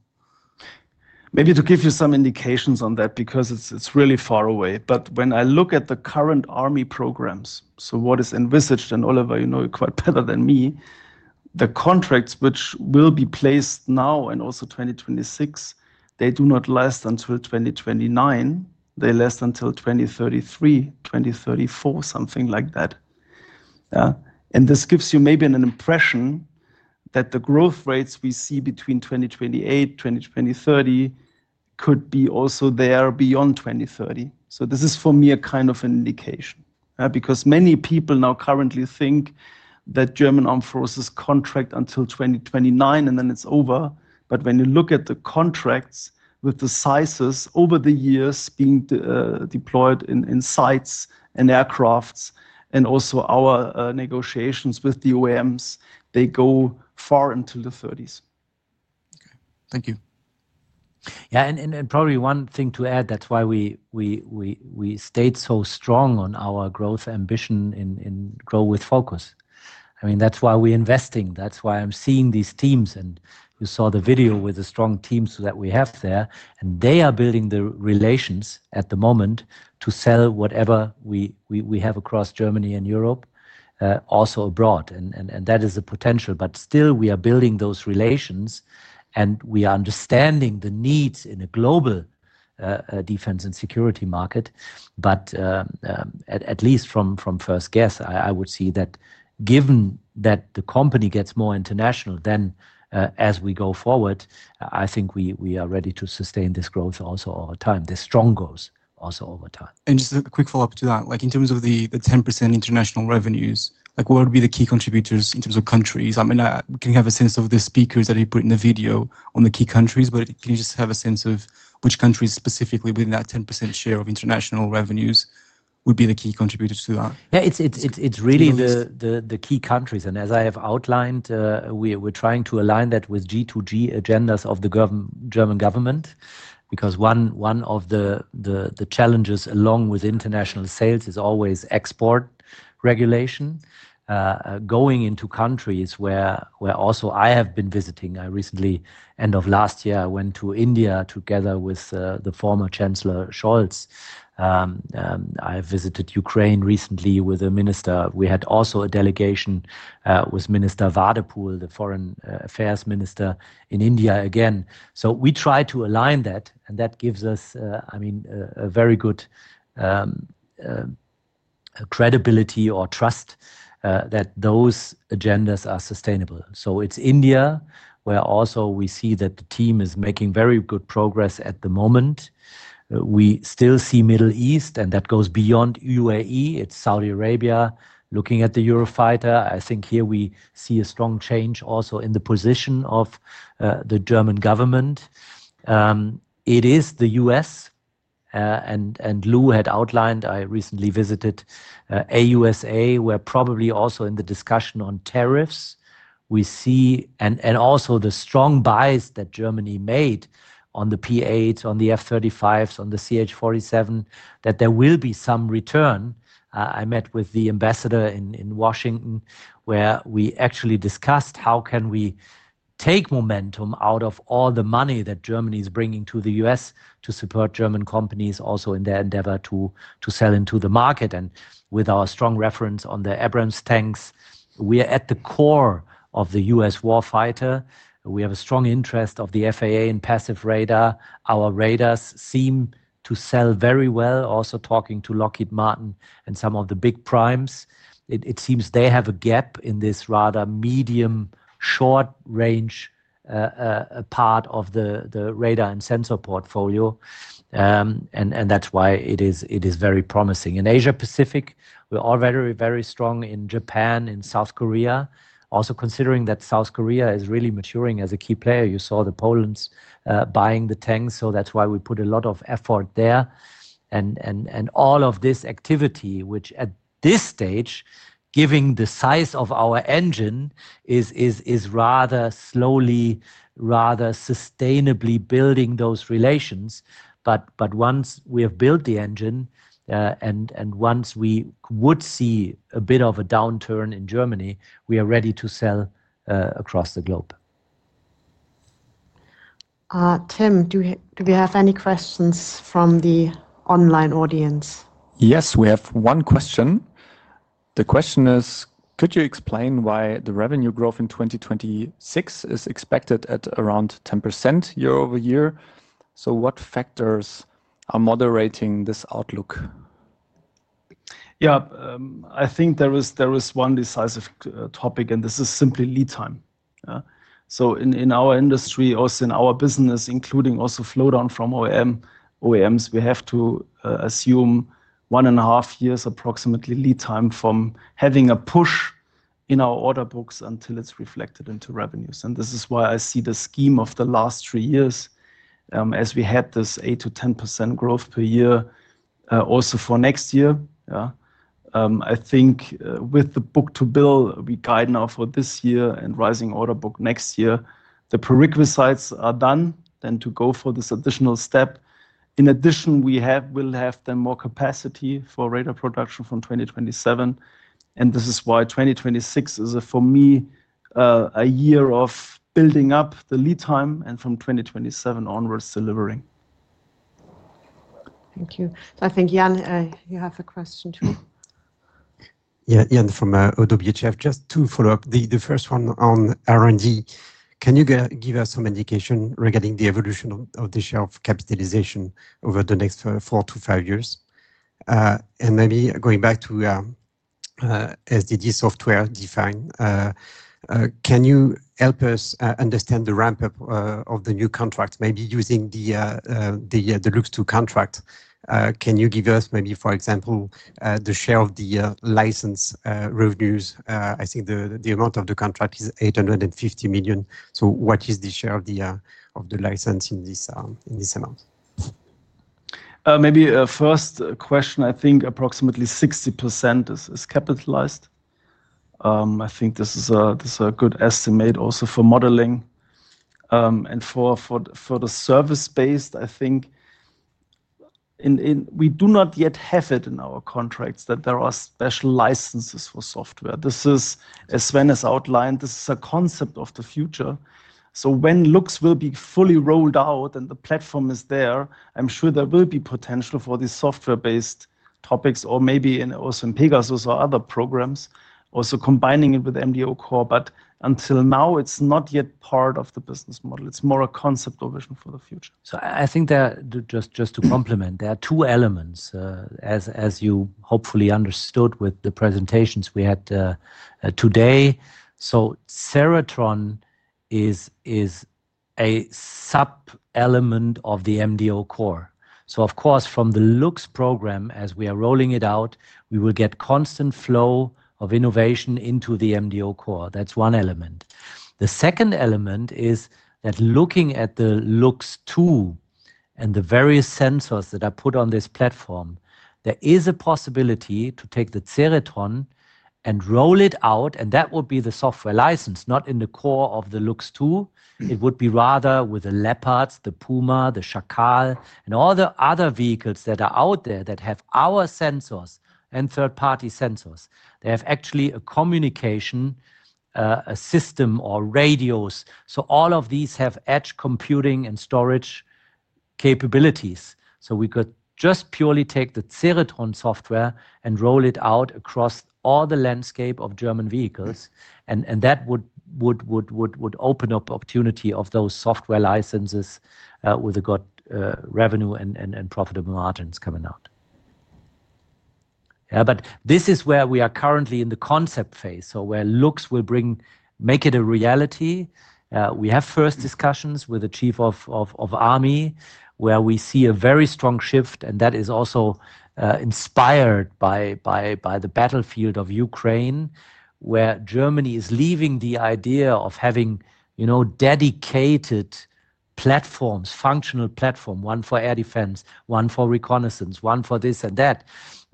Maybe to give you some indications on that because it's really far away. When I look at the current army programs, so what is envisaged, and Oliver, you know quite better than me, the contracts which will be placed now and also 2026, they do not last until 2029. They last until 2033, 2034, something like that. This gives you maybe an impression that the growth rates we see between 2028, 2023 could be also there beyond 2030. This is for me a kind of an indication because many people now currently think that German armed forces contract until 2029 and then it's over. When you look at the contracts with the sizes over the years being deployed in sites and aircrafts and also our negotiations with the OEMs, they go far into the 30s. Okay. Thank you. Yeah. Probably one thing to add, that's why we stayed so strong on our growth ambition in Grow with Focus. I mean, that's why we're investing. That's why I'm seeing these teams. You saw the video with the strong teams that we have there. They are building the relations at the moment to sell whatever we have across Germany and Europe, also abroad. That is a potential. Still, we are building those relations and we are understanding the needs in a global defense and security market. At least from first guess, I would see that given that the company gets more international, then as we go forward, I think we are ready to sustain this growth also over time, the strong growth also over time. Just a quick follow-up to that. In terms of the 10% international revenues, what would be the key contributors in terms of countries? I mean, can you have a sense of the speakers that you put in the video on the key countries, but can you just have a sense of which countries specifically within that 10% share of international revenues would be the key contributors to that? Yeah, it's really the key countries. As I have outlined, we're trying to align that with G2G agendas of the German government because one of the challenges along with international sales is always export regulation. Going into countries where also I have been visiting, I recently, end of last year, I went to India together with the former Chancellor Scholz. I visited Ukraine recently with a minister. We had also a delegation with Minister Wadapul, the Foreign Affairs Minister in India again. We try to align that and that gives us, I mean, a very good credibility or trust that those agendas are sustainable. It is India where also we see that the team is making very good progress at the moment. We still see Middle East and that goes beyond UAE. It is Saudi Arabia looking at the Eurofighter. I think here we see a strong change also in the position of the German government. It is the U.S. and Lew had outlined, I recently visited AUSA where probably also in the discussion on tariffs, we see and also the strong bias that Germany made on the P-8s, on the F-35s, on the CH-47, that there will be some return. I met with the ambassador in Washington where we actually discussed how can we take momentum out of all the money that Germany is bringing to the U.S. to support German companies also in their endeavor to sell into the market. With our strong reference on the Abrams tanks, we are at the core of the U.S. war fighter. We have a strong interest of the FAA in passive radar. Our radars seem to sell very well. Also talking to Lockheed Martin and some of the big primes, it seems they have a gap in this rather medium short range part of the radar and sensor portfolio. That is why it is very promising. In Asia-Pacific, we're already very strong in Japan, in South Korea. Also considering that South Korea is really maturing as a key player. You saw the Polands buying the tanks. That is why we put a lot of effort there. All of this activity, which at this stage, given the size of our engine, is rather slowly, rather sustainably building those relations. Once we have built the engine and once we would see a bit of a downturn in Germany, we are ready to sell across the globe. Tim, do we have any questions from the online audience? Yes, we have one question. The question is, could you explain why the revenue growth in 2026 is expected at around 10% year over year? What factors are moderating this outlook? I think there is one decisive topic and this is simply lead time. In our industry, also in our business, including also flow down from OEMs, we have to assume one and a half years approximately lead time from having a push in our order books until it is reflected into revenues. This is why I see the scheme of the last three years as we had this 8%-10% growth per year also for next year. I think with the book to bill, we guide now for this year and rising order book next year, the prerequisites are done then to go for this additional step. In addition, we will have then more capacity for radar production from 2027. This is why 2026 is for me a year of building up the lead time and from 2027 onwards delivering. Thank you. I think Jan, you have a question too. Yeah, Jan from Oddo BHF, just two follow-up. The first one on R&D, can you give us some indication regarding the evolution of the share of capitalization over the next four to five years? Maybe going back to SDD software defined, can you help us understand the ramp-up of the new contract, maybe using the LUX II contract? Can you give us maybe, for example, the share of the license revenues? I think the amount of the contract is 850 million. What is the share of the license in this amount? Maybe a first question, I think approximately 60% is capitalized. I think this is a good estimate also for modeling. For the service-based, I think we do not yet have it in our contracts that there are special licenses for software. This is, as Sven has outlined, a concept of the future. When LUX will be fully rolled out and the platform is there, I'm sure there will be potential for these software-based topics or maybe also in Pegasus or other programs, also combining it with MDO Core. Until now, it's not yet part of the business model. It's more a concept of vision for the future. I think just to complement, there are two elements, as you hopefully understood with the presentations we had today. Ceritron is a sub-element of the MDO Core. Of course, from the LUX program, as we are rolling it out, we will get constant flow of innovation into the MDO Core. That's one element. The second element is that looking at the LUX II and the various sensors that are put on this platform, there is a possibility to take the Ceritron and roll it out, and that would be the software license, not in the core of the LUX II. It would be rather with the Leopard, the Puma, the Schakal, and all the other vehicles that are out there that have our sensors and third-party sensors. They have actually a communication system or radios. All of these have edge computing and storage capabilities. We could just purely take the Ceritron software and roll it out across all the landscape of German vehicles. That would open up opportunity of those software licenses with the good revenue and profitable margins coming out. Yeah, this is where we are currently in the concept phase, where LUX will make it a reality. We have first discussions with the Chief of Army where we see a very strong shift, and that is also inspired by the battlefield of Ukraine where Germany is leaving the idea of having dedicated platforms, functional platform, one for air defense, one for reconnaissance, one for this and that.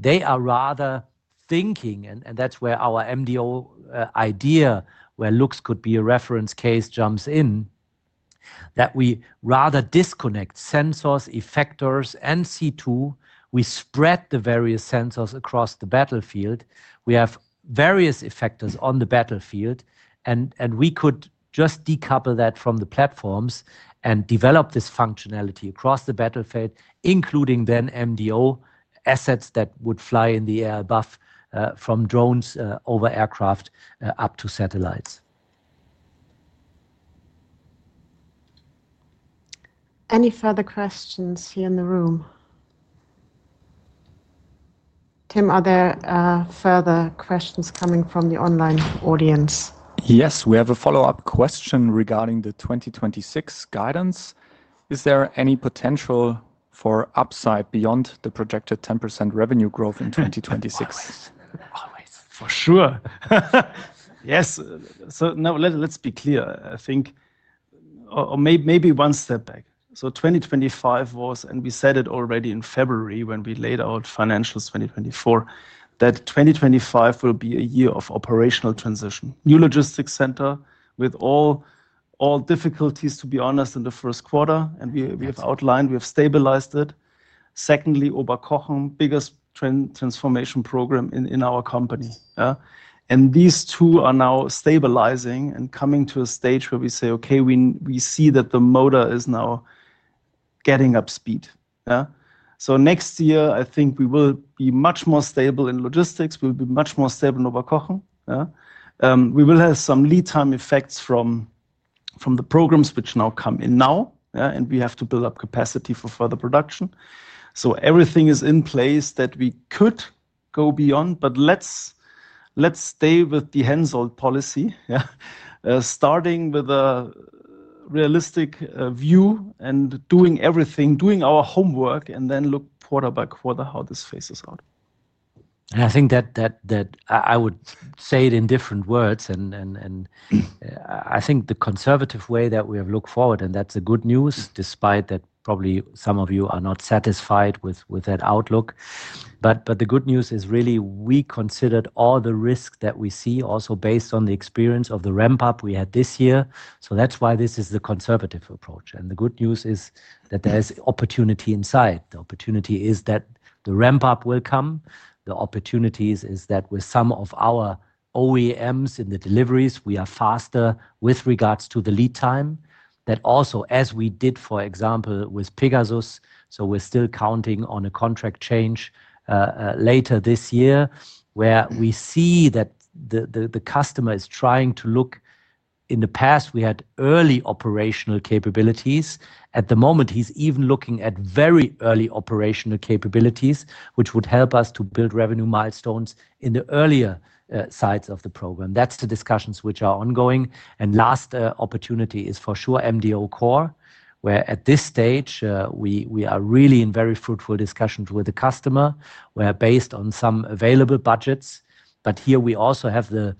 They are rather thinking, and that's where our MDO idea where LUX could be a reference case jumps in, that we rather disconnect sensors, effectors, and C2. We spread the various sensors across the battlefield. We have various effectors on the battlefield, and we could just decouple that from the platforms and develop this functionality across the battlefield, including then MDO assets that would fly in the air above from drones over aircraft up to satellites. Any further questions here in the room? Tim, are there further questions coming from the online audience? Yes, we have a follow-up question regarding the 2026 guidance. Is there any potential for upside beyond the projected 10% revenue growth in 2026? Always. For sure. Yes. Let's be clear. I think, or maybe one step back. 2025 was, and we said it already in February when we laid out financials 2024, that 2025 will be a year of operational transition. New logistics center with all difficulties, to be honest, in the first quarter, and we have outlined, we have stabilized it. Secondly, Oberkochen, biggest transformation program in our company. These two are now stabilizing and coming to a stage where we say, okay, we see that the motor is now getting up speed. Next year, I think we will be much more stable in logistics. We'll be much more stable in Oberkochen. We will have some lead time effects from the programs which now come in now, and we have to build up capacity for further production. Everything is in place that we could go beyond, but let's stay with the Hensoldt policy, starting with a realistic view and doing everything, doing our homework, and then look quarter by quarter how this phases out. I think that I would say it in different words, and I think the conservative way that we have looked forward, and that's the good news, despite that probably some of you are not satisfied with that outlook. The good news is really we considered all the risks that we see also based on the experience of the ramp-up we had this year. That's why this is the conservative approach. The good news is that there is opportunity inside. The opportunity is that the ramp-up will come. The opportunity is that with some of our OEMs in the deliveries, we are faster with regards to the lead time. That also, as we did, for example, with Pegasus. We are still counting on a contract change later this year where we see that the customer is trying to look. In the past, we had early operational capabilities. At the moment, he is even looking at very early operational capabilities, which would help us to build revenue milestones in the earlier sides of the program. That is the discussions which are ongoing. Last opportunity is for sure MDO Core, where at this stage, we are really in very fruitful discussions with the customer. We are based on some available budgets, but here we also have the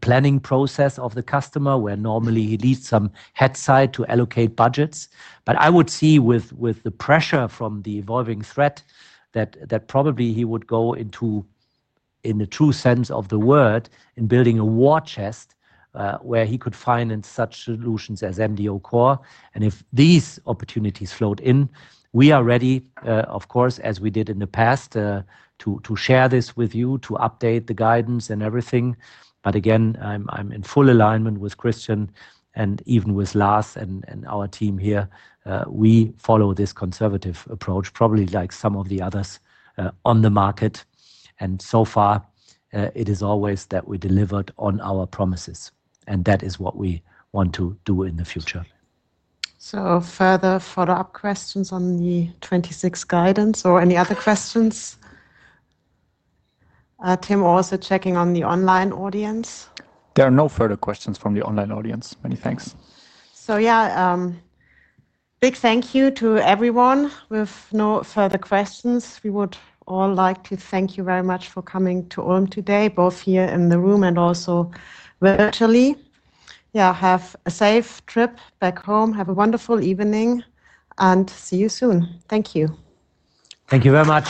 planning process of the customer where normally he needs some head side to allocate budgets. I would see with the pressure from the evolving threat that probably he would go into, in the true sense of the word, in building a war chest where he could find in such solutions as MDO Core. If these opportunities flowed in, we are ready, of course, as we did in the past, to share this with you, to update the guidance and everything. Again, I am in full alignment with Christian and even with Lars and our team here. We follow this conservative approach, probably like some of the others on the market. So far, it is always that we delivered on our promises, and that is what we want to do in the future. Further follow-up questions on the 2026 guidance or any other questions? Tim, also checking on the online audience. There are no further questions from the online audience. Many thanks. Yeah, big thank you to everyone. With no further questions, we would all like to thank you very much for coming to Ulm today, both here in the room and also virtually. Yeah, have a safe trip back home. Have a wonderful evening and see you soon. Thank you. Thank you very much.